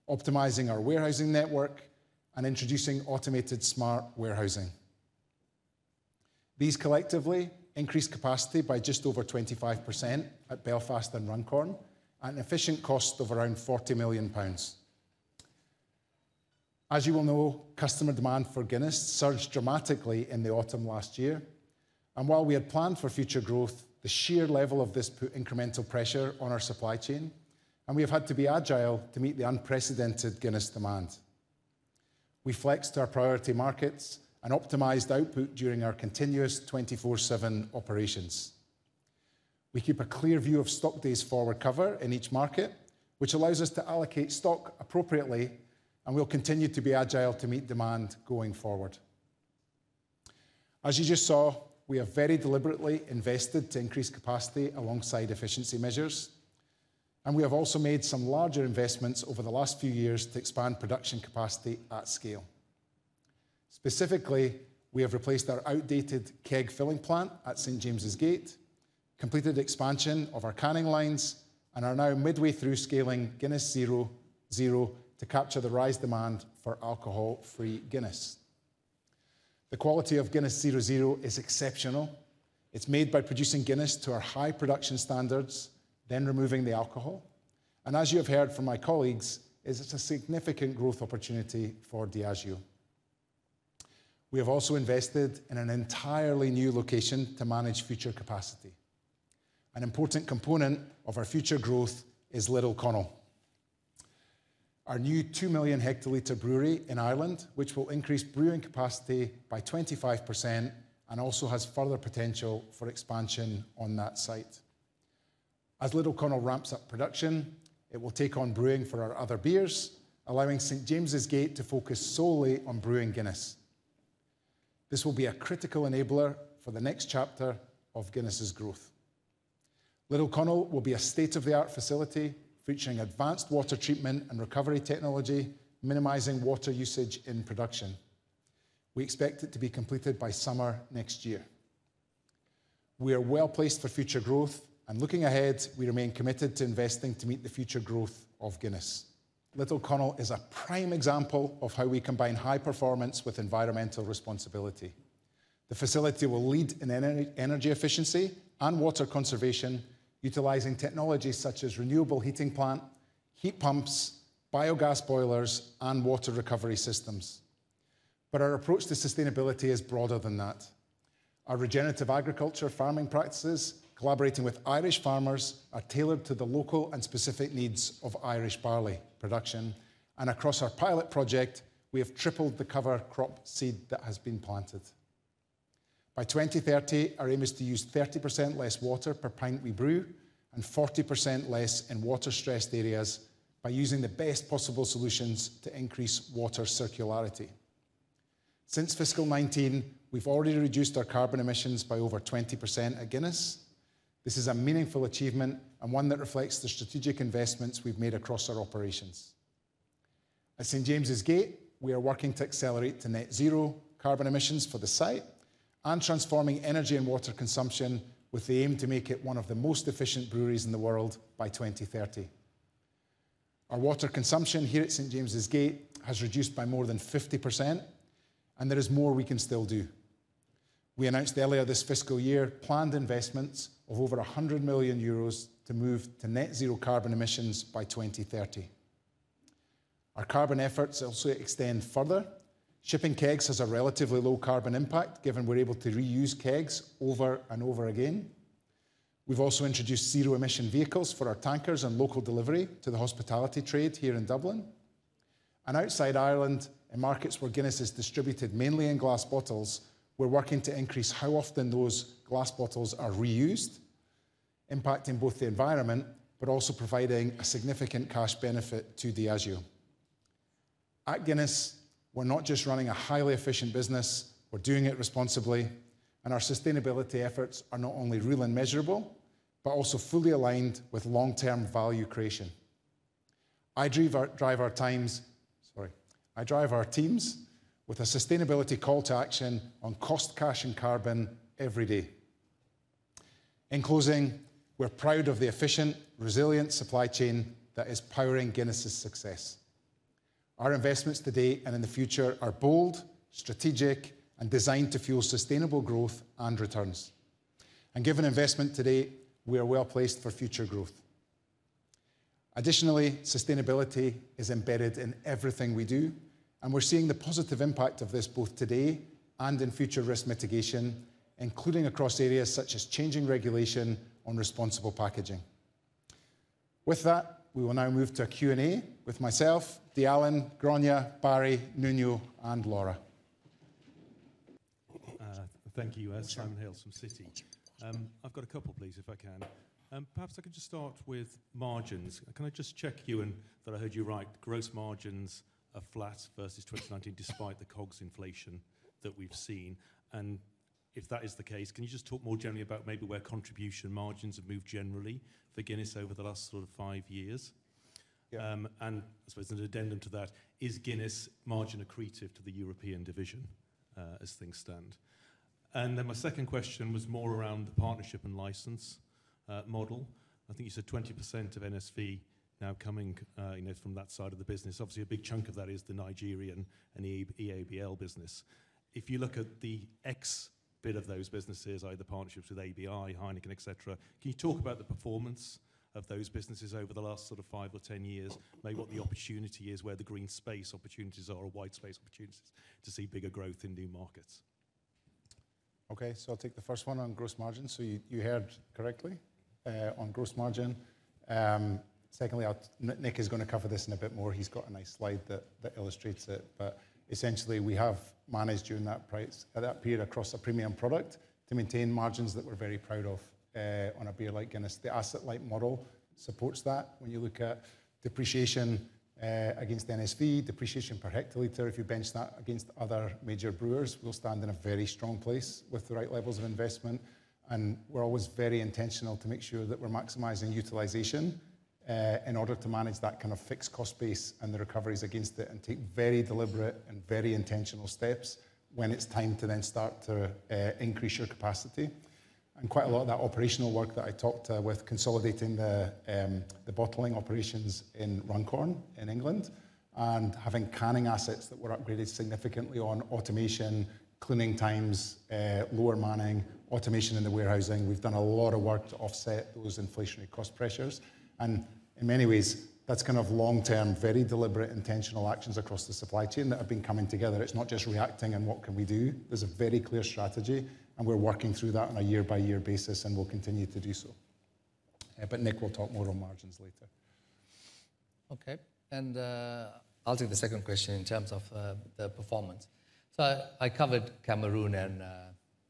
Speaker 7: optimizing our warehousing network, and introducing automated smart warehousing. These collectively increased capacity by just over 25% at Belfast and Runcorn, at an efficient cost of around 40 million pounds. As you will know, customer demand for Guinness surged dramatically in the autumn last year. While we had planned for future growth, the sheer level of this incremental pressure on our supply chain meant we have had to be agile to meet the unprecedented Guinness demand. We flexed our priority markets and optimized output during our continuous 24/7 operations. We keep a clear view of stock days forward cover in each market, which allows us to allocate stock appropriately, and we will continue to be agile to meet demand going forward. As you just saw, we have very deliberately invested to increase capacity alongside efficiency measures. We have also made some larger investments over the last few years to expand production capacity at scale. Specifically, we have replaced our outdated keg filling plant at St. James's Gate, completed expansion of our canning lines, and are now midway through scaling Guinness Zero Zero to capture the rising demand for alcohol-free Guinness. The quality of Guinness Zero Zero is exceptional. It is made by producing Guinness to our high production standards, then removing the alcohol. As you have heard from my colleagues, it is a significant growth opportunity for Diageo. We have also invested in an entirely new location to manage future capacity. An important component of our future growth is Little Connell, our new 2 million hectoliter brewery in Ireland, which will increase brewing capacity by 25% and also has further potential for expansion on that site. As Little Connell ramps up production, it will take on brewing for our other beers, allowing St. James's Gate to focus solely on brewing Guinness. This will be a critical enabler for the next chapter of Guinness's growth. Little Connell will be a state-of-the-art facility featuring advanced water treatment and recovery technology, minimizing water usage in production. We expect it to be completed by summer next year. We are well placed for future growth, and looking ahead, we remain committed to investing to meet the future growth of Guinness. Little Connell is a prime example of how we combine high performance with environmental responsibility. The facility will lead in energy efficiency and water conservation, utilizing technologies such as renewable heating plant, heat pumps, biogas boilers, and water recovery systems. Our approach to sustainability is broader than that. Our regenerative agriculture farming practices, collaborating with Irish farmers, are tailored to the local and specific needs of Irish barley production. Across our pilot project, we have tripled the cover crop seed that has been planted. By 2030, our aim is to use 30% less water per pint we brew and 40% less in water-stressed areas by using the best possible solutions to increase water circularity. Since fiscal 2019, we have already reduced our carbon emissions by over 20% at Guinness. This is a meaningful achievement and one that reflects the strategic investments we have made across our operations. At St. James's Gate, we are working to accelerate to net zero carbon emissions for the site and transforming energy and water consumption with the aim to make it one of the most efficient breweries in the world by 2030. Our water consumption here at St. James's Gate has reduced by more than 50%, and there is more we can still do. We announced earlier this fiscal year planned investments of over 100 million euros to move to net zero carbon emissions by 2030. Our carbon efforts also extend further. Shipping kegs has a relatively low carbon impact, given we're able to reuse kegs over and over again. We've also introduced zero-emission vehicles for our tankers and local delivery to the hospitality trade here in Dublin. Outside Ireland, in markets where Guinness is distributed mainly in glass bottles, we're working to increase how often those glass bottles are reused, impacting both the environment, but also providing a significant cash benefit to Diageo. At Guinness, we're not just running a highly efficient business, we're doing it responsibly, and our sustainability efforts are not only real and measurable, but also fully aligned with long-term value creation. I drive our teams with a sustainability call to action on cost, cash, and carbon every day. In closing, we're proud of the efficient, resilient supply chain that is powering Guinness's success. Our investments today and in the future are bold, strategic, and designed to fuel sustainable growth and returns. Given investment today, we are well placed for future growth. Additionally, sustainability is embedded in everything we do, and we're seeing the positive impact of this both today and in future risk mitigation, including across areas such as changing regulation on responsible packaging. With that, we will now move to a Q&A with myself, Dayalan, Grainne, Barry, Nuno, and Laura.
Speaker 8: Thank you. Simon Hales from Citi. I've got a couple, please, if I can. Perhaps I can just start with margins. Can I just check you in that I heard you right? Gross margins are flat versus 2019, despite the COGS inflation that we've seen. If that is the case, can you just talk more generally about maybe where contribution margins have moved generally for Guinness over the last sort of five years? I suppose an addendum to that, is Guinness margin accretive to the European division as things stand? My second question was more around the partnership and license model. I think you said 20% of NSV now coming from that side of the business. Obviously, a big chunk of that is the Nigerian and EABL business. If you look at the ex-bit of those businesses, either partnerships with AB InBev, Heineken, etc., can you talk about the performance of those businesses over the last sort of five or ten years? Maybe what the opportunity is, where the green space opportunities are or white space opportunities to see bigger growth in new markets?
Speaker 7: Okay, I will take the first one on gross margin. You heard correctly on gross margin. Nik is going to cover this in a bit more. He has got a nice slide that illustrates it. Essentially, we have managed during that period across a premium product to maintain margins that we're very proud of on a beer like Guinness. The asset-light model supports that. When you look at depreciation against NSV, depreciation per hectoliter, if you bench that against other major brewers, we stand in a very strong place with the right levels of investment. We are always very intentional to make sure that we're maximizing utilization in order to manage that kind of fixed cost base and the recoveries against it and take very deliberate and very intentional steps when it's time to then start to increase your capacity. Quite a lot of that operational work that I talked with consolidating the bottling operations in Runcorn in England and having canning assets that were upgraded significantly on automation, cleaning times, lower manning, automation in the warehousing, we have done a lot of work to offset those inflationary cost pressures. In many ways, that is kind of long-term, very deliberate, intentional actions across the supply chain that have been coming together. It is not just reacting and what can we do. There is a very clear strategy, and we are working through that on a year-by-year basis, and we will continue to do so. Nik will talk more on margins later.
Speaker 6: I will take the second question in terms of the performance. I covered Cameroon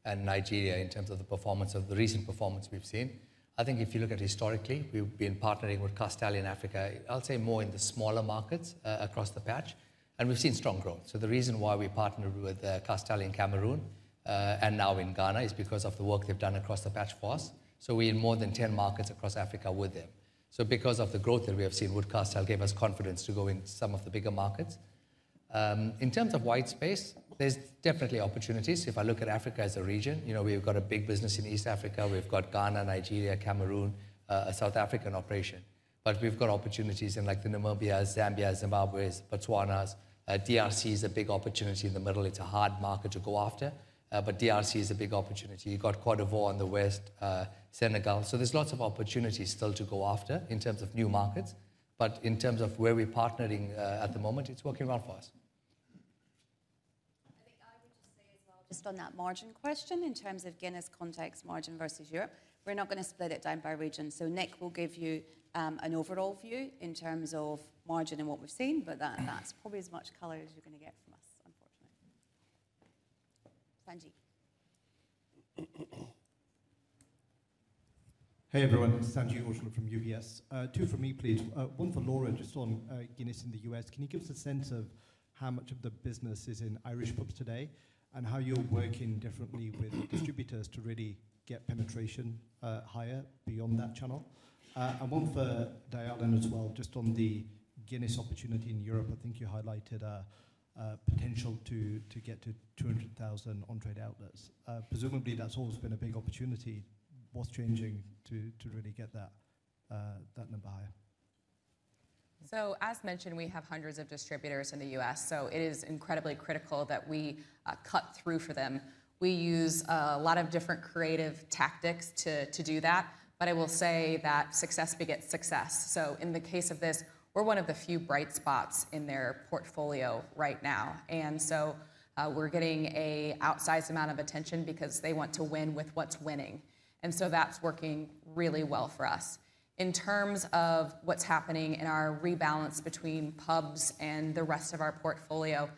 Speaker 6: and Nigeria in terms of the performance of the recent performance we have seen. I think if you look at historically, we've been partnering with Castel in Africa, I'll say more in the smaller markets across the patch, and we've seen strong growth. The reason why we partnered with Castel in Cameroon and now in Ghana is because of the work they've done across the patch for us. We're in more than 10 markets across Africa with them. Because of the growth that we have seen, what Castel has given us is confidence to go into some of the bigger markets. In terms of white space, there's definitely opportunities. If I look at Africa as a region, you know we've got a big business in East Africa. We've got Ghana, Nigeria, Cameroon, a South African operation. We've got opportunities in like Namibia, Zambia, Zimbabwe, Botswana. DRC is a big opportunity in the middle. It's a hard market to go after, but DRC is a big opportunity. You've got Côte d'Ivoire in the west, Senegal. There are lots of opportunities still to go after in terms of new markets. In terms of where we're partnering at the moment, it's working well for us.
Speaker 9: I think I would just say as well, just on that margin question, in terms of Guinness context, margin versus Europe, we're not going to split it down by region. Nik will give you an overall view in terms of margin and what we've seen, but that's probably as much color as you're going to get from us, unfortunately.
Speaker 10: Hey, everyone. Sanji Aujla from UBS. Two for me, please. One for Laura, just on Guinness in the U.S., can you give us a sense of how much of the business is in Irish pubs today and how you're working differently with distributors to really get penetration higher beyond that channel? One for Dayalan as well, just on the Guinness opportunity in Europe. I think you highlighted a potential to get to 200,000 on-trade outlets. Presumably, that's always been a big opportunity. What's changing to really get that number higher?
Speaker 5: As mentioned, we have hundreds of distributors in the U.S., so it is incredibly critical that we cut through for them. We use a lot of different creative tactics to do that, but I will say that success begets success. In the case of this, we're one of the few bright spots in their portfolio right now. We're getting an outsized amount of attention because they want to win with what's winning. That is working really well for us. In terms of what is happening in our rebalance between pubs and the rest of our portfolio,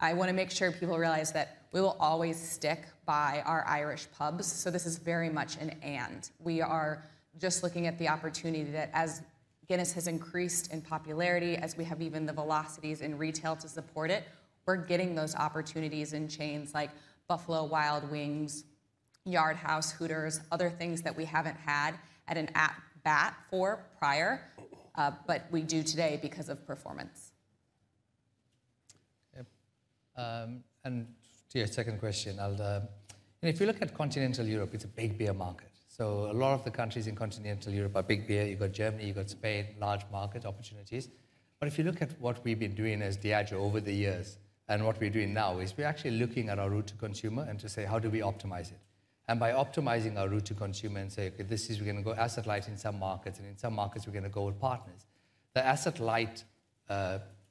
Speaker 5: I want to make sure people realize that we will always stick by our Irish pubs. This is very much an and. We are just looking at the opportunity that, as Guinness has increased in popularity, as we have even the velocities in retail to support it, we are getting those opportunities in chains like Buffalo Wild Wings, Yardhouse, Hooters, other things that we have not had at an at bat for prior, but we do today because of performance.
Speaker 6: To your second question, if you look at continental Europe, it is a big beer market. A lot of the countries in continental Europe are big beer. You have Germany, you have Spain, large market opportunities. If you look at what we've been doing as Diageo over the years and what we're doing now, we're actually looking at our route to consumer and to say, how do we optimize it? By optimizing our route to consumer and saying, okay, this is, we're going to go asset light in some markets, and in some markets, we're going to go with partners. The asset light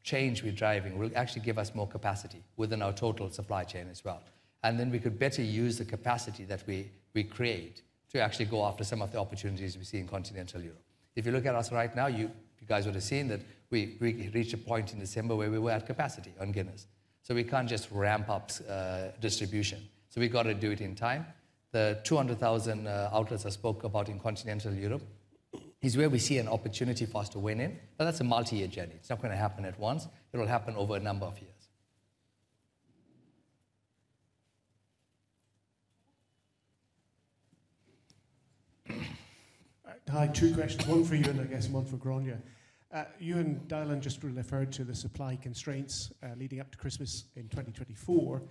Speaker 6: change we're driving will actually give us more capacity within our total supply chain as well. We could better use the capacity that we create to actually go after some of the opportunities we see in continental Europe. If you look at us right now, you guys would have seen that we reached a point in December where we were at capacity on Guinness. We can't just ramp up distribution. We have got to do it in time. The 200,000 outlets I spoke about in continental Europe is where we see an opportunity for us to win in. That is a multi-year journey. It is not going to happen at once. It will happen over a number of years. Hi, two questions. One for you, and I guess one for Grainne. You and Dayalan just referred to the supply constraints leading up to Christmas in 2024.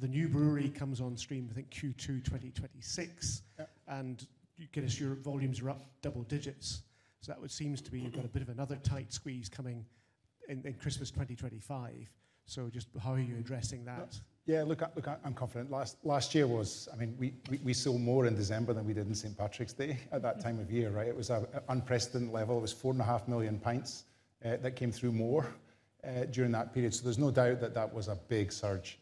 Speaker 6: The new brewery comes on stream, I think, Q2 2026. You can assure volumes are up double digits. That seems to me you have got a bit of another tight squeeze coming in Christmas 2025. Just how are you addressing that?
Speaker 7: Yeah, look, I am confident. Last year was, I mean, we saw more in December than we did in St. Patrick's Day at that time of year, right? It was an unprecedented level. It was four and a half million pints that came through more during that period. There is no doubt that that was a big surge.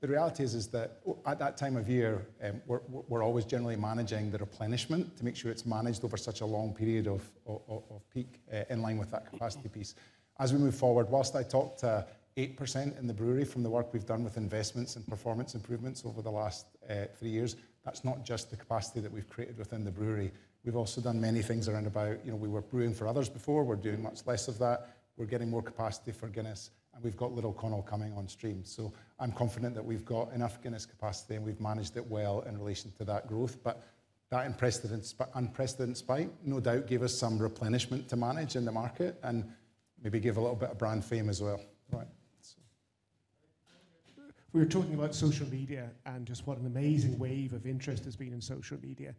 Speaker 7: The reality is that at that time of year, we are always generally managing the replenishment to make sure it is managed over such a long period of peak in line with that capacity piece. As we move forward, whilst I talked to 8% in the brewery from the work we have done with investments and performance improvements over the last three years, that is not just the capacity that we have created within the brewery. We have also done many things around about, you know, we were brewing for others before. We are doing much less of that. We are getting more capacity for Guinness, and we have got Little Connell coming on stream. I am confident that we have got enough Guinness capacity, and we have managed it well in relation to that growth. That unprecedented spike, no doubt, gave us some replenishment to manage in the market and maybe give a little bit of brand fame as well. We were talking about social media and just what an amazing wave of interest has been in social media.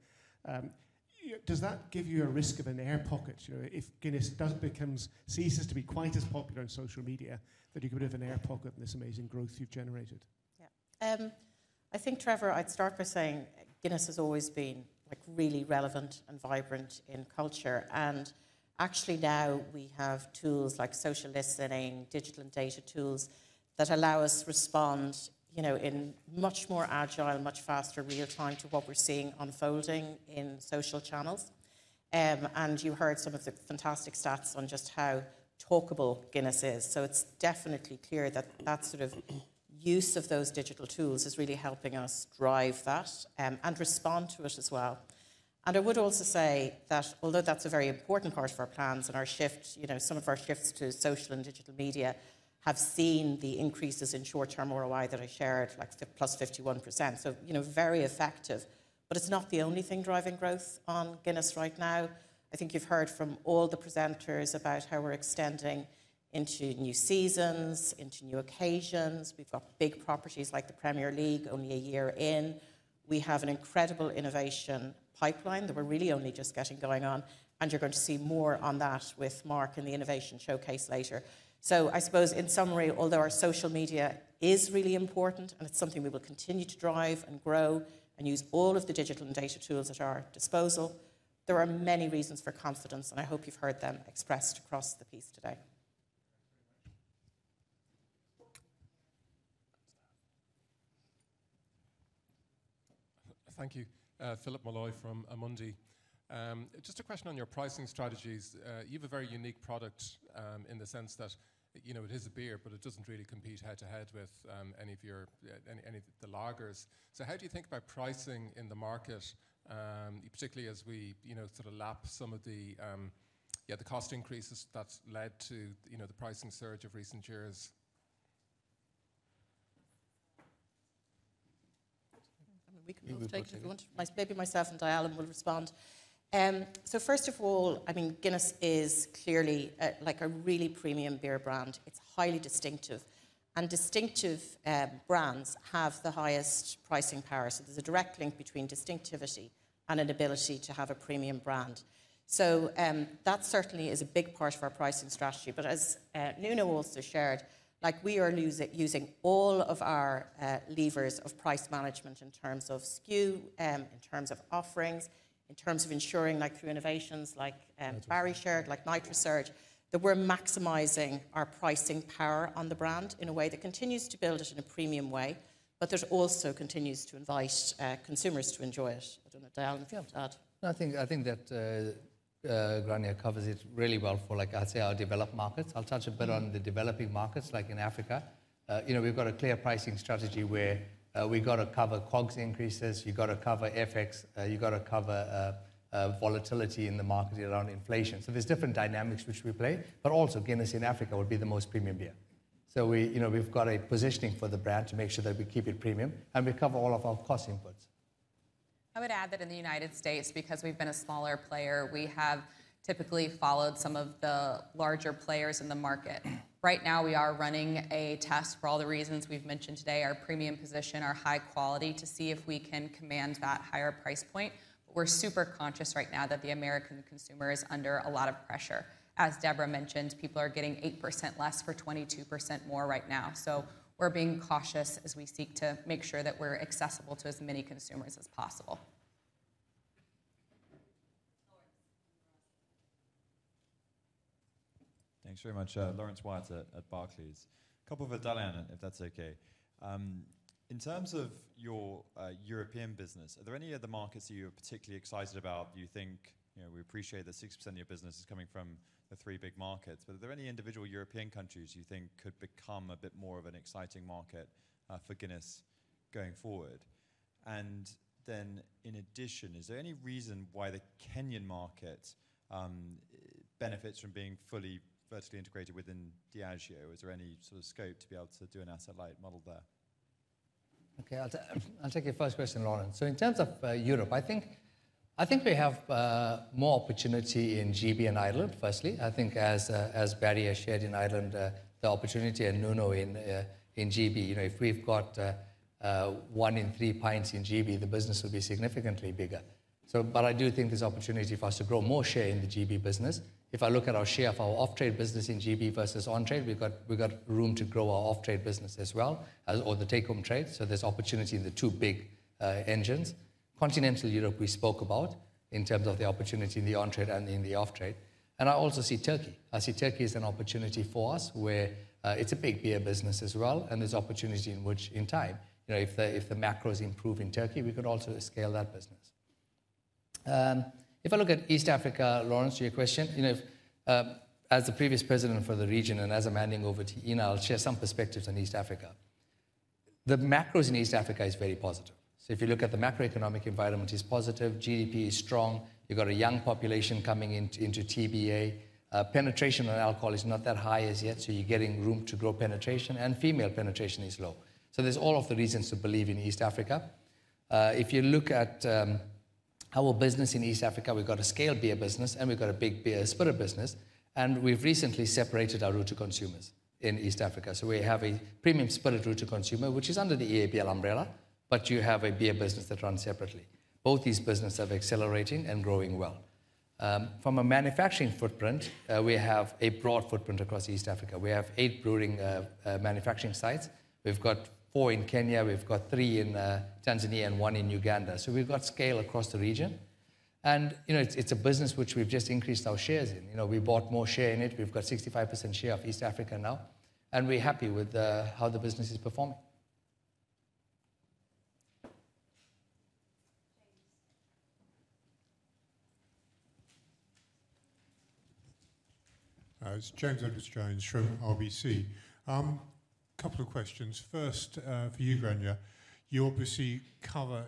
Speaker 7: Does that give you a risk of an air pocket? If Guinness does become, ceases to be quite as popular on social media, that you could have an air pocket in this amazing growth you have generated?
Speaker 2: Yeah, I think, Trevor, I would start by saying Guinness has always been really relevant and vibrant in culture. Actually now we have tools like social listening, digital and data tools that allow us to respond in much more agile, much faster real time to what we are seeing unfolding in social channels. You heard some of the fantastic stats on just how talkable Guinness is. It is definitely clear that that sort of use of those digital tools is really helping us drive that and respond to it as well. I would also say that although that is a very important part of our plans and our shift, you know, some of our shifts to social and digital media have seen the increases in short-term ROI that I shared, like +51%. You know, very effective. It is not the only thing driving growth on Guinness right now. I think you have heard from all the presenters about how we are extending into new seasons, into new occasions. We have big properties like the Premier League only a year in. We have an incredible innovation pipeline that we are really only just getting going on. You are going to see more on that with Mark in the innovation showcase later. I suppose in summary, although our social media is really important and it's something we will continue to drive and grow and use all of the digital and data tools at our disposal, there are many reasons for confidence, and I hope you've heard them expressed across the piece today.
Speaker 11: Thank you, Philip Molloy from Amundi. Just a question on your pricing strategies. You have a very unique product in the sense that, you know, it is a beer, but it doesn't really compete head-to-head with any of your, any of the lagers. How do you think about pricing in the market, particularly as we, you know, sort of lap some of the, yeah, the cost increases that's led to, you know, the pricing surge of recent years?
Speaker 12: I mean, we can take it if you want. Maybe myself and Dayalan will respond. First of all, I mean, Guinness is clearly like a really premium beer brand. It's highly distinctive. And distinctive brands have the highest pricing power. There's a direct link between distinctivity and an ability to have a premium brand. That certainly is a big part of our pricing strategy. As Nuno also shared, we are using all of our levers of price management in terms of SKU, in terms of offerings, in terms of ensuring through innovations like Barry shared, like NitroSurge, that we're maximizing our pricing power on the brand in a way that continues to build it in a premium way, but that also continues to invite consumers to enjoy it.
Speaker 6: I don't know, Dayalan, if you have to add. I think that Grainne covers it really well for, like I'd say, our developed markets. I'll touch a bit on the developing markets, like in Africa. You know, we've got a clear pricing strategy where we've got to cover COGS increases. You've got to cover FX. You've got to cover volatility in the market around inflation. There are different dynamics which we play. Also, Guinness in Africa would be the most premium beer. We, you know, we've got a positioning for the brand to make sure that we keep it premium. We cover all of our cost inputs.
Speaker 5: I would add that in the U.S., because we've been a smaller player, we have typically followed some of the larger players in the market. Right now we are running a test for all the reasons we've mentioned today, our premium position, our high quality, to see if we can command that higher price point. We're super conscious right now that the American consumer is under a lot of pressure. As Deborah mentioned, people are getting 8% less for 22% more right now. We're being cautious as we seek to make sure that we're accessible to as many consumers as possible.
Speaker 13: Thanks very much. Lawrence Wyatt at Barclays. A couple for Dayalan, if that's okay. In terms of your European business, are there any other markets that you are particularly excited about? You think, you know, we appreciate that 60% of your business is coming from the three big markets, but are there any individual European countries you think could become a bit more of an exciting market for Guinness going forward? In addition, is there any reason why the Kenyan market benefits from being fully vertically integrated within Diageo? Is there any sort of scope to be able to do an asset-light model there?
Speaker 6: Okay, I'll take your first question, Lauren. In terms of Europe, I think we have more opportunity in GB and Ireland, firstly. I think as Barry has shared in Ireland, the opportunity and Nuno in GB, you know, if we've got one in three pints in GB, the business will be significantly bigger. I do think there's opportunity for us to grow more share in the GB business. If I look at our share of our off-trade business in GB versus on-trade, we've got room to grow our off-trade business as well as all the take-home trade. There's opportunity in the two big engines. Continental Europe, we spoke about in terms of the opportunity in the on-trade and in the off-trade. I also see Turkey. I see Turkey as an opportunity for us where it's a big beer business as well. There's opportunity in which, in time, you know, if the macros improve in Turkey, we could also scale that business. If I look at East Africa, Lawrence, to your question, you know, as the previous President for the region and as I'm handing over to Hina, I'll share some perspectives on East Africa. The macros in East Africa are very positive. If you look at the macroeconomic environment, it is positive. GDP is strong. You've got a young population coming into TBA. Penetration on alcohol is not that high as yet. You're getting room to grow penetration. Female penetration is low. There's all of the reasons to believe in East Africa. If you look at our business in East Africa, we've got a scale beer business and we've got a big beer spirit business. We've recently separated our route to consumers in East Africa. We have a premium spirit route to consumer, which is under the EABL umbrella, but you have a beer business that runs separately. Both these businesses are accelerating and growing well. From a manufacturing footprint, we have a broad footprint across East Africa. We have eight brewing manufacturing sites. We've got four in Kenya, we've got three in Tanzania, and one in Uganda. We've got scale across the region. You know, it's a business which we've just increased our shares in. You know, we bought more share in it. We've got 65% share of East Africa now. We're happy with how the business is performing.
Speaker 14: It's James Edward Jones from RBC. A couple of questions. First, for you, Grainne. You obviously cover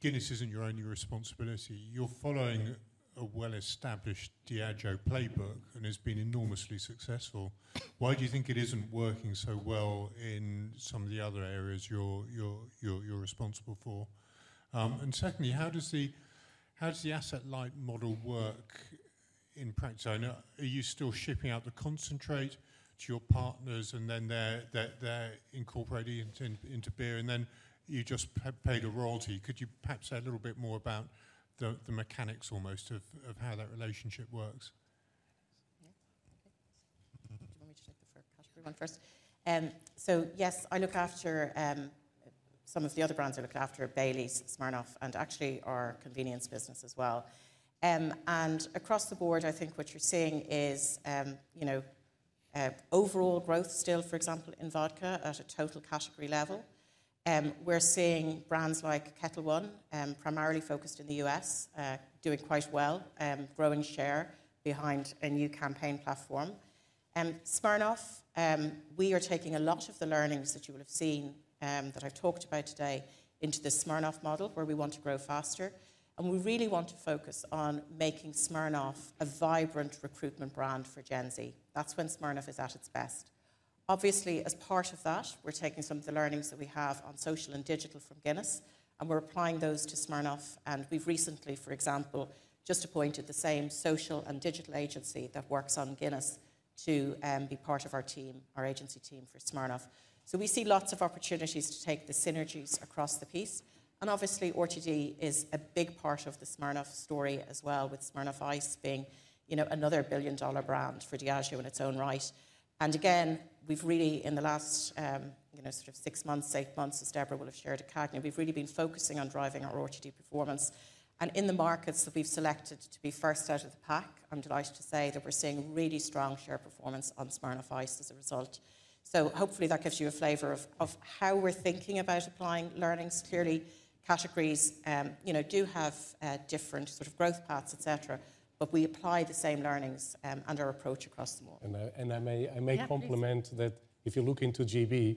Speaker 14: Guinness, it isn't your only responsibility. You're following a well-established Diageo playbook and it's been enormously successful. Why do you think it isn't working so well in some of the other areas you're responsible for? Secondly, how does the asset light model work in practice? I know, are you still shipping out the concentrate to your partners and then they're incorporating it into beer and then you just pay a royalty? Could you perhaps say a little bit more about the mechanics almost of how that relationship works?
Speaker 12: Yeah, okay. Do you want me to take the first category one first? Yes, I look after some of the other brands. I look after Baileys, Smirnoff, and actually our convenience business as well. Across the board, I think what you're seeing is, you know, overall growth still, for example, in vodka at a total category level. We're seeing brands like Ketel One, primarily focused in the U.S., doing quite well, growing share behind a new campaign platform. Smirnoff, we are taking a lot of the learnings that you will have seen that I've talked about today into the Smirnoff model where we want to grow faster. We really want to focus on making Smirnoff a vibrant recruitment brand for Gen Z. That's when Smirnoff is at its best. Obviously, as part of that, we're taking some of the learnings that we have on social and digital from Guinness and we're applying those to Smirnoff. We have recently, for example, just appointed the same social and digital agency that works on Guinness to be part of our team, our agency team for Smirnoff. We see lots of opportunities to take the synergies across the piece. Obviously, RTD is a big part of the Smirnoff story as well, with Smirnoff Ice being, you know, another billion-dollar brand for Diageo in its own right. Again, we have really, in the last, you know, sort of six months, eight months, as Deborah will have shared at CAGNY, really been focusing on driving our RTD performance. In the markets that we have selected to be first out of the pack, I am delighted to say that we are seeing really strong share performance on Smirnoff Ice as a result. Hopefully that gives you a flavor of how we are thinking about applying learnings. Clearly, categories, you know, do have different sort of growth paths, et cetera, but we apply the same learnings and our approach across the world.
Speaker 4: I may complement that if you look into GB,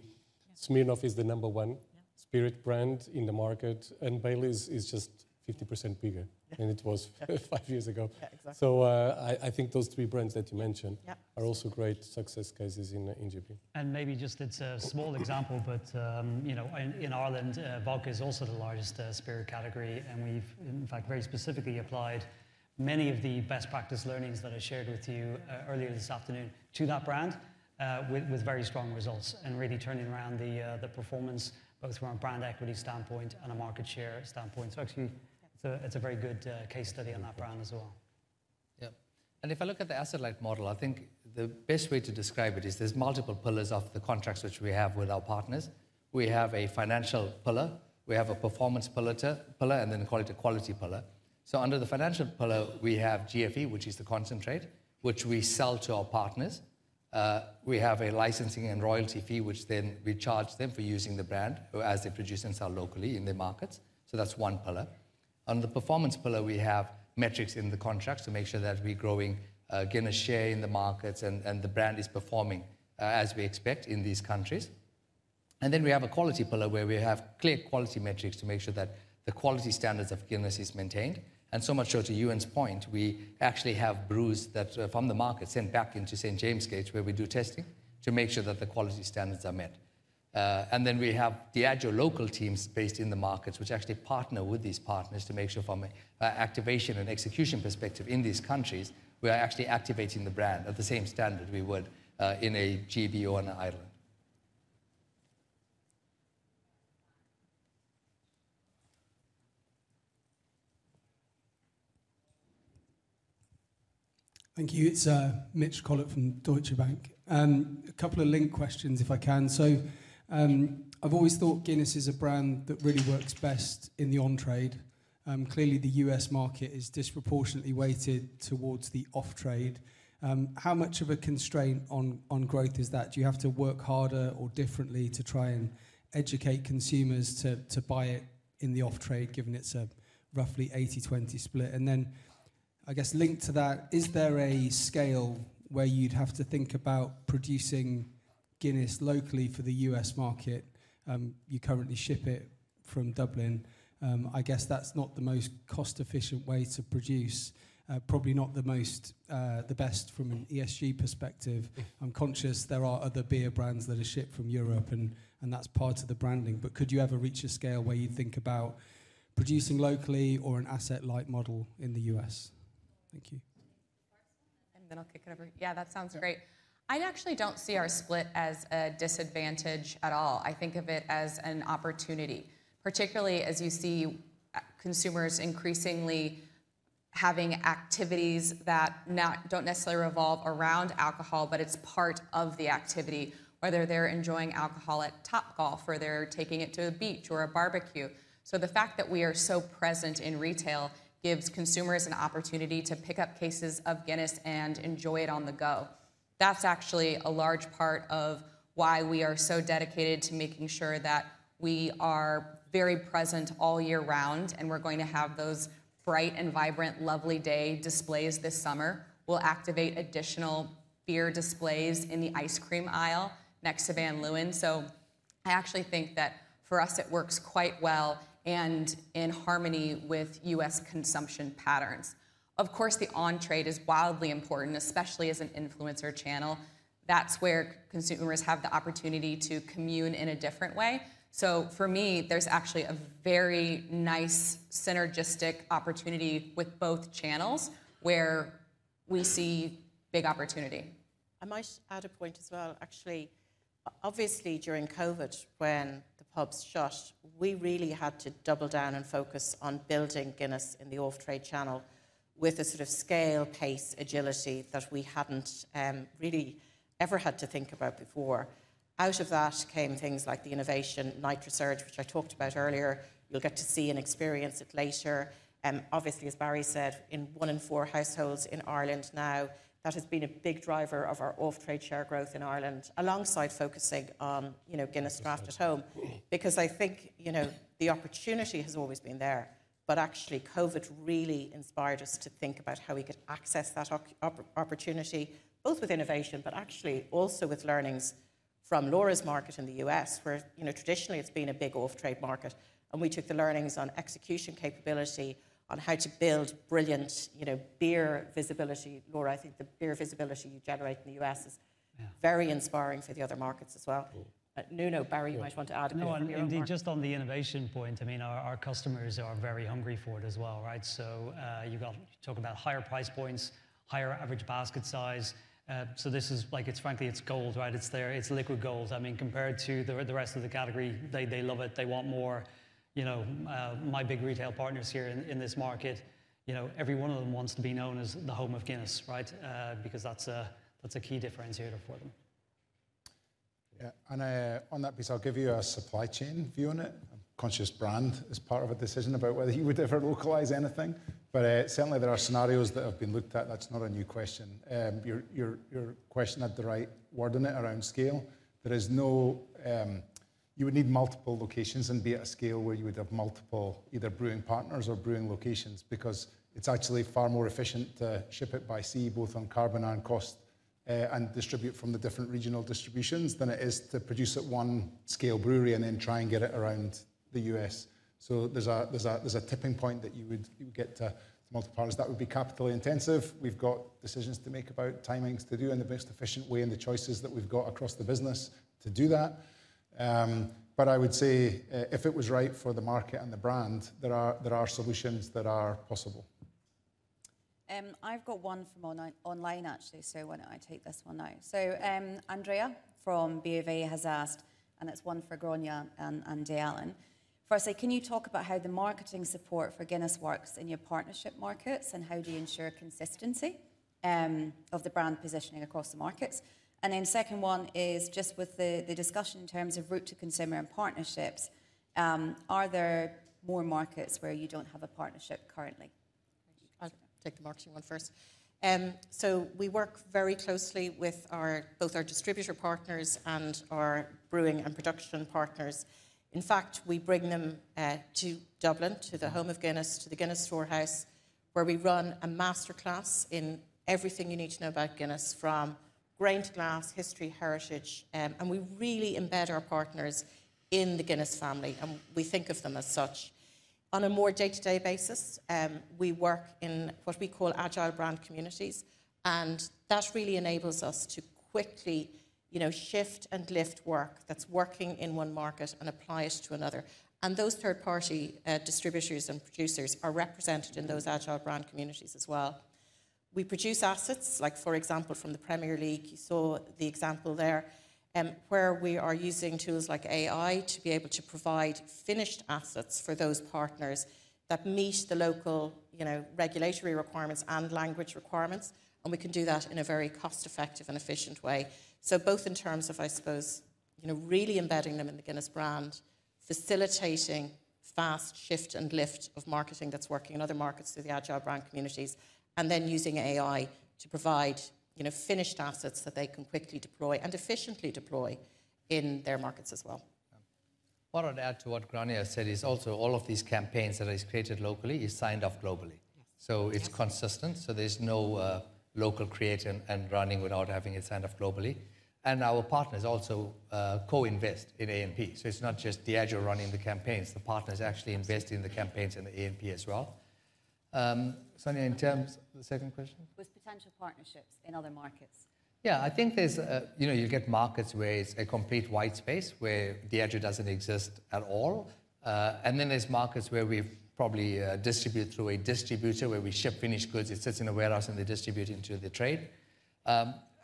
Speaker 4: Smirnoff is the number one spirit brand in the market and Baileys is just 50% bigger than it was five years ago. I think those three brands that you mentioned are also great success cases in GB.
Speaker 3: Maybe just it's a small example, but you know, in Ireland, vodka is also the largest spirit category and we've, in fact, very specifically applied many of the best practice learnings that I shared with you earlier this afternoon to that brand with very strong results and really turning around the performance both from a brand equity standpoint and a market share standpoint. Actually, it's a very good case study on that brand as well.
Speaker 6: Yeah. If I look at the asset-light model, I think the best way to describe it is there's multiple pillars of the contracts which we have with our partners. We have a financial pillar, we have a performance pillar, and then a quality pillar. Under the financial pillar, we have GFE, which is the concentrate, which we sell to our partners. We have a licensing and royalty fee, which then we charge them for using the brand as they produce and sell locally in their markets. That is one pillar. On the performance pillar, we have metrics in the contract to make sure that we're growing Guinness share in the markets and the brand is performing as we expect in these countries. Then we have a quality pillar where we have clear quality metrics to make sure that the quality standards of Guinness is maintained. So much so to Ewan's point, we actually have brews that from the market sent back into St. James's Gate where we do testing to make sure that the quality standards are met. We have Diageo local teams based in the markets, which actually partner with these partners to make sure from an activation and execution perspective in these countries, we are actually activating the brand at the same standard we would in a GB or an Ireland.
Speaker 15: Thank you. It's Mitch Collett from Deutsche Bank. A couple of linked questions if I can. I've always thought Guinness is a brand that really works best in the on-trade. Clearly, the U.S. market is disproportionately weighted towards the off-trade. How much of a constraint on growth is that? Do you have to work harder or differently to try and educate consumers to buy it in the off-trade given it's a roughly 80-20 split? I guess linked to that, is there a scale where you'd have to think about producing Guinness locally for the U.S. market? You currently ship it from Dublin. I guess that's not the most cost-efficient way to produce, probably not the best from an ESG perspective. I'm conscious there are other beer brands that are shipped from Europe and that's part of the branding. Could you ever reach a scale where you'd think about producing locally or an asset light model in the U.S.? Thank you.
Speaker 5: I'll kick it over. Yeah, that sounds great. I actually don't see our split as a disadvantage at all. I think of it as an opportunity, particularly as you see consumers increasingly having activities that do not necessarily revolve around alcohol, but it is part of the activity, whether they are enjoying alcoholic Topgolf or they are taking it to a beach or a barbecue. The fact that we are so present in retail gives consumers an opportunity to pick up cases of Guinness and enjoy it on the go. That is actually a large part of why we are so dedicated to making sure that we are very present all year round. We are going to have those bright and vibrant, lovely day displays this summer. We will activate additional beer displays in the ice cream aisle next to Van Leeuwen. I actually think that for us it works quite well and in harmony with U.S. consumption patterns. Of course, the on-trade is wildly important, especially as an influencer channel. That's where consumers have the opportunity to commune in a different way. For me, there's actually a very nice synergistic opportunity with both channels where we see big opportunity.
Speaker 2: I might add a point as well. Actually, obviously during COVID when the pubs shut, we really had to double down and focus on building Guinness in the off-trade channel with a sort of scale, pace, agility that we had not really ever had to think about before. Out of that came things like the innovation Night Research, which I talked about earlier. You'll get to see and experience it later. Obviously, as Barry said, in one in four households in Ireland now, that has been a big driver of our off-trade share growth in Ireland alongside focusing on, you know, Guinness Draught at Home. Because I think, you know, the opportunity has always been there, but actually COVID really inspired us to think about how we could access that opportunity, both with innovation, but actually also with learnings from Laura's market in the U.S. where, you know, traditionally it's been a big off-trade market. We took the learnings on execution capability, on how to build brilliant, you know, beer visibility. Laura, I think the beer visibility you generate in the U.S. is very inspiring for the other markets as well. Nuno, Barry, you might want to add a bit more
Speaker 3: No, and indeed, just on the innovation point, I mean, our customers are very hungry for it as well, right? You've got to talk about higher price points, higher average basket size. This is like, it's frankly, it's gold, right? It's there, it's liquid gold. I mean, compared to the rest of the category, they love it. They want more, you know, my big retail partners here in this market, you know, every one of them wants to be known as the home of Guinness, right? Because that's a key differentiator for them.
Speaker 7: Yeah. On that piece, I'll give you a supply chain view on it. I'm conscious brand is part of a decision about whether you would ever localize anything. Certainly there are scenarios that have been looked at. That's not a new question. Your question had the right word in it around scale. There is no, you would need multiple locations and be at a scale where you would have multiple either brewing partners or brewing locations because it's actually far more efficient to ship it by sea, both on carbon and cost, and distribute from the different regional distributions than it is to produce at one scale brewery and then try and get it around the U.S.. There is a tipping point that you would get to multiple partners that would be capitally intensive. We've got decisions to make about timings to do in the most efficient way and the choices that we've got across the business to do that. I would say if it was right for the market and the brand, there are solutions that are possible.
Speaker 9: I've got one from online actually, so I want to take this one now. Andrea from BVA has asked, and that's one for Grainne and Dayalan. Firstly, can you talk about how the marketing support for Guinness works in your partnership markets and how do you ensure consistency of the brand positioning across the markets? The second one is just with the discussion in terms of route to consumer and partnerships, are there more markets where you don't have a partnership currently? I
Speaker 12: I'll take the marketing one first. We work very closely with both our distributor partners and our brewing and production partners. In fact, we bring them to Dublin, to the home of Guinness, to the Guinness Storehouse where we run a masterclass in everything you need to know about Guinness from grain to glass, history, heritage. We really embed our partners in the Guinness family and we think of them as such. On a more day-to-day basis, we work in what we call agile brand communities. That really enables us to quickly, you know, shift and lift work that is working in one market and apply it to another. Those third-party distributors and producers are represented in those agile brand communities as well. We produce assets, like for example from the Premier League, you saw the example there, where we are using tools like AI to be able to provide finished assets for those partners that meet the local, you know, regulatory requirements and language requirements. We can do that in a very cost-effective and efficient way. Both in terms of, I suppose, you know, really embedding them in the Guinness brand, facilitating fast shift and lift of marketing that's working in other markets through the agile brand communities, and then using AI to provide, you know, finished assets that they can quickly deploy and efficiently deploy in their markets as well.
Speaker 6: What I'd add to what Grainne said is also all of these campaigns that are created locally are signed off globally. It is consistent. There is no local creation and running without having it signed off globally. Our partners also co-invest in A&P. It is not just Diageo running the campaigns. The partners actually invest in the campaigns and the A&P as well. Sonia, in terms of the second question. With potential partnerships in other markets? Yeah, I think there's, you know, you'll get markets where it's a complete white space where Diageo doesn't exist at all. Then there's markets where we probably distribute through a distributor where we ship finished goods. It sits in a warehouse and they distribute into the trade.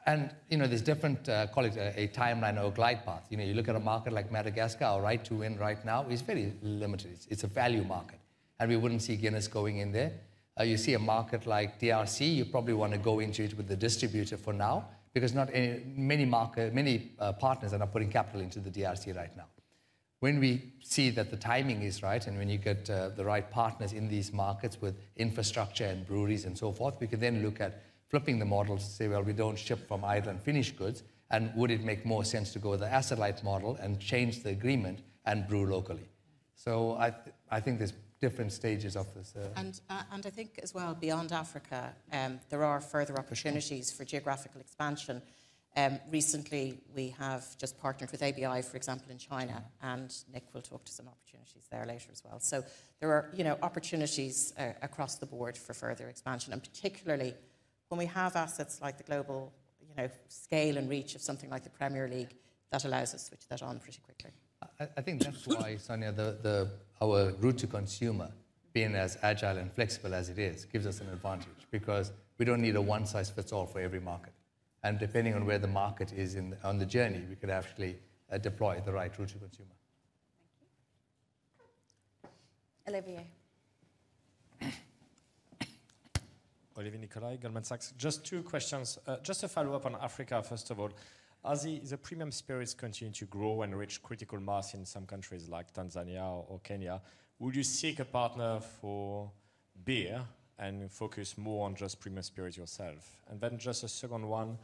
Speaker 6: You know, there's different, call it a timeline or a glide path. You know, you look at a market like Madagascar or right to win right now, it's very limited. It's a value market and we wouldn't see Guinness going in there. You see a market like DRC, you probably want to go into it with the distributor for now because not many partners are now putting capital into the DRC right now. When we see that the timing is right and when you get the right partners in these markets with infrastructure and breweries and so forth, we can then look at flipping the model to say, well, we do not ship from Ireland finished goods and would it make more sense to go with the asset-light model and change the agreement and brew locally? I think there are different stages of this.
Speaker 12: I think as well beyond Africa, there are further opportunities for geographical expansion. Recently we have just partnered with AB InBev, for example, in China, and Nik will talk to some opportunities there later as well. There are, you know, opportunities across the board for further expansion, and particularly when we have assets like the global, you know, scale and reach of something like the Premier League that allows us to switch that on pretty quickly.
Speaker 6: I think that's why, Sonya, our route to consumer, being as agile and flexible as it is, gives us an advantage because we do not need a one size fits all for every market. Depending on where the market is on the journey, we could actually deploy the right route to consumer.
Speaker 16: Olivier Nicolai, Goldman Sachs. Just two questions. Just to follow up on Africa, first of all, as the premium spirits continue to grow and reach critical mass in some countries like Tanzania or Kenya, would you seek a partner for beer and focus more on just premium spirits yourself? Just a second one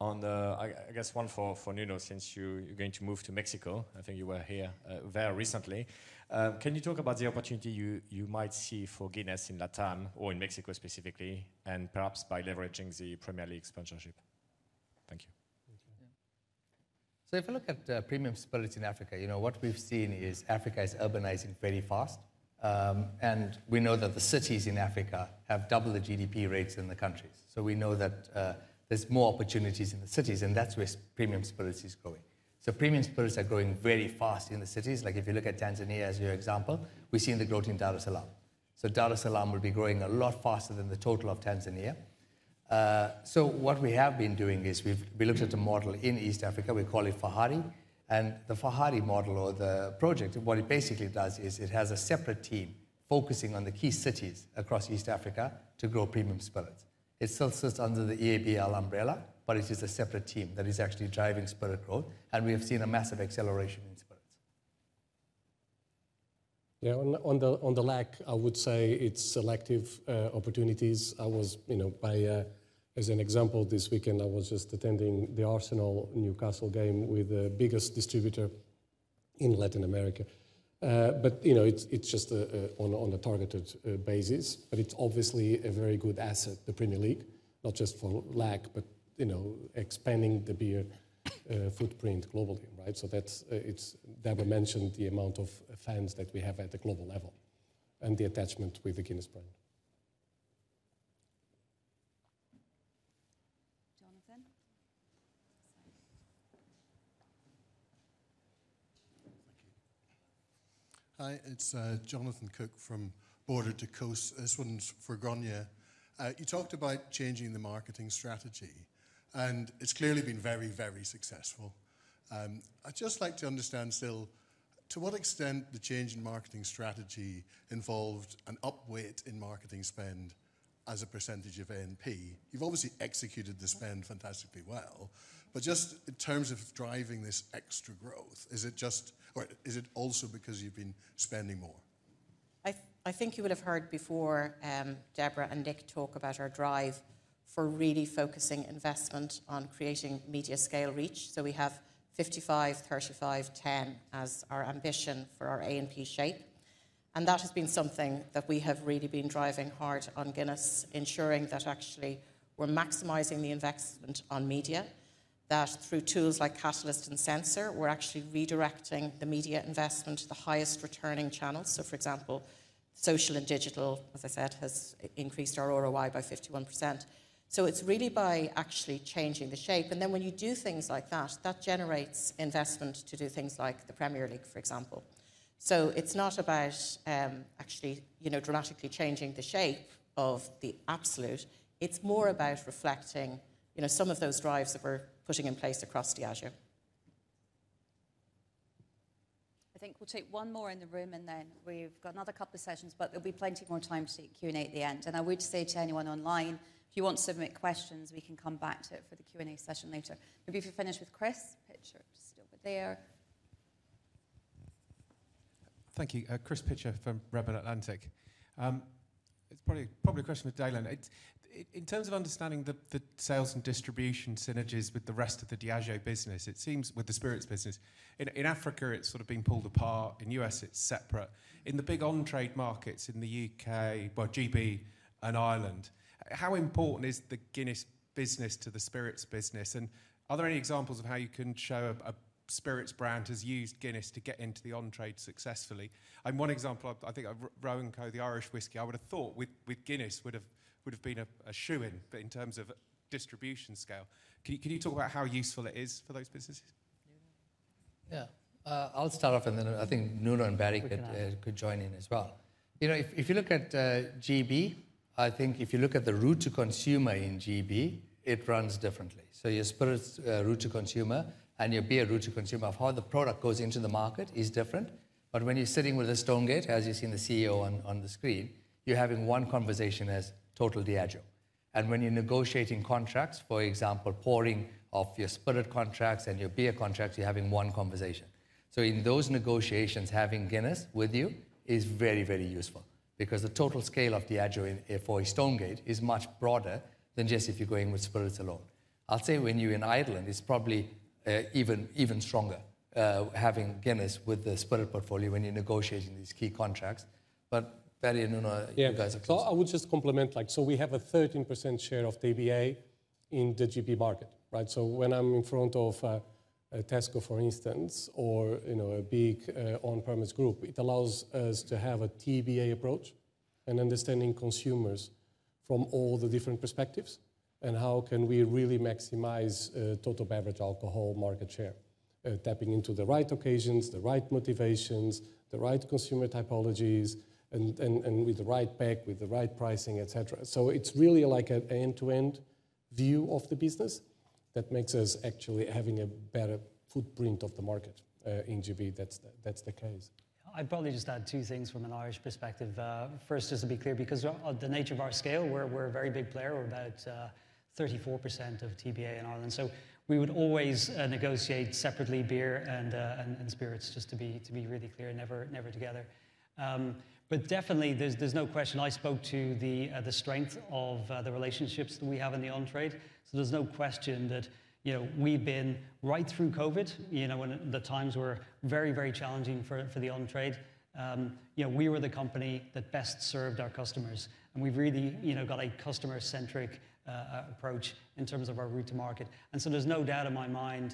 Speaker 16: on the, I guess one for Nuno, since you are going to move to Mexico, I think you were here very recently. Can you talk about the opportunity you might see for Guinness in LATAM or in Mexico specifically, and perhaps by leveraging the Premier League sponsorship? Thank you.
Speaker 6: If you look at premium spirits in Africa, you know, what we've seen is Africa is urbanizing very fast. We know that the cities in Africa have double the GDP rates in the countries. We know that there's more opportunities in the cities, and that's where premium spirits is going. Premium spirits are growing very fast in the cities. Like if you look at Tanzania as your example, we've seen the growth in Dar es Salaam. Dar es Salaam will be growing a lot faster than the total of Tanzania. What we have been doing is we looked at a model in East Africa. We call it Fahari. The Fahari model or the project, what it basically does is it has a separate team focusing on the key cities across East Africa to grow premium spirits. It still sits under the EABL umbrella, but it is a separate team that is actually driving spirit growth. We have seen a massive acceleration in spirits.
Speaker 4: Yeah, on the lack, I would say it is selective opportunities. I was, you know, by, as an example, this weekend I was just attending the Arsenal-Newcastle game with the biggest distributor in Latin America. You know, it is just on a targeted basis, but it is obviously a very good asset, the Premier League, not just for lack, but, you know, expanding the beer footprint globally, right? It is never mentioned the amount of fans that we have at the global level and the attachment with the Guinness brand.
Speaker 17: Hi, it's Jonathan Cook from Border to Coast. This one's for Grainne. You talked about changing the marketing strategy, and it's clearly been very, very successful. I'd just like to understand still to what extent the change in marketing strategy involved an upweight in marketing spend as a percentage of A&P. You've obviously executed the spend fantastically well, but just in terms of driving this extra growth, is it just, or is it also because you've been spending more?
Speaker 12: I think you would have heard before Deborah and Nik talk about our drive for really focusing investment on creating media scale reach. We have 55, 35, 10 as our ambition for our A&P shape. That has been something that we have really been driving hard on Guinness, ensuring that actually we're maximizing the investment on media, that through tools like Catalyst and Sensor, we're actually redirecting the media investment to the highest returning channels. For example, social and digital, as I said, has increased our ROI by 51%. It is really by actually changing the shape. When you do things like that, that generates investment to do things like the Premier League, for example. It is not about actually, you know, dramatically changing the shape of the absolute. It is more about reflecting, you know, some of those drives that we're putting in place across Diageo.
Speaker 9: I think we'll take one more in the room and then we've got another couple of sessions, but there will be plenty more time to Q&A at the end. I would say to anyone online, if you want to submit questions, we can come back to it for the Q&A session later. Maybe if you're finished with Chris, pitcher, still over there.
Speaker 18: Thank you. Chris Pitcher, from Rebel Atlantic. It's probably a question for Dayalan. In terms of understanding the sales and distribution synergies with the rest of the Diageo business, it seems with the spirits business in Africa, it's sort of been pulled apart. In the U.S., it's separate. In the big on-trade markets in the U.K., GB and Ireland, how important is the Guinness business to the spirits business? Are there any examples of how you can show a spirits brand has used Guinness to get into the on-trade successfully? One example, I think Rowan Co, the Irish whiskey, I would have thought with Guinness would have been a shoe-in, but in terms of distribution scale, can you talk about how useful it is for those businesses?
Speaker 6: Yeah, I'll start off and then I think Nuno and Barry could join in as well. You know, if you look at GB, I think if you look at the route to consumer in GB, it runs differently. Your spirits route to consumer and your beer route to consumer of how the product goes into the market is different. When you're sitting with a Stonegate, as you've seen the CEO on the screen, you're having one conversation as total Diageo. When you're negotiating contracts, for example, pouring of your spirit contracts and your beer contracts, you're having one conversation. In those negotiations, having Guinness with you is very, very useful because the total scale of Diageo for a Stonegate is much broader than just if you're going with spirits alone. I'll say when you're in Ireland, it's probably even stronger having Guinness with the spirit portfolio when you're negotiating these key contracts. Barry and Nuno, you guys are close.
Speaker 4: I would just complement, like, we have a 13% share of TBA in the GB market, right? When I'm in front of a Tesco, for instance, or, you know, a big on-premise group, it allows us to have a TBA approach and understanding consumers from all the different perspectives and how can we really maximize total beverage alcohol market share, tapping into the right occasions, the right motivations, the right consumer typologies, and with the right peg, with the right pricing, et cetera. It is really like an end-to-end view of the business that makes us actually have a better footprint of the market in GB, that is the case.
Speaker 3: I would probably just add two things from an Irish perspective. First, just to be clear, because of the nature of our scale, we are a very big player. We are about 34% of TBA in Ireland. We would always negotiate separately beer and spirits, just to be really clear, never together. There is definitely no question. I spoke to the strength of the relationships that we have in the on-trade. There is no question that, you know, we have been right through COVID, you know, when the times were very, very challenging for the on-trade. You know, we were the company that best served our customers. We have really, you know, got a customer-centric approach in terms of our route to market. There is no doubt in my mind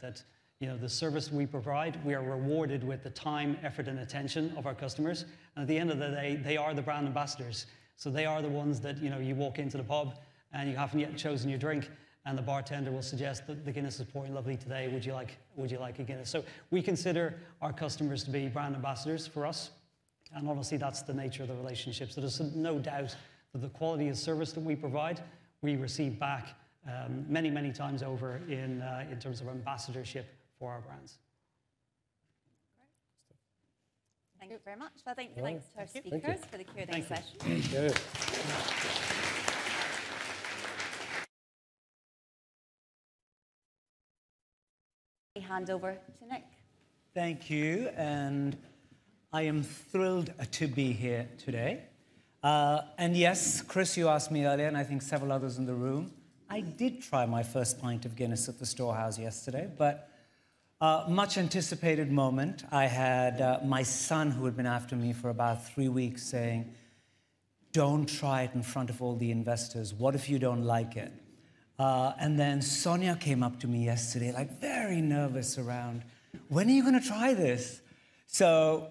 Speaker 3: that, you know, the service we provide, we are rewarded with the time, effort, and attention of our customers. At the end of the day, they are the brand ambassadors. They are the ones that, you know, you walk into the pub and you have not yet chosen your drink, and the bartender will suggest that the Guinness is pouring lovely today. Would you like a Guinness? We consider our customers to be brand ambassadors for us. Obviously, that is the nature of the relationship. There is no doubt that the quality of service that we provide, we receive back many, many times over in terms of ambassadorship for our brands.
Speaker 9: Thank you very much. Thank you to our speakers for the Q&A session. Thank you. Hand over to Nik.
Speaker 19: Thank you. I am thrilled to be here today. Yes, Chris, you asked me earlier, and I think several others in the room, I did try my first pint of Guinness at the Storehouse yesterday, but much anticipated moment. I had my son, who had been after me for about three weeks, saying, "Don't try it in front of all the investors. What if you don't like it?" Sonia came up to me yesterday, like very nervous around, "When are you going to try this?"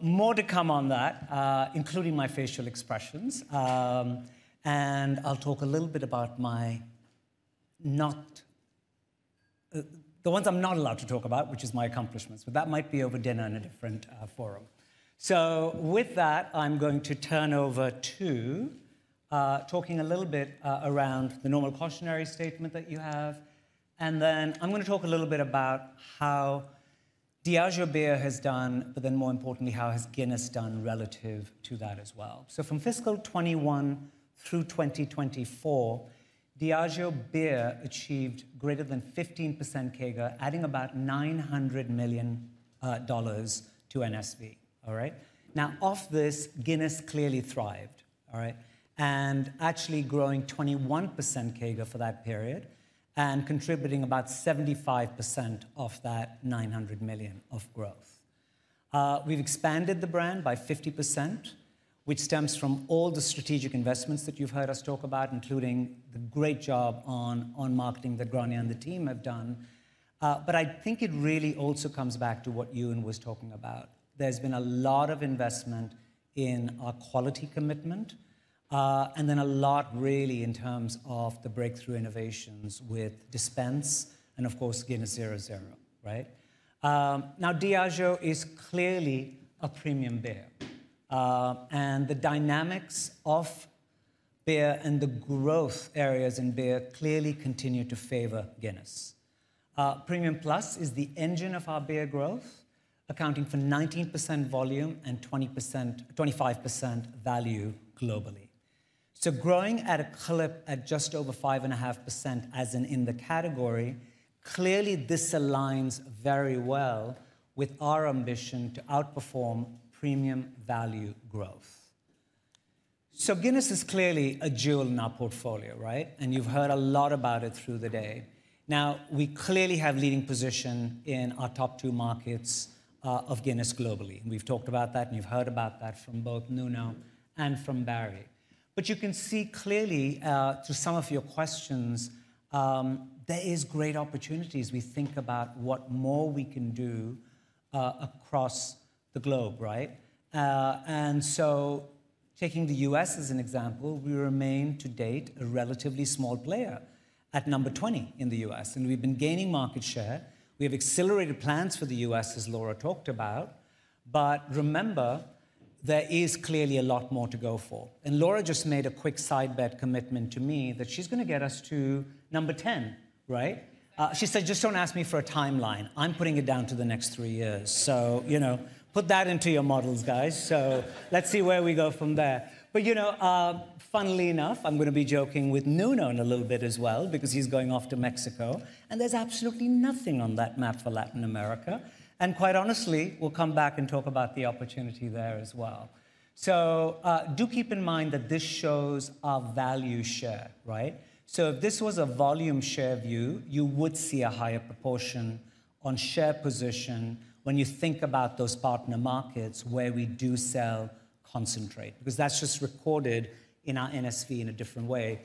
Speaker 19: More to come on that, including my facial expressions. I'll talk a little bit about my not the ones I'm not allowed to talk about, which is my accomplishments, but that might be over dinner in a different forum. With that, I'm going to turn over to talking a little bit around the normal cautionary statement that you have. I'm going to talk a little bit about how Diageo beer has done, but then more importantly, how has Guinness done relative to that as well. From fiscal 2021 through 2024, Diageo beer achieved greater than 15% CAGR, adding about $900 million to NSV. All right. Now off this, Guinness clearly thrived, all right, and actually growing 21% CAGR for that period and contributing about 75% of that $900 million of growth. We've expanded the brand by 50%, which stems from all the strategic investments that you've heard us talk about, including the great job on marketing that Grainne and the team have done. I think it really also comes back to what Ewan was talking about. There's been a lot of investment in our quality commitment and then a lot really in terms of the breakthrough innovations with dispense and of course, Guinness 0.0, right? Now Diageo is clearly a premium beer. The dynamics of beer and the growth areas in beer clearly continue to favor Guinness. Premium Plus is the engine of our beer growth, accounting for 19% volume and 20%-25% value globally. Growing at a clip at just over 5.5% as an in the category, clearly this aligns very well with our ambition to outperform premium value growth. Guinness is clearly a jewel in our portfolio, right? You have heard a lot about it through the day. We clearly have leading position in our top two markets of Guinness globally. We have talked about that and you have heard about that from both Nuno and from Barry. You can see clearly to some of your questions, there are great opportunities. We think about what more we can do across the globe, right? Taking the U.S. as an example, we remain to date a relatively small player at number 20 in the U.S.. We have been gaining market share. We have accelerated plans for the U.S., as Laura talked about. Remember, there is clearly a lot more to go for. Laura just made a quick side bet commitment to me that she's going to get us to number 10, right? She said, "Just do not ask me for a timeline. I'm putting it down to the next three years." You know, put that into your models, guys. Let's see where we go from there. You know, funnily enough, I'm going to be joking with Nuno in a little bit as well, because he's going off to Mexico. There is absolutely nothing on that map for Latin America. Quite honestly, we'll come back and talk about the opportunity there as well. Do keep in mind that this shows our value share, right? If this was a volume share view, you would see a higher proportion on share position when you think about those partner markets where we do sell concentrate, because that's just recorded in our NSV in a different way.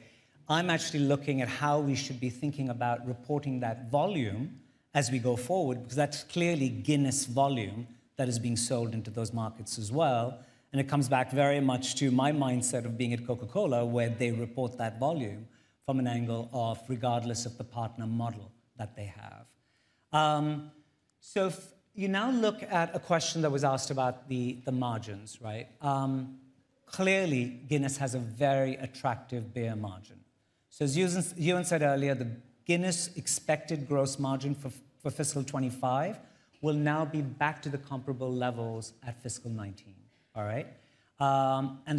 Speaker 19: I'm actually looking at how we should be thinking about reporting that volume as we go forward, because that's clearly Guinness volume that is being sold into those markets as well. It comes back very much to my mindset of being at Coca-Cola, where they report that volume from an angle of regardless of the partner model that they have. You now look at a question that was asked about the margins, right? Clearly, Guinness has a very attractive beer margin. As Ewan said earlier, the Guinness expected gross margin for fiscal 2025 will now be back to the comparable levels at fiscal 2019, right?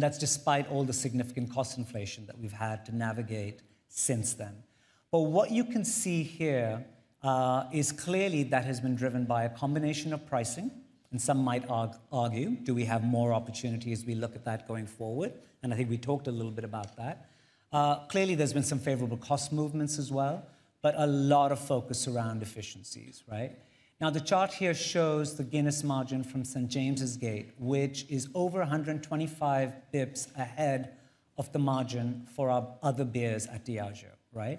Speaker 19: That is despite all the significant cost inflation that we have had to navigate since then. What you can see here is clearly that has been driven by a combination of pricing. Some might argue, do we have more opportunity as we look at that going forward? I think we talked a little bit about that. Clearly, there have been some favorable cost movements as well, but a lot of focus around efficiencies, right? The chart here shows the Guinness margin from St. James's Gate, which is over 125 basis points ahead of the margin for our other beers at Diageo, right?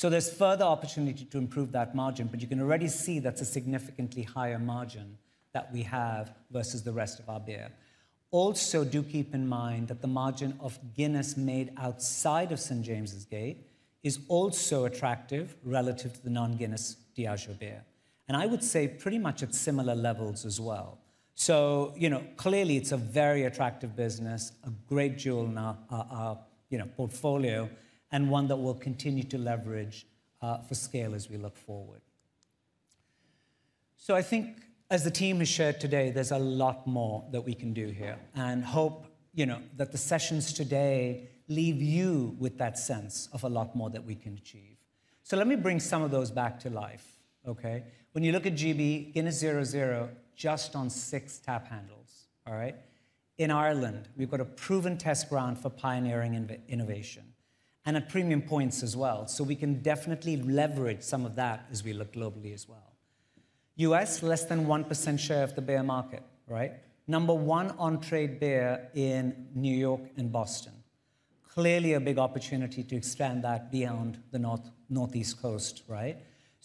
Speaker 19: There's further opportunity to improve that margin, but you can already see that's a significantly higher margin that we have versus the rest of our beer. Also, do keep in mind that the margin of Guinness made outside of St. James's Gate is also attractive relative to the non-Guinness Diageo beer. I would say pretty much at similar levels as well. You know, clearly it's a very attractive business, a great jewel in our portfolio, and one that we will continue to leverage for scale as we look forward. I think as the team has shared today, there's a lot more that we can do here and hope, you know, that the sessions today leave you with that sense of a lot more that we can achieve. Let me bring some of those back to life, okay? When you look at GB, Guinness 0.0 just on six tap handles, all right? In Ireland, we've got a proven test ground for pioneering innovation and at premium points as well. We can definitely leverage some of that as we look globally as well. U.S., less than 1% share of the beer market, right? Number one on-trade beer in New York and Boston. Clearly a big opportunity to expand that beyond the Northeast Coast, right?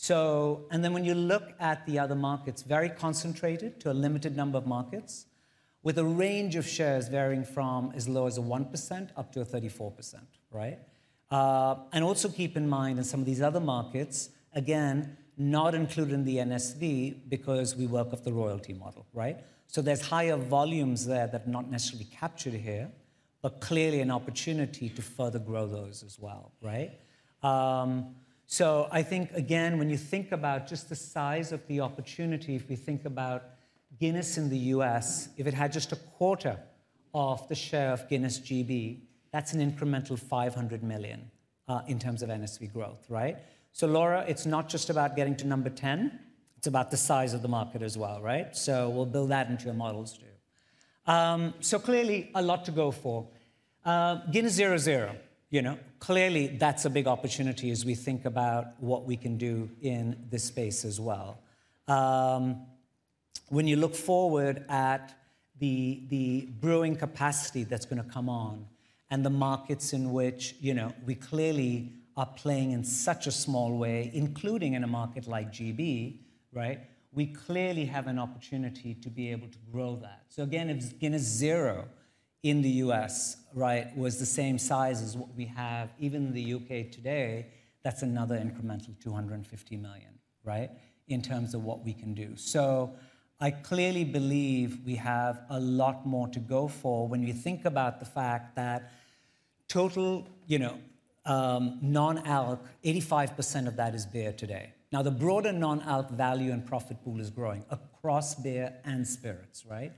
Speaker 19: When you look at the other markets, very concentrated to a limited number of markets with a range of shares varying from as low as 1% up to 34%, right? Also keep in mind in some of these other markets, again, not included in the NSV because we work off the royalty model, right? There's higher volumes there that are not necessarily captured here, but clearly an opportunity to further grow those as well, right? I think, again, when you think about just the size of the opportunity, if we think about Guinness in the U.S., if it had just a quarter of the share of Guinness GB, that's an incremental $500 million in terms of NSV growth, right? Laura, it's not just about getting to number 10, it's about the size of the market as well, right? We'll build that into your models too. Clearly a lot to go for. Guinness 0.0, you know, clearly that's a big opportunity as we think about what we can do in this space as well. When you look forward at the brewing capacity that's going to come on and the markets in which, you know, we clearly are playing in such a small way, including in a market like GB, right? We clearly have an opportunity to be able to grow that. Again, if Guinness 0.0 in the U.S., right, was the same size as what we have even in the U.K. today, that's another incremental $250 million, right? In terms of what we can do. I clearly believe we have a lot more to go for when you think about the fact that total, you know, non-alc, 85% of that is beer today. Now the broader non-alc value and profit pool is growing across beer and spirits, right?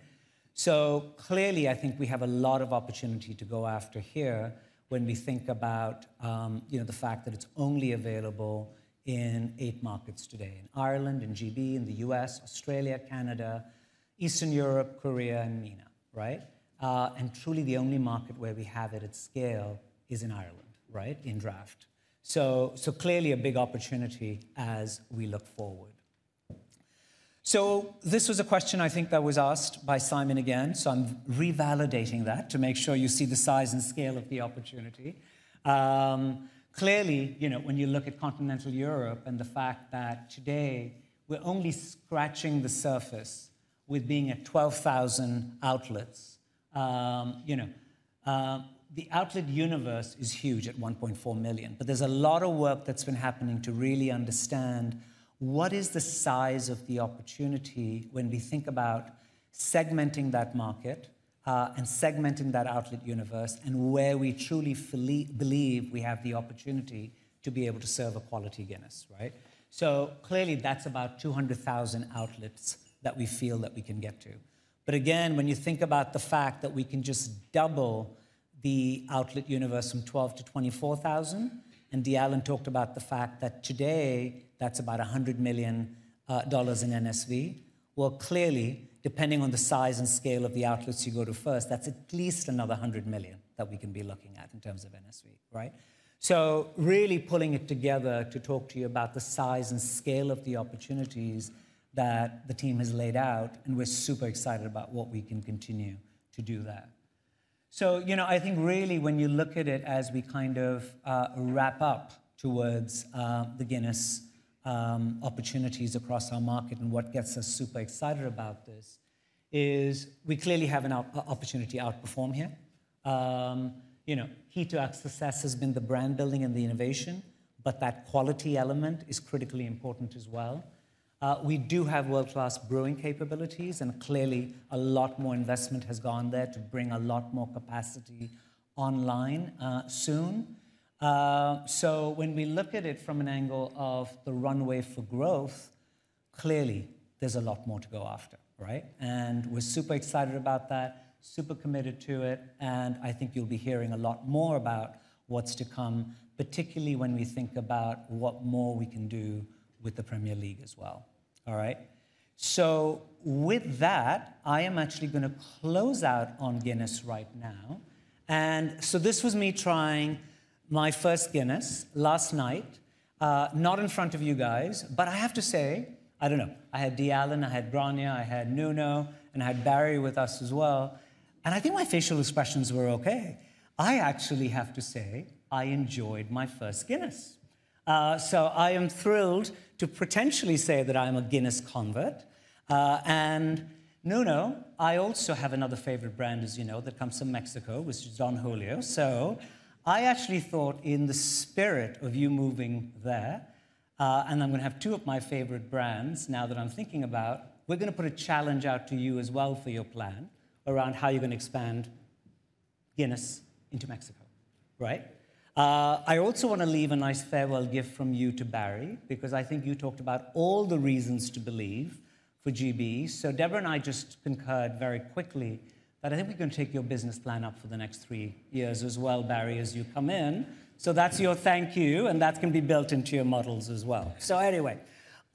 Speaker 19: Clearly I think we have a lot of opportunity to go after here when we think about, you know, the fact that it is only available in eight markets today: in Ireland, in GB, in the U.S., Australia, Canada, Eastern Europe, Korea, and MENA, right? Truly the only market where we have it at scale is in Ireland, right? In draft. Clearly a big opportunity as we look forward. This was a question I think that was asked by Simon again. I am revalidating that to make sure you see the size and scale of the opportunity. Clearly, you know, when you look at continental Europe and the fact that today we are only scratching the surface with being at 12,000 outlets. You know, the outlet universe is huge at 1.4 million, but there's a lot of work that's been happening to really understand what is the size of the opportunity when we think about segmenting that market and segmenting that outlet universe and where we truly believe we have the opportunity to be able to serve a quality Guinness, right? Clearly that's about 200,000 outlets that we feel that we can get to. Again, when you think about the fact that we can just double the outlet universe from 12,000 to 24,000, and Dayalan talked about the fact that today that's about $100 million in NSV. Clearly, depending on the size and scale of the outlets you go to first, that's at least another $100 million that we can be looking at in terms of NSV, right? So really pulling it together to talk to you about the size and scale of the opportunities that the team has laid out, and we're super excited about what we can continue to do there. You know, I think really when you look at it as we kind of wrap up towards the Guinness opportunities across our market and what gets us super excited about this is we clearly have an opportunity to outperform here. You know, key to access has been the brand building and the innovation, but that quality element is critically important as well. We do have world-class brewing capabilities, and clearly a lot more investment has gone there to bring a lot more capacity online soon. When we look at it from an angle of the runway for growth, clearly there's a lot more to go after, right? We're super excited about that, super committed to it. I think you'll be hearing a lot more about what's to come, particularly when we think about what more we can do with the Premier League as well, all right? With that, I am actually going to close out on Guinness right now. This was me trying my first Guinness last night, not in front of you guys, but I have to say, I don't know, I had Dayalan, I had Grainne, I had Nuno, and I had Barry with us as well. I think my facial expressions were okay. I actually have to say I enjoyed my first Guinness. I am thrilled to potentially say that I'm a Guinness convert. Nuno, I also have another favorite brand, as you know, that comes from Mexico, which is Don Julio. I actually thought in the spirit of you moving there, and I'm going to have two of my favorite brands now that I'm thinking about, we're going to put a challenge out to you as well for your plan around how you're going to expand Guinness into Mexico, right? I also want to leave a nice farewell gift from you to Barry, because I think you talked about all the reasons to believe for GB. Deborah and I just concurred very quickly that I think we're going to take your business plan up for the next three years as well, Barry, as you come in. That's your thank you, and that can be built into your models as well. Anyway,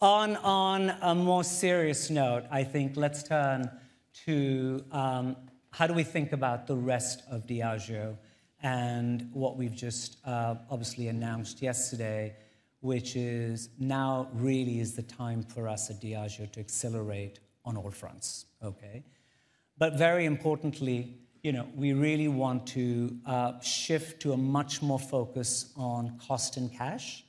Speaker 19: on a more serious note, I think let's turn to how do we think about the rest of Diageo and what we've just obviously announced yesterday, which is now really is the time for us at Diageo to accelerate on all fronts, okay? Very importantly, you know, we really want to shift to a much more focus on cost and cash.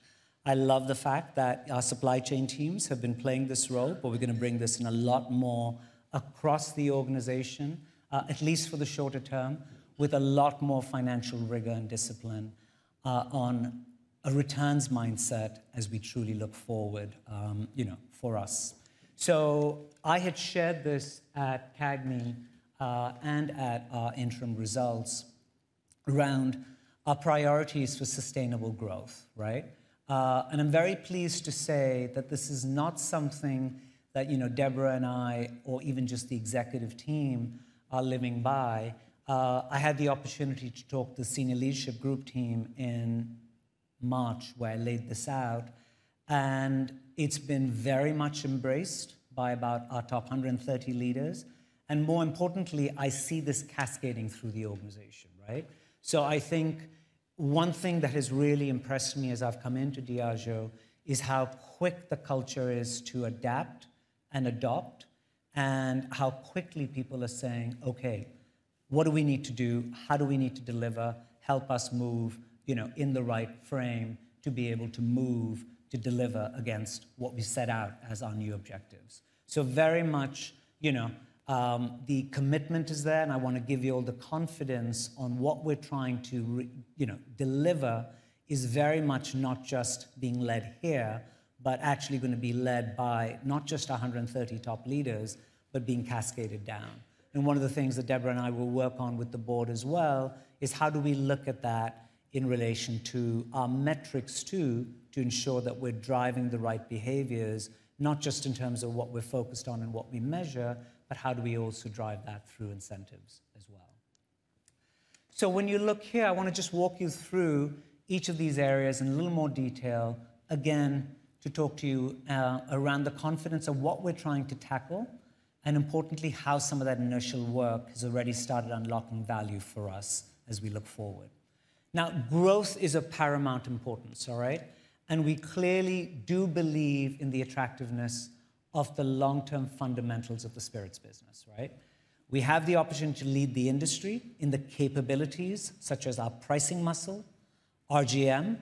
Speaker 19: I love the fact that our supply chain teams have been playing this role, but we're going to bring this in a lot more across the organization, at least for the shorter term, with a lot more financial rigor and discipline on a returns mindset as we truly look forward, you know, for us. I had shared this at CAGMI and at our interim results around our priorities for sustainable growth, right? I am very pleased to say that this is not something that, you know, Deborah and I, or even just the executive team, are living by. I had the opportunity to talk to the senior leadership group team in March where I laid this out, and it has been very much embraced by about our top 130 leaders. More importantly, I see this cascading through the organization, right? I think one thing that has really impressed me as I have come into Diageo is how quick the culture is to adapt and adopt, and how quickly people are saying, okay, what do we need to do? How do we need to deliver? Help us move, you know, in the right frame to be able to move, to deliver against what we set out as our new objectives. Very much, you know, the commitment is there, and I want to give you all the confidence on what we're trying to, you know, deliver is very much not just being led here, but actually going to be led by not just 130 top leaders, but being cascaded down. One of the things that Deborah and I will work on with the board as well is how do we look at that in relation to our metrics too, to ensure that we're driving the right behaviors, not just in terms of what we're focused on and what we measure, but how do we also drive that through incentives as well. When you look here, I want to just walk you through each of these areas in a little more detail, again, to talk to you around the confidence of what we're trying to tackle, and importantly, how some of that initial work has already started unlocking value for us as we look forward. Growth is of paramount importance, all right? We clearly do believe in the attractiveness of the long-term fundamentals of the spirits business, right? We have the opportunity to lead the industry in the capabilities such as our pricing muscle, RGM,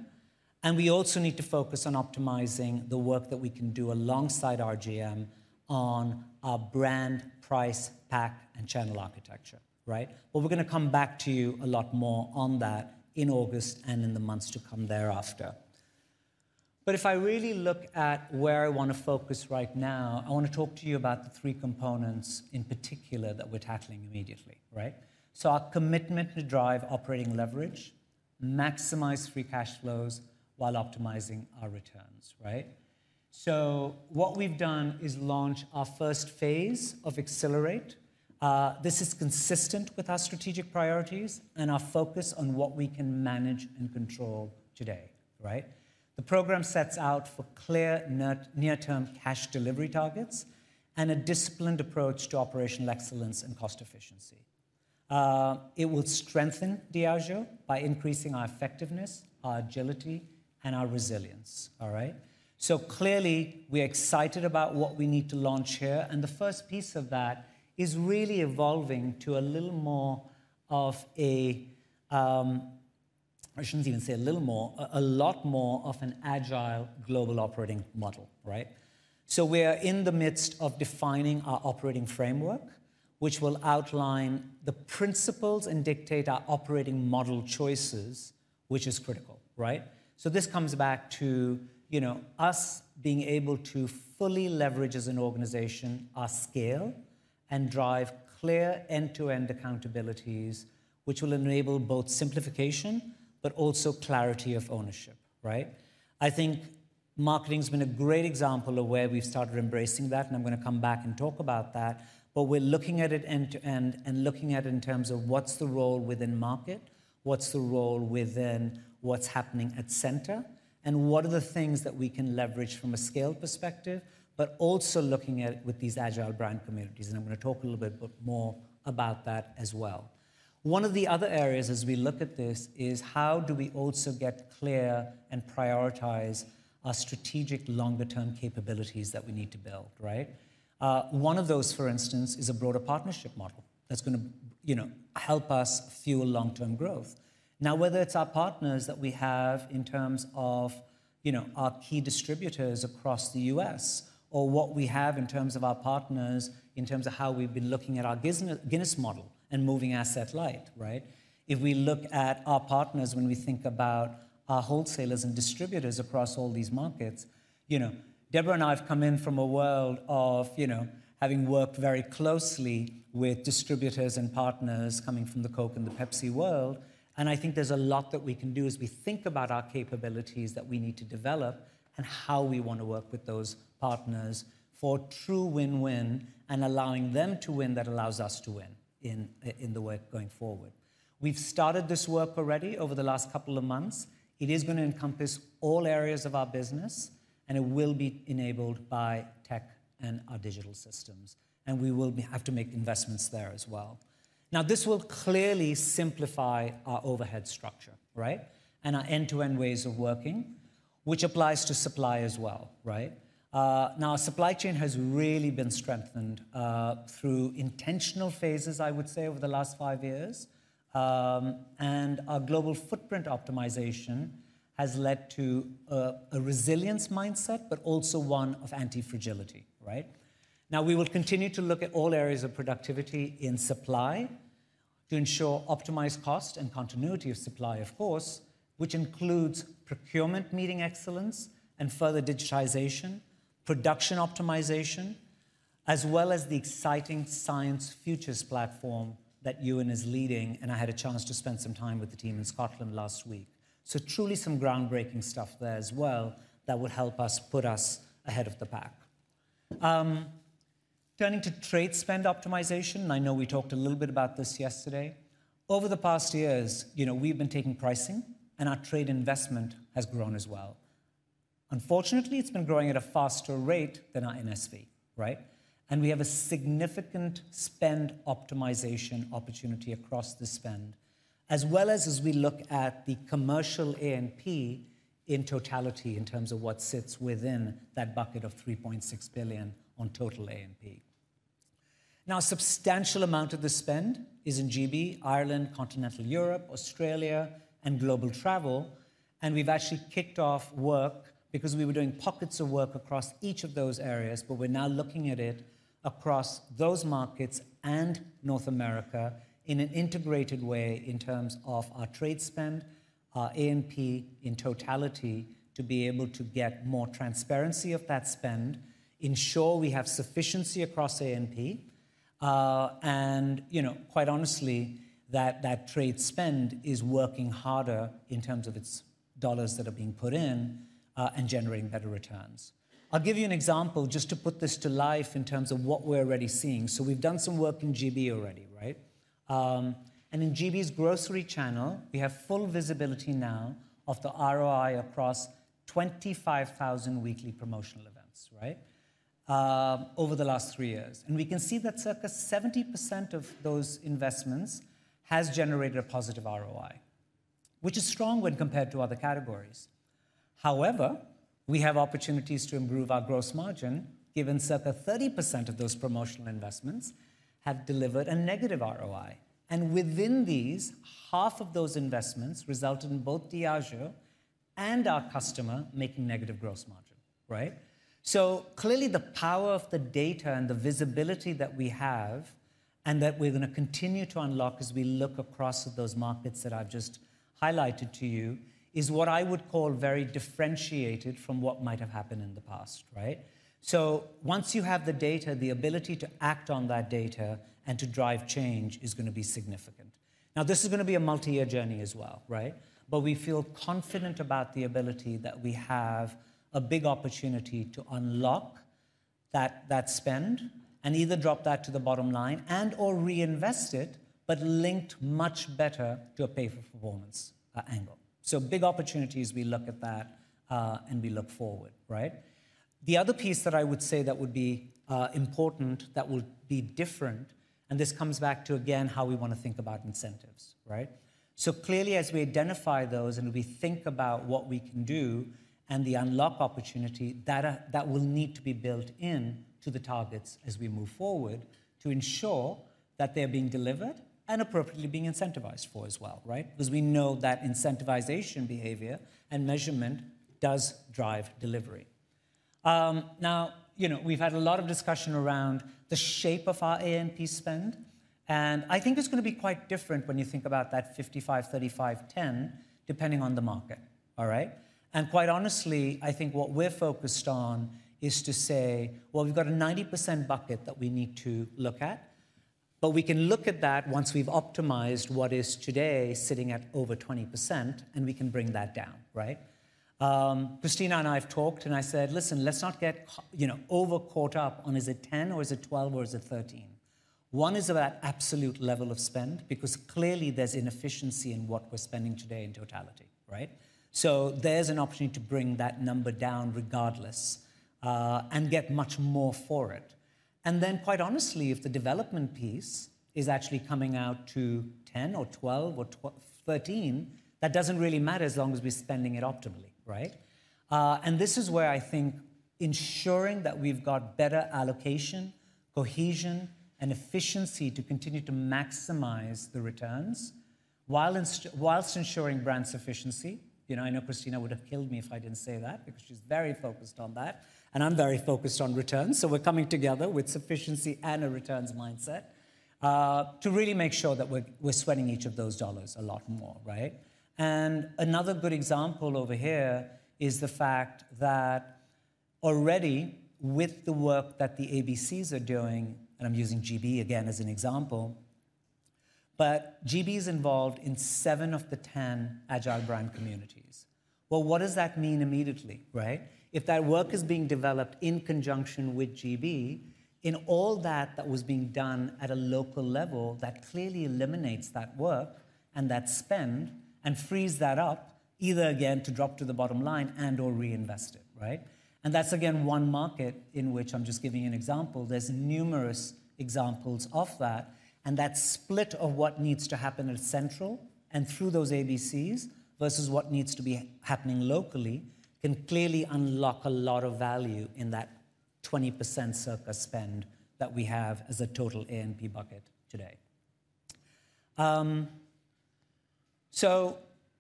Speaker 19: and we also need to focus on optimizing the work that we can do alongside RGM on our brand, price, pack, and channel architecture, right? We are going to come back to you a lot more on that in August and in the months to come thereafter. If I really look at where I want to focus right now, I want to talk to you about the three components in particular that we're tackling immediately, right? Our commitment to drive operating leverage, maximize free cash flows while optimizing our returns, right? What we've done is launch our first phase of Accelerate. This is consistent with our strategic priorities and our focus on what we can manage and control today, right? The program sets out for clear near-term cash delivery targets and a disciplined approach to operational excellence and cost efficiency. It will strengthen Diageo by increasing our effectiveness, our agility, and our resilience, all right? Clearly we're excited about what we need to launch here, and the first piece of that is really evolving to a little more of a, I shouldn't even say a little more, a lot more of an agile global operating model, right? We're in the midst of defining our operating framework, which will outline the principles and dictate our operating model choices, which is critical, right? This comes back to, you know, us being able to fully leverage as an organization our scale and drive clear end-to-end accountabilities, which will enable both simplification, but also clarity of ownership, right? I think marketing has been a great example of where we've started embracing that, and I'm going to come back and talk about that, but we're looking at it end-to-end and looking at it in terms of what's the role within market, what's the role within what's happening at center, and what are the things that we can leverage from a scale perspective, but also looking at with these agile brand communities, and I'm going to talk a little bit more about that as well. One of the other areas as we look at this is how do we also get clear and prioritize our strategic longer-term capabilities that we need to build, right? One of those, for instance, is a broader partnership model that's going to, you know, help us fuel long-term growth. Now, whether it is our partners that we have in terms of, you know, our key distributors across the U.S., or what we have in terms of our partners in terms of how we have been looking at our Guinness model and moving asset light, right? If we look at our partners when we think about our wholesalers and distributors across all these markets, you know, Deborah and I have come in from a world of, you know, having worked very closely with distributors and partners coming from the Coke and the Pepsi world, and I think there is a lot that we can do as we think about our capabilities that we need to develop and how we want to work with those partners for true win-win and allowing them to win that allows us to win in the work going forward. We've started this work already over the last couple of months. It is going to encompass all areas of our business, and it will be enabled by tech and our digital systems, and we will have to make investments there as well. Now, this will clearly simplify our overhead structure, right? And our end-to-end ways of working, which applies to supply as well, right? Now, our supply chain has really been strengthened through intentional phases, I would say, over the last five years, and our global footprint optimization has led to a resilience mindset, but also one of anti-fragility, right? Now, we will continue to look at all areas of productivity in supply to ensure optimized cost and continuity of supply, of course, which includes procurement meeting excellence and further digitization, production optimization, as well as the exciting Science Futures platform that Ewan is leading, and I had a chance to spend some time with the team in Scotland last week. Truly some groundbreaking stuff there as well that will help us put us ahead of the pack. Turning to trade spend optimization, and I know we talked a little bit about this yesterday. Over the past years, you know, we've been taking pricing, and our trade investment has grown as well. Unfortunately, it's been growing at a faster rate than our NSV, right? We have a significant spend optimization opportunity across the spend, as well as as we look at the commercial ANP in totality in terms of what sits within that bucket of $3.6 billion on total ANP. Now, a substantial amount of the spend is in GB, Ireland, continental Europe, Australia, and global travel, and we've actually kicked off work because we were doing pockets of work across each of those areas, but we're now looking at it across those markets and North America in an integrated way in terms of our trade spend, our ANP in totality to be able to get more transparency of that spend, ensure we have sufficiency across ANP, and, you know, quite honestly, that that trade spend is working harder in terms of its dollars that are being put in and generating better returns. I'll give you an example just to put this to life in terms of what we're already seeing. We've done some work in GB already, right? In GB's grocery channel, we have full visibility now of the ROI across 25,000 weekly promotional events, right? Over the last three years. We can see that circa 70% of those investments has generated a positive ROI, which is strong when compared to other categories. However, we have opportunities to improve our gross margin given circa 30% of those promotional investments have delivered a negative ROI. Within these, half of those investments resulted in both Diageo and our customer making negative gross margin, right? Clearly, the power of the data and the visibility that we have and that we're going to continue to unlock as we look across those markets that I've just highlighted to you is what I would call very differentiated from what might have happened in the past, right? Once you have the data, the ability to act on that data and to drive change is going to be significant. Now, this is going to be a multi-year journey as well, right? We feel confident about the ability that we have a big opportunity to unlock that spend and either drop that to the bottom line and/or reinvest it, but linked much better to a pay-for-performance angle. Big opportunities as we look at that and we look forward, right? The other piece that I would say that would be important that will be different, and this comes back to, again, how we want to think about incentives, right? Clearly, as we identify those and we think about what we can do and the unlock opportunity, that will need to be built into the targets as we move forward to ensure that they're being delivered and appropriately being incentivized for as well, right? Because we know that incentivization behavior and measurement does drive delivery. Now, you know, we've had a lot of discussion around the shape of our A&P spend, and I think it's going to be quite different when you think about that 55, 35, 10, depending on the market, all right? Quite honestly, I think what we're focused on is to say, we've got a 90% bucket that we need to look at, but we can look at that once we've optimized what is today sitting at over 20%, and we can bring that down, right? Cristina and I have talked, and I said, listen, let's not get, you know, overcaught up on is it 10 or is it 12 or is it 13. One is about absolute level of spend because clearly there's inefficiency in what we're spending today in totality, right? There's an opportunity to bring that number down regardless and get much more for it. Quite honestly, if the development piece is actually coming out to 10 or 12 or 13, that doesn't really matter as long as we're spending it optimally, right? This is where I think ensuring that we've got better allocation, cohesion, and efficiency to continue to maximize the returns whilst ensuring brand sufficiency, you know, I know Cristina would have killed me if I didn't say that because she's very focused on that, and I'm very focused on returns. We're coming together with sufficiency and a returns mindset to really make sure that we're sweating each of those dollars a lot more, right? Another good example over here is the fact that already with the work that the ABCs are doing, and I'm using GB again as an example, but GB is involved in seven of the 10 agile brand communities. What does that mean immediately, right? If that work is being developed in conjunction with GB, in all that that was being done at a local level, that clearly eliminates that work and that spend and frees that up either again to drop to the bottom line and/or reinvest it, right? That is again one market in which I'm just giving you an example. There are numerous examples of that, and that split of what needs to happen at central and through those ABCs versus what needs to be happening locally can clearly unlock a lot of value in that 20% circa spend that we have as a total A&P bucket today.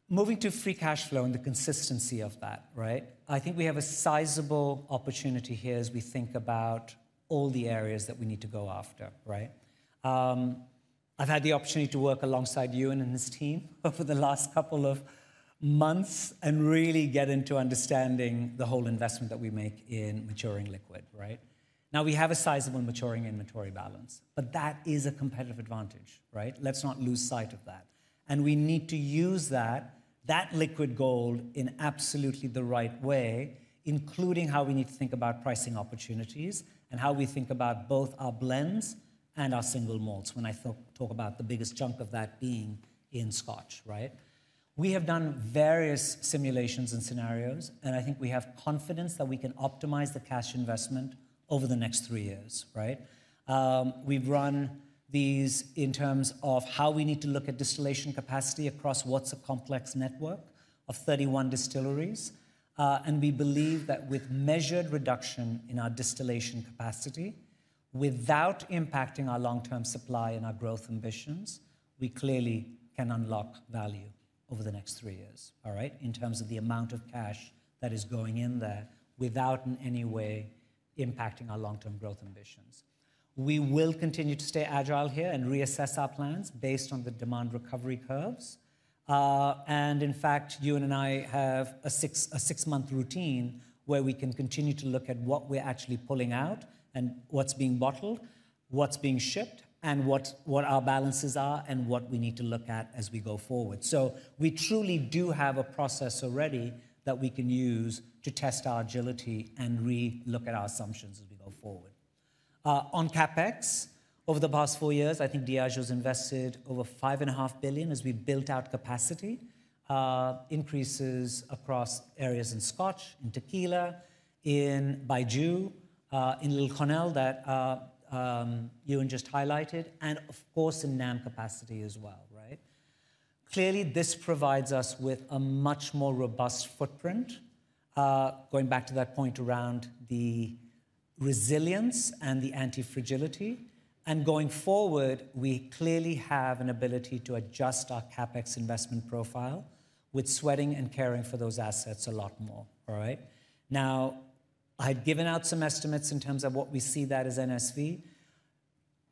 Speaker 19: Moving to free cash flow and the consistency of that, right? I think we have a sizable opportunity here as we think about all the areas that we need to go after, right? I've had the opportunity to work alongside Ewan and his team over the last couple of months and really get into understanding the whole investment that we make in maturing liquid, right? Now, we have a sizable maturing inventory balance, but that is a competitive advantage, right? Let's not lose sight of that. We need to use that, that liquid gold in absolutely the right way, including how we need to think about pricing opportunities and how we think about both our blends and our single malts when I talk about the biggest chunk of that being in Scotch, right? We have done various simulations and scenarios, and I think we have confidence that we can optimize the cash investment over the next three years, right? We've run these in terms of how we need to look at distillation capacity across what is a complex network of 31 distilleries, and we believe that with measured reduction in our distillation capacity, without impacting our long-term supply and our growth ambitions, we clearly can unlock value over the next three years, all right? In terms of the amount of cash that is going in there without in any way impacting our long-term growth ambitions. We will continue to stay agile here and reassess our plans based on the demand recovery curves. In fact, Ewan and I have a six-month routine where we can continue to look at what we are actually pulling out and what is being bottled, what is being shipped, and what our balances are and what we need to look at as we go forward. We truly do have a process already that we can use to test our agility and re-look at our assumptions as we go forward. On CapEx, over the past four years, I think Diageo has invested over $5.5 billion as we built out capacity increases across areas in Scotch, in Tequila, in Baijiu, in Little Connell that Ewan just highlighted, and of course in NAM capacity as well, right? Clearly, this provides us with a much more robust footprint going back to that point around the resilience and the anti-fragility. Going forward, we clearly have an ability to adjust our CapEx investment profile with sweating and caring for those assets a lot more, all right? Now, I had given out some estimates in terms of what we see that as NSV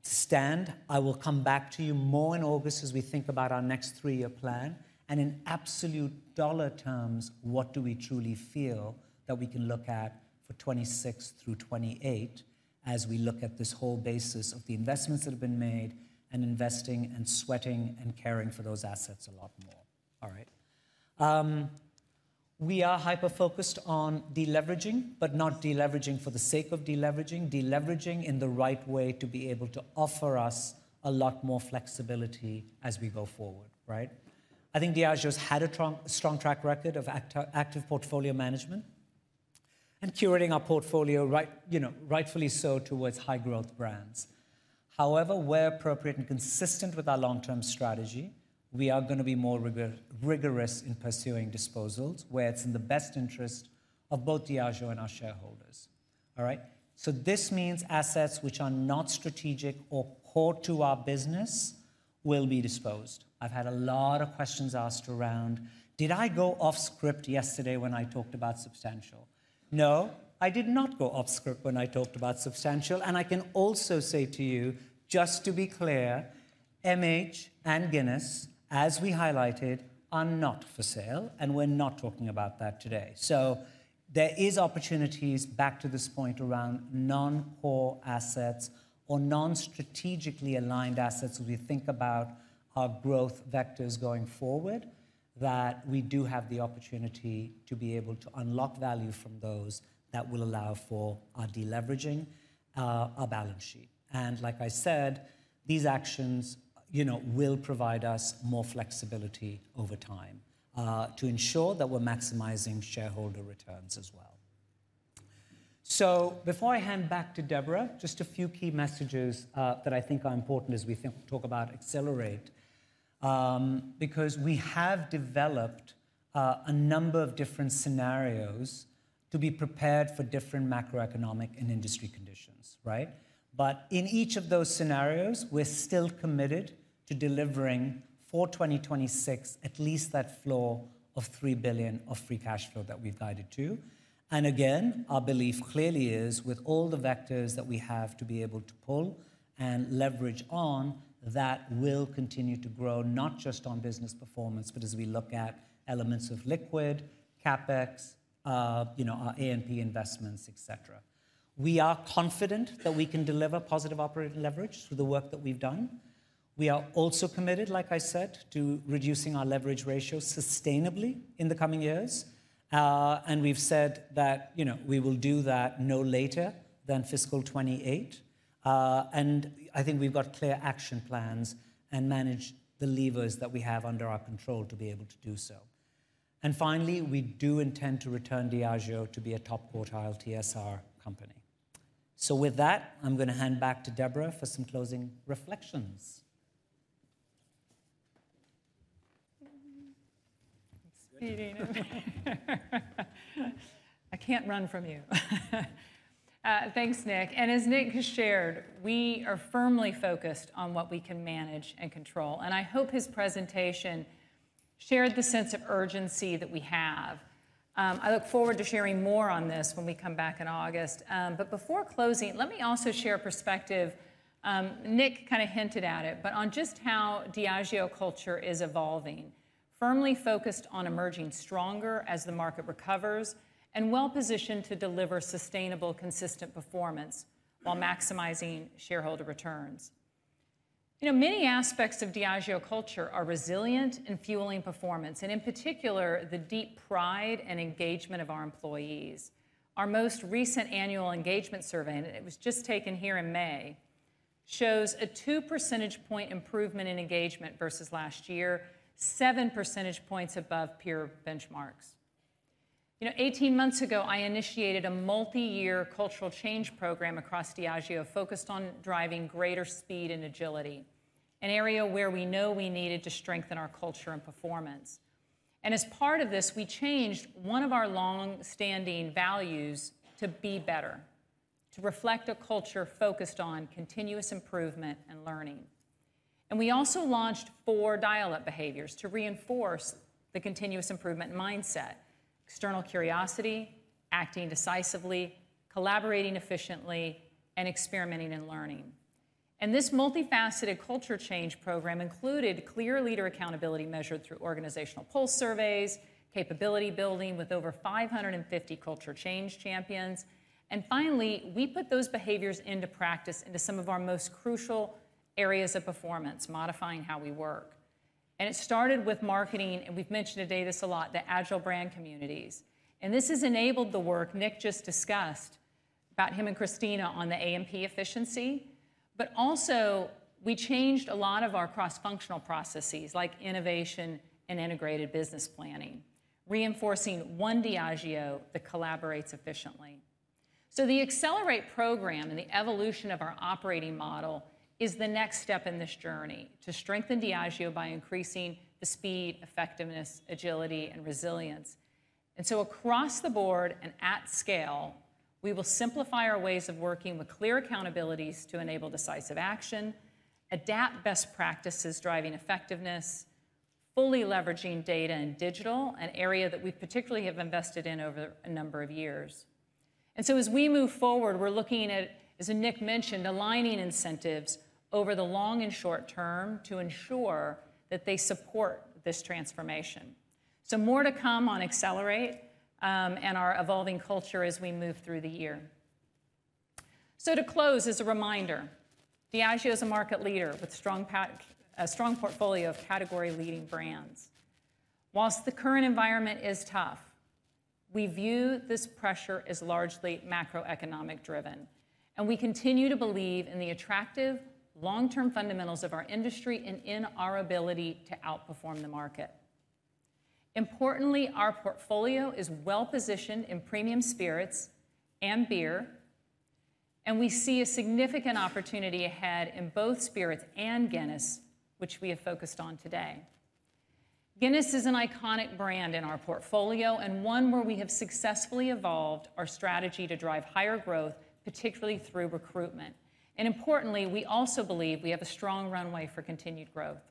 Speaker 19: stand. I will come back to you more in August as we think about our next three-year plan. In absolute dollar terms, what do we truly feel that we can look at for 2026 through 2028 as we look at this whole basis of the investments that have been made and investing and sweating and caring for those assets a lot more, all right? We are hyper-focused on deleveraging, but not deleveraging for the sake of deleveraging, deleveraging in the right way to be able to offer us a lot more flexibility as we go forward, right? I think Diageo has had a strong track record of active portfolio management and curating our portfolio, you know, rightfully so towards high-growth brands. However, where appropriate and consistent with our long-term strategy, we are going to be more rigorous in pursuing disposals where it's in the best interest of both Diageo and our shareholders, all right? This means assets which are not strategic or core to our business will be disposed. I've had a lot of questions asked around, did I go off-script yesterday when I talked about substantial? No, I did not go off-script when I talked about substantial. I can also say to you, just to be clear, MH and Guinness, as we highlighted, are not for sale, and we're not talking about that today. There are opportunities back to this point around non-core assets or non-strategically aligned assets as we think about our growth vectors going forward that we do have the opportunity to be able to unlock value from those that will allow for our deleveraging, our balance sheet. Like I said, these actions, you know, will provide us more flexibility over time to ensure that we're maximizing shareholder returns as well. Before I hand back to Deborah, just a few key messages that I think are important as we talk about accelerate because we have developed a number of different scenarios to be prepared for different macroeconomic and industry conditions, right? In each of those scenarios, we're still committed to delivering for 2026 at least that floor of $3 billion of free cash flow that we've guided to. Our belief clearly is with all the vectors that we have to be able to pull and leverage on that will continue to grow not just on business performance, but as we look at elements of liquid, CapEx, you know, our A&P investments, et cetera. We are confident that we can deliver positive operating leverage through the work that we have done. We are also committed, like I said, to reducing our leverage ratio sustainably in the coming years. We have said that we will do that no later than fiscal 2028. I think we have got clear action plans and manage the levers that we have under our control to be able to do so. Finally, we do intend to return Diageo to be a top quartile TSR company. With that, I am going to hand back to Deborah for some closing reflections.
Speaker 1: I can't run from you. Thanks, Nik. As Nik has shared, we are firmly focused on what we can manage and control. I hope his presentation shared the sense of urgency that we have. I look forward to sharing more on this when we come back in August. Before closing, let me also share a perspective. Nik kind of hinted at it, but on just how Diageo culture is evolving, firmly focused on emerging stronger as the market recovers and well-positioned to deliver sustainable, consistent performance while maximizing shareholder returns. You know, many aspects of Diageo culture are resilient and fueling performance, and in particular, the deep pride and engagement of our employees. Our most recent annual engagement survey, and it was just taken here in May, shows a 2 percentage point improvement in engagement versus last year, 7 percentage points above peer benchmarks. You know, 18 months ago, I initiated a multi-year cultural change program across Diageo focused on driving greater speed and agility, an area where we know we needed to strengthen our culture and performance. As part of this, we changed one of our long-standing values to be better, to reflect a culture focused on continuous improvement and learning. We also launched four dial-up behaviors to reinforce the continuous improvement mindset: external curiosity, acting decisively, collaborating efficiently, and experimenting and learning. This multifaceted culture change program included clear leader accountability measured through organizational pulse surveys, capability building with over 550 culture change champions. Finally, we put those behaviors into practice into some of our most crucial areas of performance, modifying how we work. It started with marketing, and we've mentioned today this a lot, the agile brand communities. This has enabled the work Nik just discussed about him and Christina on the AMP efficiency, but also we changed a lot of our cross-functional processes like innovation and integrated business planning, reinforcing one Diageo that collaborates efficiently. The Accelerate program and the evolution of our operating model is the next step in this journey to strengthen Diageo by increasing the speed, effectiveness, agility, and resilience. Across the board and at scale, we will simplify our ways of working with clear accountabilities to enable decisive action, adapt best practices driving effectiveness, fully leveraging data and digital, an area that we particularly have invested in over a number of years. As we move forward, we're looking at, as Nik mentioned, aligning incentives over the long and short term to ensure that they support this transformation. More to come on Accelerate and our evolving culture as we move through the year. To close, as a reminder, Diageo is a market leader with a strong portfolio of category-leading brands. Whilst the current environment is tough, we view this pressure as largely macroeconomic-driven, and we continue to believe in the attractive long-term fundamentals of our industry and in our ability to outperform the market. Importantly, our portfolio is well-positioned in premium spirits and beer, and we see a significant opportunity ahead in both spirits and Guinness, which we have focused on today. Guinness is an iconic brand in our portfolio and one where we have successfully evolved our strategy to drive higher growth, particularly through recruitment. Importantly, we also believe we have a strong runway for continued growth,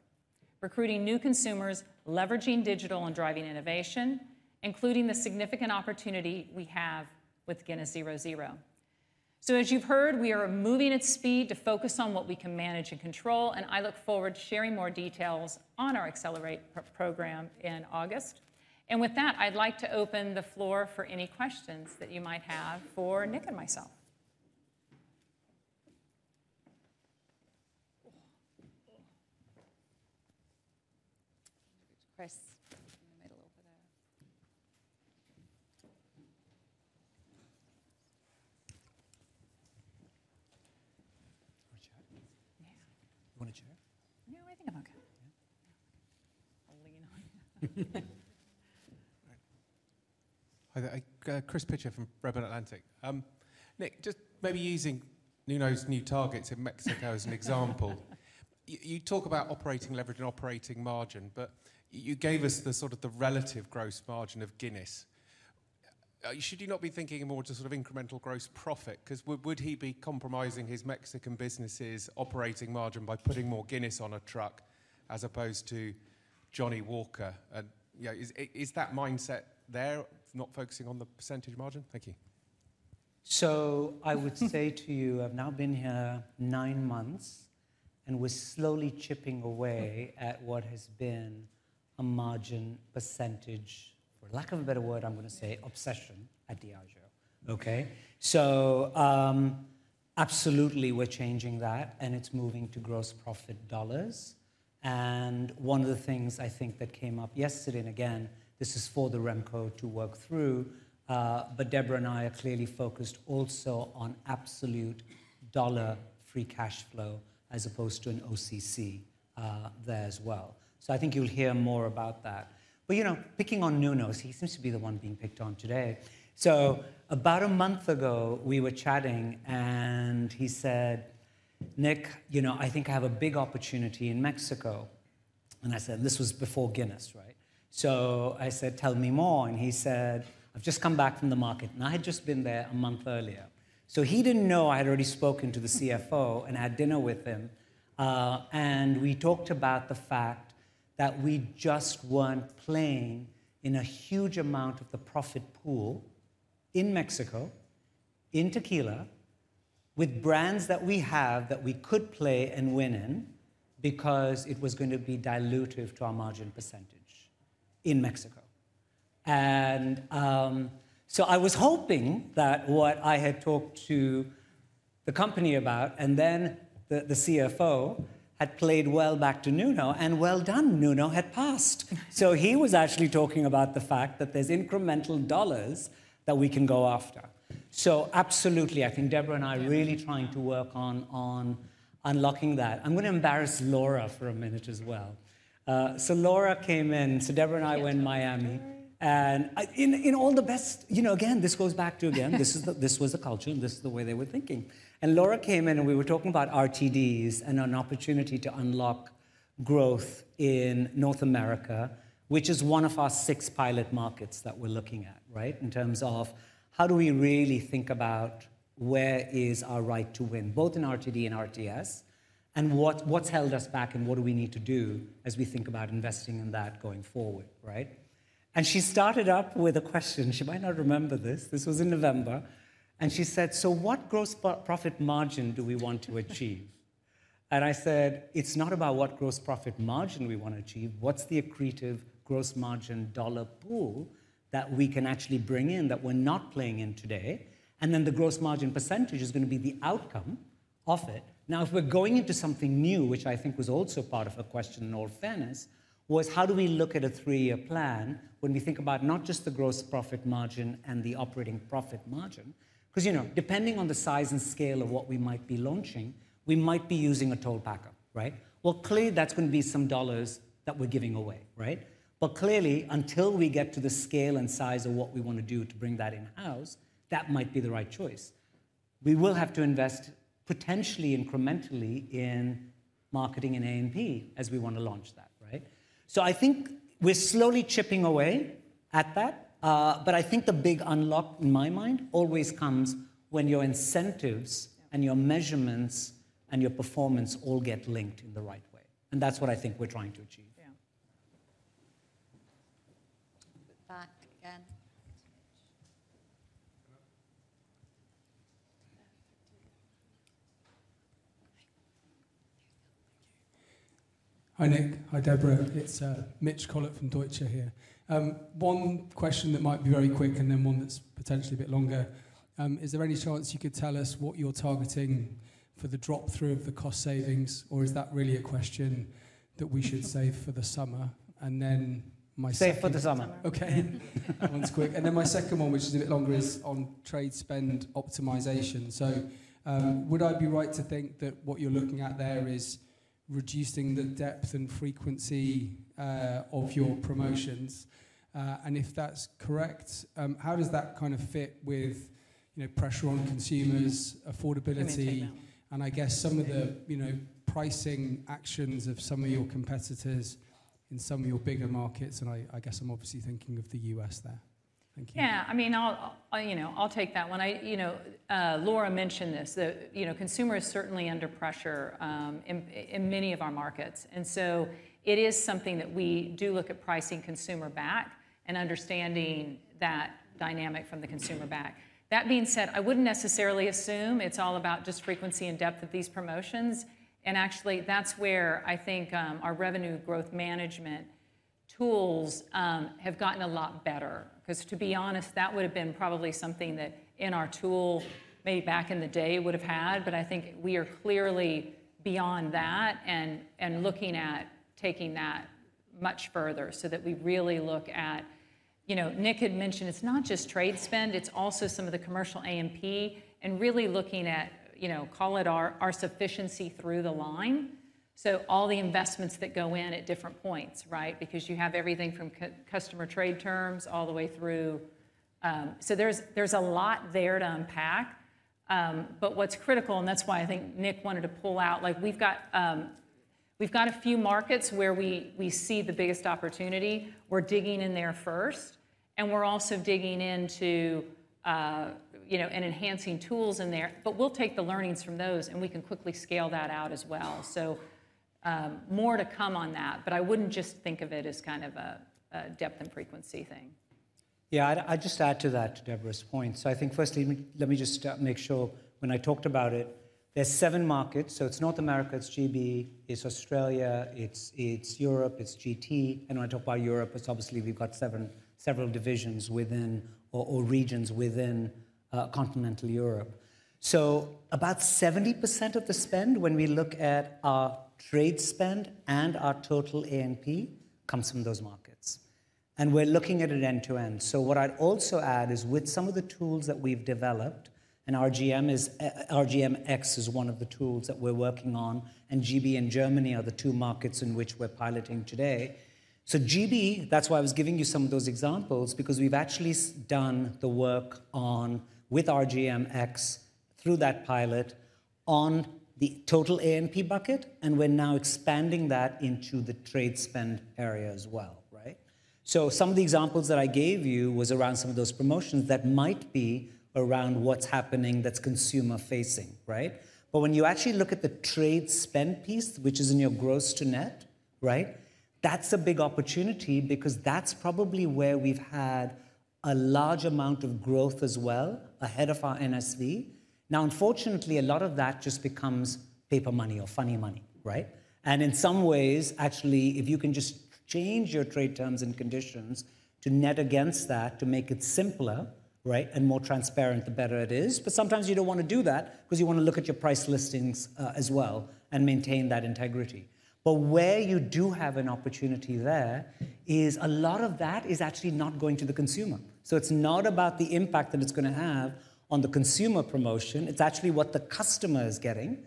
Speaker 1: recruiting new consumers, leveraging digital and driving innovation, including the significant opportunity we have with Guinness 0.0. As you have heard, we are moving at speed to focus on what we can manage and control, and I look forward to sharing more details on our Accelerate program in August. With that, I would like to open the floor for any questions that you might have for Nik and myself. Chris, you made a little bit of—
Speaker 18: Chris Pitcher from Redburn Atlantic. Nik, just maybe using Nuno's new targets in Mexico as an example, you talk about operating leverage and operating margin, but you gave us the sort of the relative gross margin of Guinness. Should you not be thinking more to sort of incremental gross profit? Because would he be compromising his Mexican business's operating margin by putting more Guinness on a truck as opposed to Johnnie Walker? And is that mindset there, not focusing on the percentage margin? Thank you.
Speaker 19: I would say to you, I've now been here nine months and we're slowly chipping away at what has been a margin percentage, for lack of a better word, I'm going to say obsession at Diageo, okay? Absolutely we're changing that and it's moving to gross profit dollars. One of the things I think that came up yesterday, and again, this is for the Remco to work through, but Deborah and I are clearly focused also on absolute dollar free cash flow as opposed to an OCC there as well. I think you'll hear more about that. You know, picking on Nuno, he seems to be the one being picked on today. About a month ago, we were chatting and he said, "Nik, you know, I think I have a big opportunity in Mexico." I said, this was before Guinness, right? I said, "Tell me more." He said, "I've just come back from the market and I had just been there a month earlier." He did not know I had already spoken to the CFO and had dinner with him. We talked about the fact that we just were not playing in a huge amount of the profit pool in Mexico, in Tequila, with brands that we have that we could play and win in because it was going to be dilutive to our margin percentage in Mexico. I was hoping that what I had talked to the company about and then the CFO had played well back to Nuno and well done, Nuno had passed. He was actually talking about the fact that there are incremental dollars that we can go after. Absolutely, I think Deborah and I are really trying to work on unlocking that. I'm going to embarrass Laura for a minute as well. Laura came in, so Deborah and I were in Miami. In all the best, you know, again, this goes back to, again, this was the culture and this is the way they were thinking. Laura came in and we were talking about RTDs and an opportunity to unlock growth in North America, which is one of our six pilot markets that we're looking at, right? In terms of how do we really think about where is our right to win, both in RTD and RTS, and what's held us back and what do we need to do as we think about investing in that going forward, right? She started up with a question. She might not remember this. This was in November. She said, "So what gross profit margin do we want to achieve?" I said, "It's not about what gross profit margin we want to achieve. What's the accretive gross margin dollar pool that we can actually bring in that we're not playing in today?" The gross margin percentage is going to be the outcome of it. Now, if we're going into something new, which I think was also part of her question in all fairness, how do we look at a three-year plan when we think about not just the gross profit margin and the operating profit margin? Because, you know, depending on the size and scale of what we might be launching, we might be using a toll packer, right? Clearly that's going to be some dollars that we're giving away, right? Clearly, until we get to the scale and size of what we want to do to bring that in-house, that might be the right choice. We will have to invest potentially incrementally in marketing and A&P as we want to launch that, right? I think we're slowly chipping away at that, but I think the big unlock in my mind always comes when your incentives and your measurements and your performance all get linked in the right way. That's what I think we're trying to achieve.
Speaker 15: Hi Nik, hi Deborah. It's Mitch Collett from Deutsche here. One question that might be very quick and then one that's potentially a bit longer. Is there any chance you could tell us what you're targeting for the drop-through of the cost savings, or is that really a question that we should save for the summer? And then..
Speaker 19: Save it for the summer.
Speaker 15: Okay. One's quick. And then my second one, which is a bit longer, is on trade spend optimization. So would I be right to think that what you're looking at there is reducing the depth and frequency of your promotions? And if that's correct, how does that kind of fit with, you know, pressure on consumers, affordability, and I guess some of the, you know, pricing actions of some of your competitors in some of your bigger markets? And I guess I'm obviously thinking of the U.S. there. Thank you.
Speaker 1: Yeah, I mean, I'll, you know, I'll take that one. I, you know, Laura mentioned this, that, you know, consumers are certainly under pressure in many of our markets. It is something that we do look at pricing consumer back and understanding that dynamic from the consumer back. That being said, I wouldn't necessarily assume it's all about just frequency and depth of these promotions. Actually, that's where I think our revenue growth management tools have gotten a lot better. Because to be honest, that would have been probably something that in our tool maybe back in the day would have had, but I think we are clearly beyond that and looking at taking that much further so that we really look at, you know, Nik had mentioned it's not just trade spend, it's also some of the commercial A&P and really looking at, you know, call it our sufficiency through the line. All the investments that go in at different points, right? You have everything from customer trade terms all the way through. There's a lot there to unpack. What's critical, and that's why I think Nik wanted to pull out, we've got a few markets where we see the biggest opportunity. We're digging in there first, and we're also digging into, you know, and enhancing tools in there. We will take the learnings from those and we can quickly scale that out as well. More to come on that, but I would not just think of it as kind of a depth and frequency thing.
Speaker 19: Yeah, I'd just add to that to Deborah's point. I think firstly, let me just make sure when I talked about it, there's seven markets. It's North America, it's GB, it's Australia, it's Europe, it's GT. When I talk about Europe, it's obviously we've got several divisions within or regions within continental Europe. About 70% of the spend when we look at our trade spend and our total A&P comes from those markets. We're looking at it end to end. What I'd also add is with some of the tools that we've developed, and RGMX is one of the tools that we're working on, and GB and Germany are the two markets in which we're piloting today. GB, that's why I was giving you some of those examples, because we've actually done the work with RGMX through that pilot on the total A&P bucket, and we're now expanding that into the trade spend area as well, right? Some of the examples that I gave you was around some of those promotions that might be around what's happening that's consumer facing, right? When you actually look at the trade spend piece, which is in your gross to net, right? That's a big opportunity because that's probably where we've had a large amount of growth as well ahead of our NSV. Now, unfortunately, a lot of that just becomes paper money or funny money, right? In some ways, actually, if you can just change your trade terms and conditions to net against that to make it simpler, right? And more transparent, the better it is. Sometimes you do not want to do that because you want to look at your price listings as well and maintain that integrity. Where you do have an opportunity, a lot of that is actually not going to the consumer. It is not about the impact that it is going to have on the consumer promotion. It is actually what the customer is getting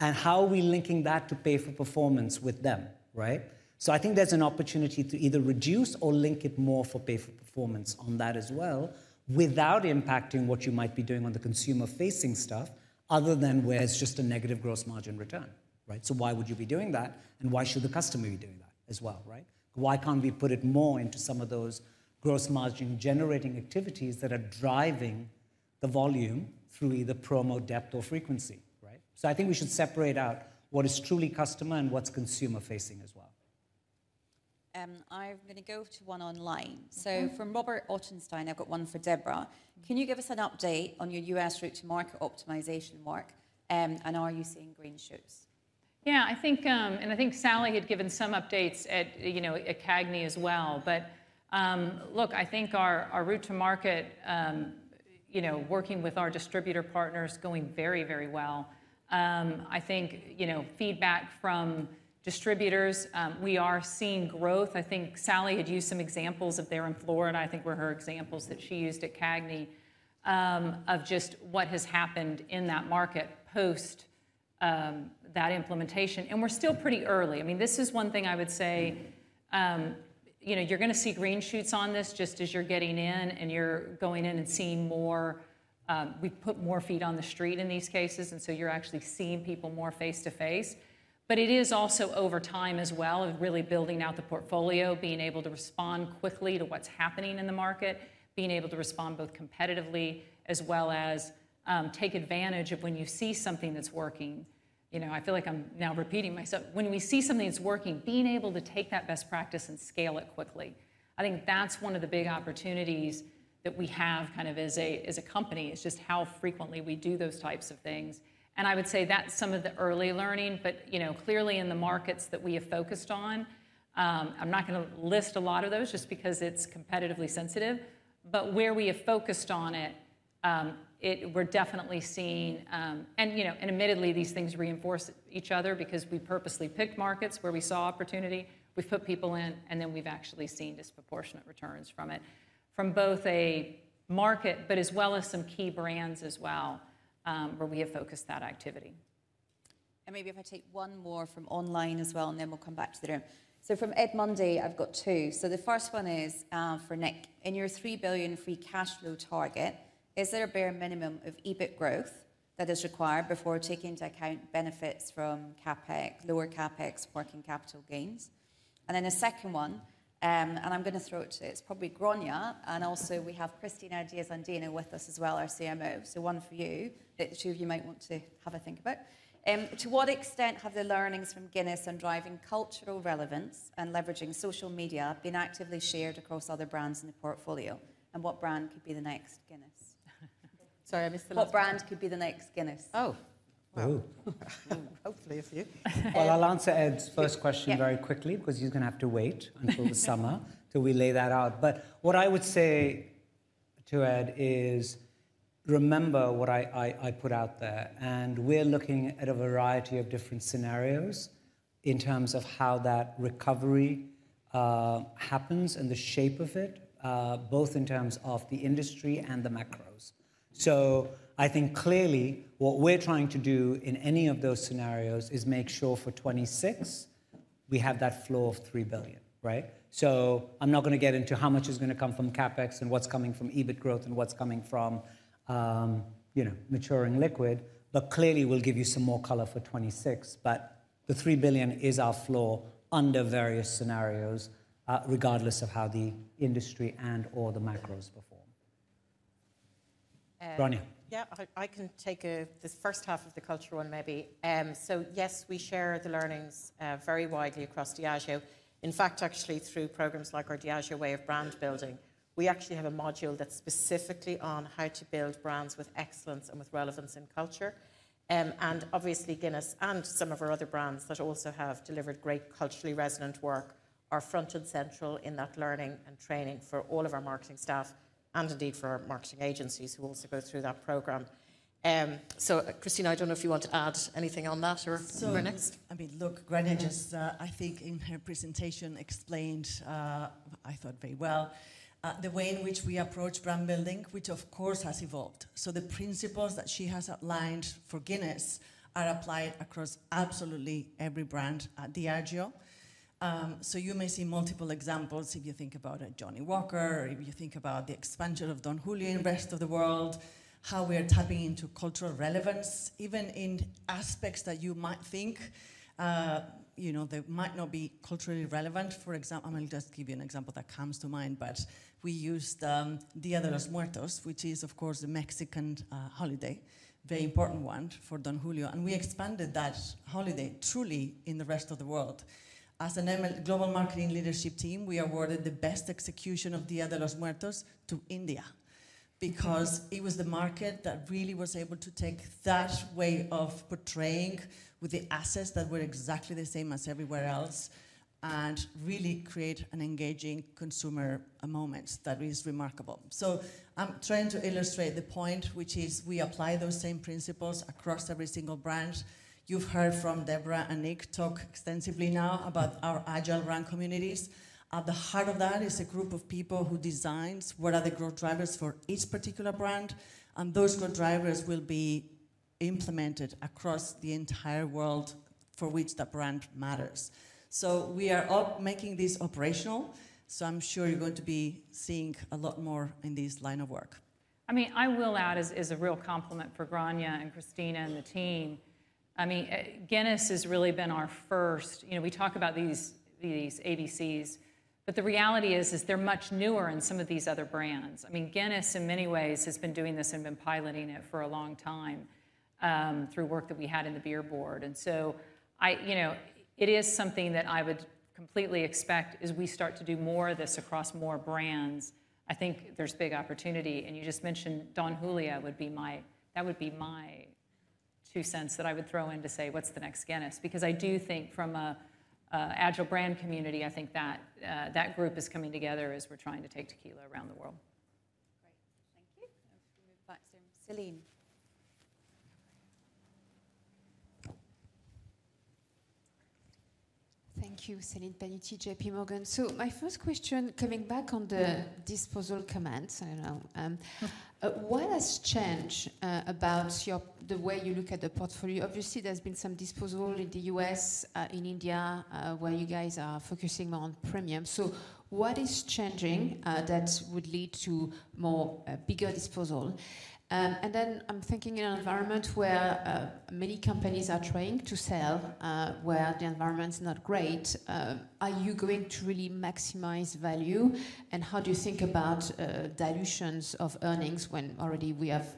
Speaker 19: and how are we linking that to pay for performance with them, right? I think there is an opportunity to either reduce or link it more for pay for performance on that as well without impacting what you might be doing on the consumer facing stuff other than where it is just a negative gross margin return, right? Why would you be doing that? Why should the customer be doing that as well, right? Why can't we put it more into some of those gross margin generating activities that are driving the volume through either promo, depth, or frequency, right? I think we should separate out what is truly customer and what's consumer facing as well.
Speaker 9: I'm going to go to one online. From Robert Ottenstein, I've got one for Deborah. Can you give us an update on your U.S. route to market optimization work? Are you seeing green shoots?
Speaker 1: Yeah, I think, and I think Sally had given some updates at, you know, at Cagne as well. Look, I think our route to market, you know, working with our distributor partners is going very, very well. I think, you know, feedback from distributors, we are seeing growth. I think Sally had used some examples of there in Florida. I think were her examples that she used at Cagne of just what has happened in that market post that implementation. We're still pretty early. I mean, this is one thing I would say, you know, you're going to see green shoots on this just as you're getting in and you're going in and seeing more. We put more feet on the street in these cases. You are actually seeing people more face to face. It is also over time as well of really building out the portfolio, being able to respond quickly to what's happening in the market, being able to respond both competitively as well as take advantage of when you see something that's working. You know, I feel like I'm now repeating myself. When we see something that's working, being able to take that best practice and scale it quickly. I think that's one of the big opportunities that we have kind of as a company is just how frequently we do those types of things. I would say that's some of the early learning, but you know, clearly in the markets that we have focused on, I'm not going to list a lot of those just because it's competitively sensitive. Where we have focused on it, we're definitely seeing, and you know, admittedly these things reinforce each other because we purposely picked markets where we saw opportunity, we've put people in, and then we've actually seen disproportionate returns from it from both a market, but as well as some key brands as well where we have focused that activity.
Speaker 9: Maybe if I take one more from online as well, and then we'll come back to the room. From Ed Mundy, I've got two. The first one is for Nik.In your $3 billion free cash flow target, is there a bare minimum of EBIT growth that is required before taking into account benefits from CapEx, lower CapEx, working capital gains? A second one, and I'm going to throw it to, it's probably Grainne. Also, we have Cristina Diezhandino and Dana with us as well, our CMO. One for you that the two of you might want to have a think about. To what extent have the learnings from Guinness on driving cultural relevance and leveraging social media been actively shared across other brands in the portfolio? What brand could be the next Guinness? What brand could be the next Guinness?
Speaker 19: Oh. Hopefully a few. I'll answer Ed's first question very quickly because he's going to have to wait until the summer till we lay that out. What I would say to Ed is remember what I put out there. We're looking at a variety of different scenarios in terms of how that recovery happens and the shape of it, both in terms of the industry and the macros. I think clearly what we're trying to do in any of those scenarios is make sure for 2026 we have that floor of $3 billion, right? I'm not going to get into how much is going to come from CapEx and what's coming from EBIT growth and what's coming from, you know, maturing liquid, but clearly we'll give you some more color for 2026. The $3 billion is our floor under various scenarios regardless of how the industry and/or the macros perform. Grainne?
Speaker 12: Yeah, I can take the first half of the cultural one maybe. Yes, we share the learnings very widely across Diageo. In fact, actually through programs like our Diageo way of brand building, we actually have a module that's specifically on how to build brands with excellence and with relevance in culture. Obviously Guinness and some of our other brands that also have delivered great culturally resonant work are front and central in that learning and training for all of our marketing staff and indeed for our marketing agencies who also go through that program. Cristina, I do not know if you want to add anything on that or go next.
Speaker 20: I mean, look, Grainne just, I think in her presentation explained, I thought very well, the way in which we approach brand building, which of course has evolved. The principles that she has outlined for Guinness are applied across absolutely every brand at Diageo. You may see multiple examples if you think about it, Johnnie Walker, or if you think about the expansion of Don Julio in the rest of the world, how we are tapping into cultural relevance, even in aspects that you might think, you know, that might not be culturally relevant. For example, I'm going to just give you an example that comes to mind, but we used Día de los Muertos, which is of course a Mexican holiday, very important one for Don Julio. We expanded that holiday truly in the rest of the world. As a global marketing leadership team, we awarded the best execution of Día de los Muertos to India because it was the market that really was able to take that way of portraying with the assets that were exactly the same as everywhere else and really create an engaging consumer moment that is remarkable. I am trying to illustrate the point, which is we apply those same principles across every single brand. You have heard from Deborah and Nik talk extensively now about our Agile brand communities. At the heart of that is a group of people who designs what are the growth drivers for each particular brand. Those growth drivers will be implemented across the entire world for which that brand matters. We are all making this operational. I am sure you are going to be seeing a lot more in this line of work.
Speaker 1: I mean, I will add as a real compliment for Grainne and Cristina and the team. I mean, Guinness has really been our first, you know, we talk about these ABCs, but the reality is, is they're much newer in some of these other brands. I mean, Guinness in many ways has been doing this and been piloting it for a long time through work that we had in the beer board. I, you know, it is something that I would completely expect as we start to do more of this across more brands. I think there's big opportunity. You just mentioned Don Julio would be my, that would be my two cents that I would throw in to say what's the next Guinness? Because I do think from an Agile Brand Community, I think that that group is coming together as we're trying to take tequila around the world.
Speaker 21: Thank you, Celine Pannuti, JPMorgan. My first question, coming back on the disposal comments. What has changed about the way you look at the portfolio? Obviously, there's been some disposal in the U.S., in India, where you guys are focusing more on premium. What is changing that would lead to more, bigger disposal? I'm thinking in an environment where many companies are trying to sell, where the environment's not great. Are you going to really maximize value? How do you think about dilutions of earnings when already we have,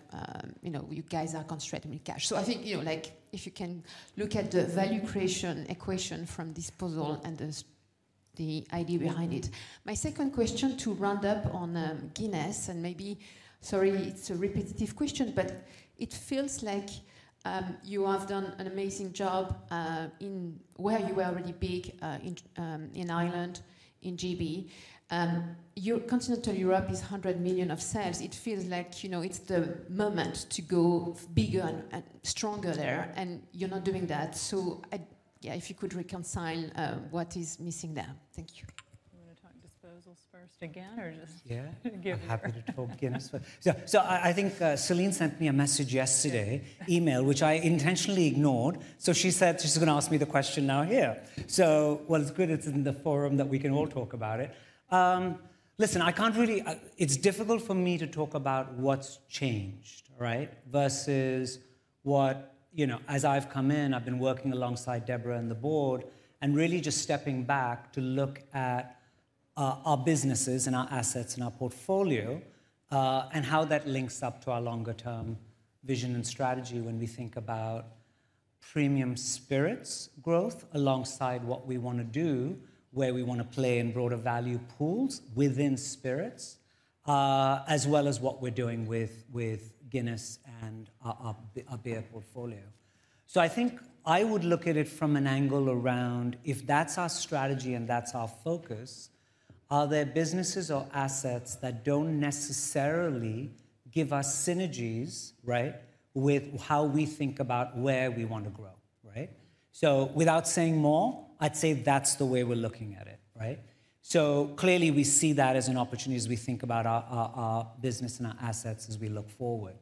Speaker 21: you know, you guys are concentrating cash? I think, you know, if you can look at the value creation equation from disposal and the idea behind it. My second question to round up on Guinness and maybe, sorry, it's a repetitive question, but it feels like you have done an amazing job in where you were already big in Ireland, in GB. Your continental Europe is $100 million of sales. It feels like, you know, it's the moment to go bigger and stronger there. And you're not doing that. If you could reconcile what is missing there. Thank you.
Speaker 1: Do you want to talk disposals first again or just give it?
Speaker 19: Yeah, happy to talk Guinness first. I think Celine sent me a message yesterday, email, which I intentionally ignored. She said she's going to ask me the question now here. It's good it's in the forum that we can all talk about it. Listen, I can't really, it's difficult for me to talk about what's changed, right? Versus what, you know, as I've come in, I've been working alongside Deborah and the board and really just stepping back to look at our businesses and our assets and our portfolio and how that links up to our longer term vision and strategy when we think about premium spirits growth alongside what we want to do, where we want to play in broader value pools within spirits, as well as what we're doing with Guinness and our beer portfolio. I think I would look at it from an angle around if that's our strategy and that's our focus, are there businesses or assets that do not necessarily give us synergies, right? With how we think about where we want to grow, right? Without saying more, I'd say that's the way we're looking at it, right? Clearly we see that as an opportunity as we think about our business and our assets as we look forward.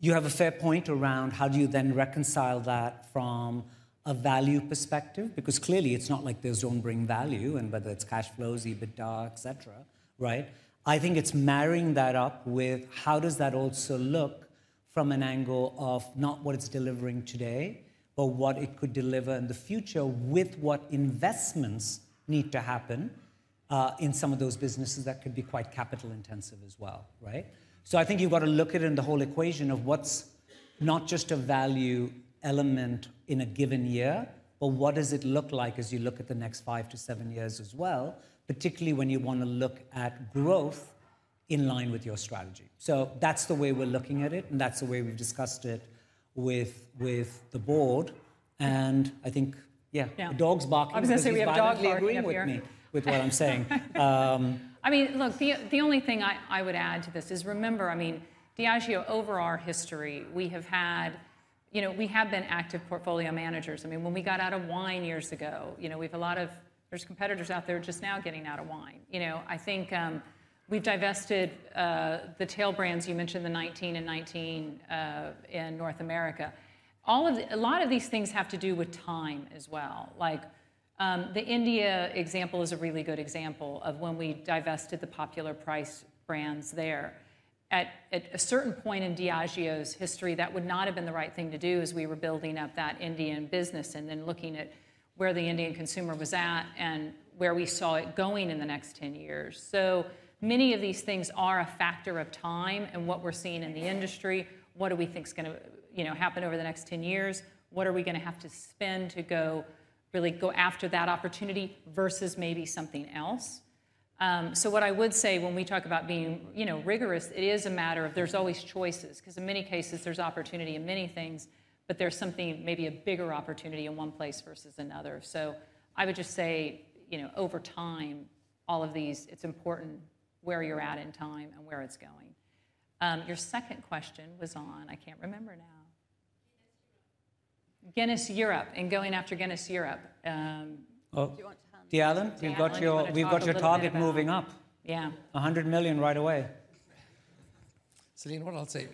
Speaker 19: You have a fair point around how do you then reconcile that from a value perspective? Because clearly it's not like those do not bring value and whether it's cash flows, EBITDA, et cetera, right? I think it's marrying that up with how does that also look from an angle of not what it's delivering today, but what it could deliver in the future with what investments need to happen in some of those businesses that could be quite capital intensive as well, right? I think you've got to look at it in the whole equation of what's not just a value element in a given year, but what does it look like as you look at the next five to seven years as well, particularly when you want to look at growth in line with your strategy. That's the way we're looking at it and that's the way we've discussed it with the board. I think, yeah, dogs barking. I was going to say we have dogs barking. You agree with me with what I'm saying.
Speaker 1: I mean, look, the only thing I would add to this is remember, I mean, Diageo over our history, we have had, you know, we have been active portfolio managers. I mean, when we got out of wine years ago, you know, we've, a lot of, there's competitors out there just now getting out of wine. You know, I think we've divested the tail brands you mentioned, the 19 and 19 in North America. A lot of these things have to do with time as well. Like the India example is a really good example of when we divested the popular price brands there. At a certain point in Diageo's history, that would not have been the right thing to do as we were building up that Indian business and then looking at where the Indian consumer was at and where we saw it going in the next 10 years. So many of these things are a factor of time and what we're seeing in the industry, what do we think's going to, you know, happen over the next 10 years? What are we going to have to spend to really go after that opportunity versus maybe something else? What I would say when we talk about being, you know, rigorous, it is a matter of there's always choices because in many cases there's opportunity in many things, but there's maybe a bigger opportunity in one place versus another. I would just say, you know, over time all of these, it's important where you're at in time and where it's going. Your second question was on, I can't remember now. Guinness Europe and going after Guinness Europe. Do you want to handle that?
Speaker 19: Dylan, we've got your target moving up. Yeah, $100 million right away.
Speaker 6: Celine, what I'll say,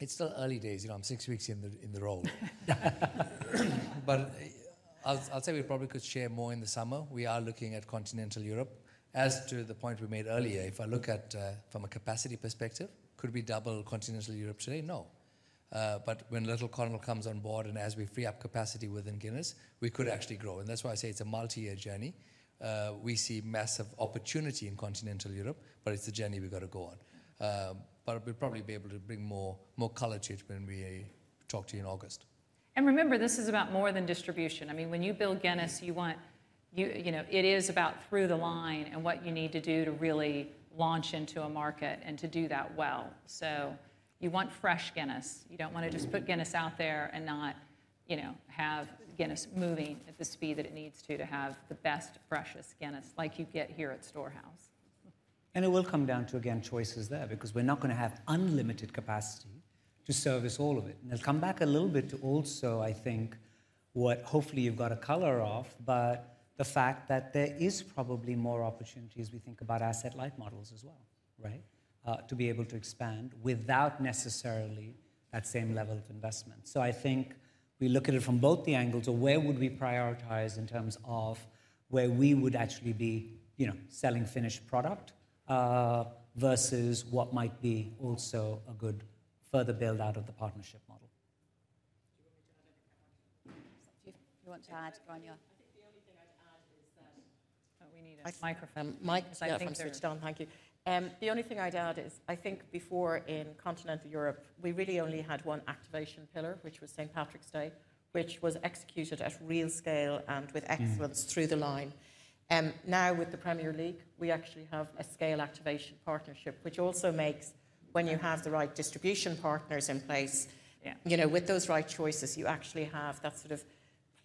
Speaker 6: it's still early days. You know, I'm six weeks in the role. I'll say we probably could share more in the summer. We are looking at continental Europe as to the point we made earlier. If I look at from a capacity perspective, could we double continental Europe today? No. When Little Connell comes on board and as we free up capacity within Guinness, we could actually grow. That's why I say it's a multi-year journey. We see massive opportunity in continental Europe, but it's the journey we've got to go on. We'll probably be able to bring more color to it when we talk to you in August.
Speaker 1: Remember, this is about more than distribution. I mean, when you build Guinness, you want, you know, it is about through the line and what you need to do to really launch into a market and to do that well. You want fresh Guinness. You do not want to just put Guinness out there and not, you know, have Guinness moving at the speed that it needs to to have the best, freshest Guinness like you get here at Storehouse.
Speaker 19: It will come down to, again, choices there because we're not going to have unlimited capacity to service all of it. I'll come back a little bit to also, I think, what hopefully you've got a color of, but the fact that there is probably more opportunity as we think about asset-light models as well, right? To be able to expand without necessarily that same level of investment. I think we look at it from both the angles of where would we prioritize in terms of where we would actually be, you know, selling finished product versus what might be also a good further build out of the partnership model.
Speaker 1: Do you want to add anything? You want to add, Grainne?
Speaker 12: I think the only thing I'd add is that. The only thing I'd add is I think before in continental Europe, we really only had one activation pillar, which was St. Patrick's Day, which was executed at real scale and with excellence through the line. Now with the Premier League, we actually have a scale activation partnership, which also makes when you have the right distribution partners in place, you know, with those right choices, you actually have that sort of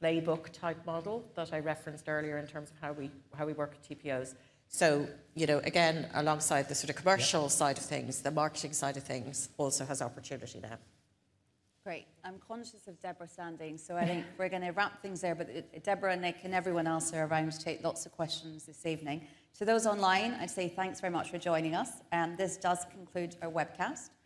Speaker 12: playbook type model that I referenced earlier in terms of how we work at TPOs. So, you know, again, alongside the sort of commercial side of things, the marketing side of things also has opportunity there.
Speaker 9: Great. I'm conscious of Debra standing, so I think we're going to wrap things there, but Debra and Nik and everyone else are around to take lots of questions this evening. To those online, I'd say thanks very much for joining us. This does conclude our webcast.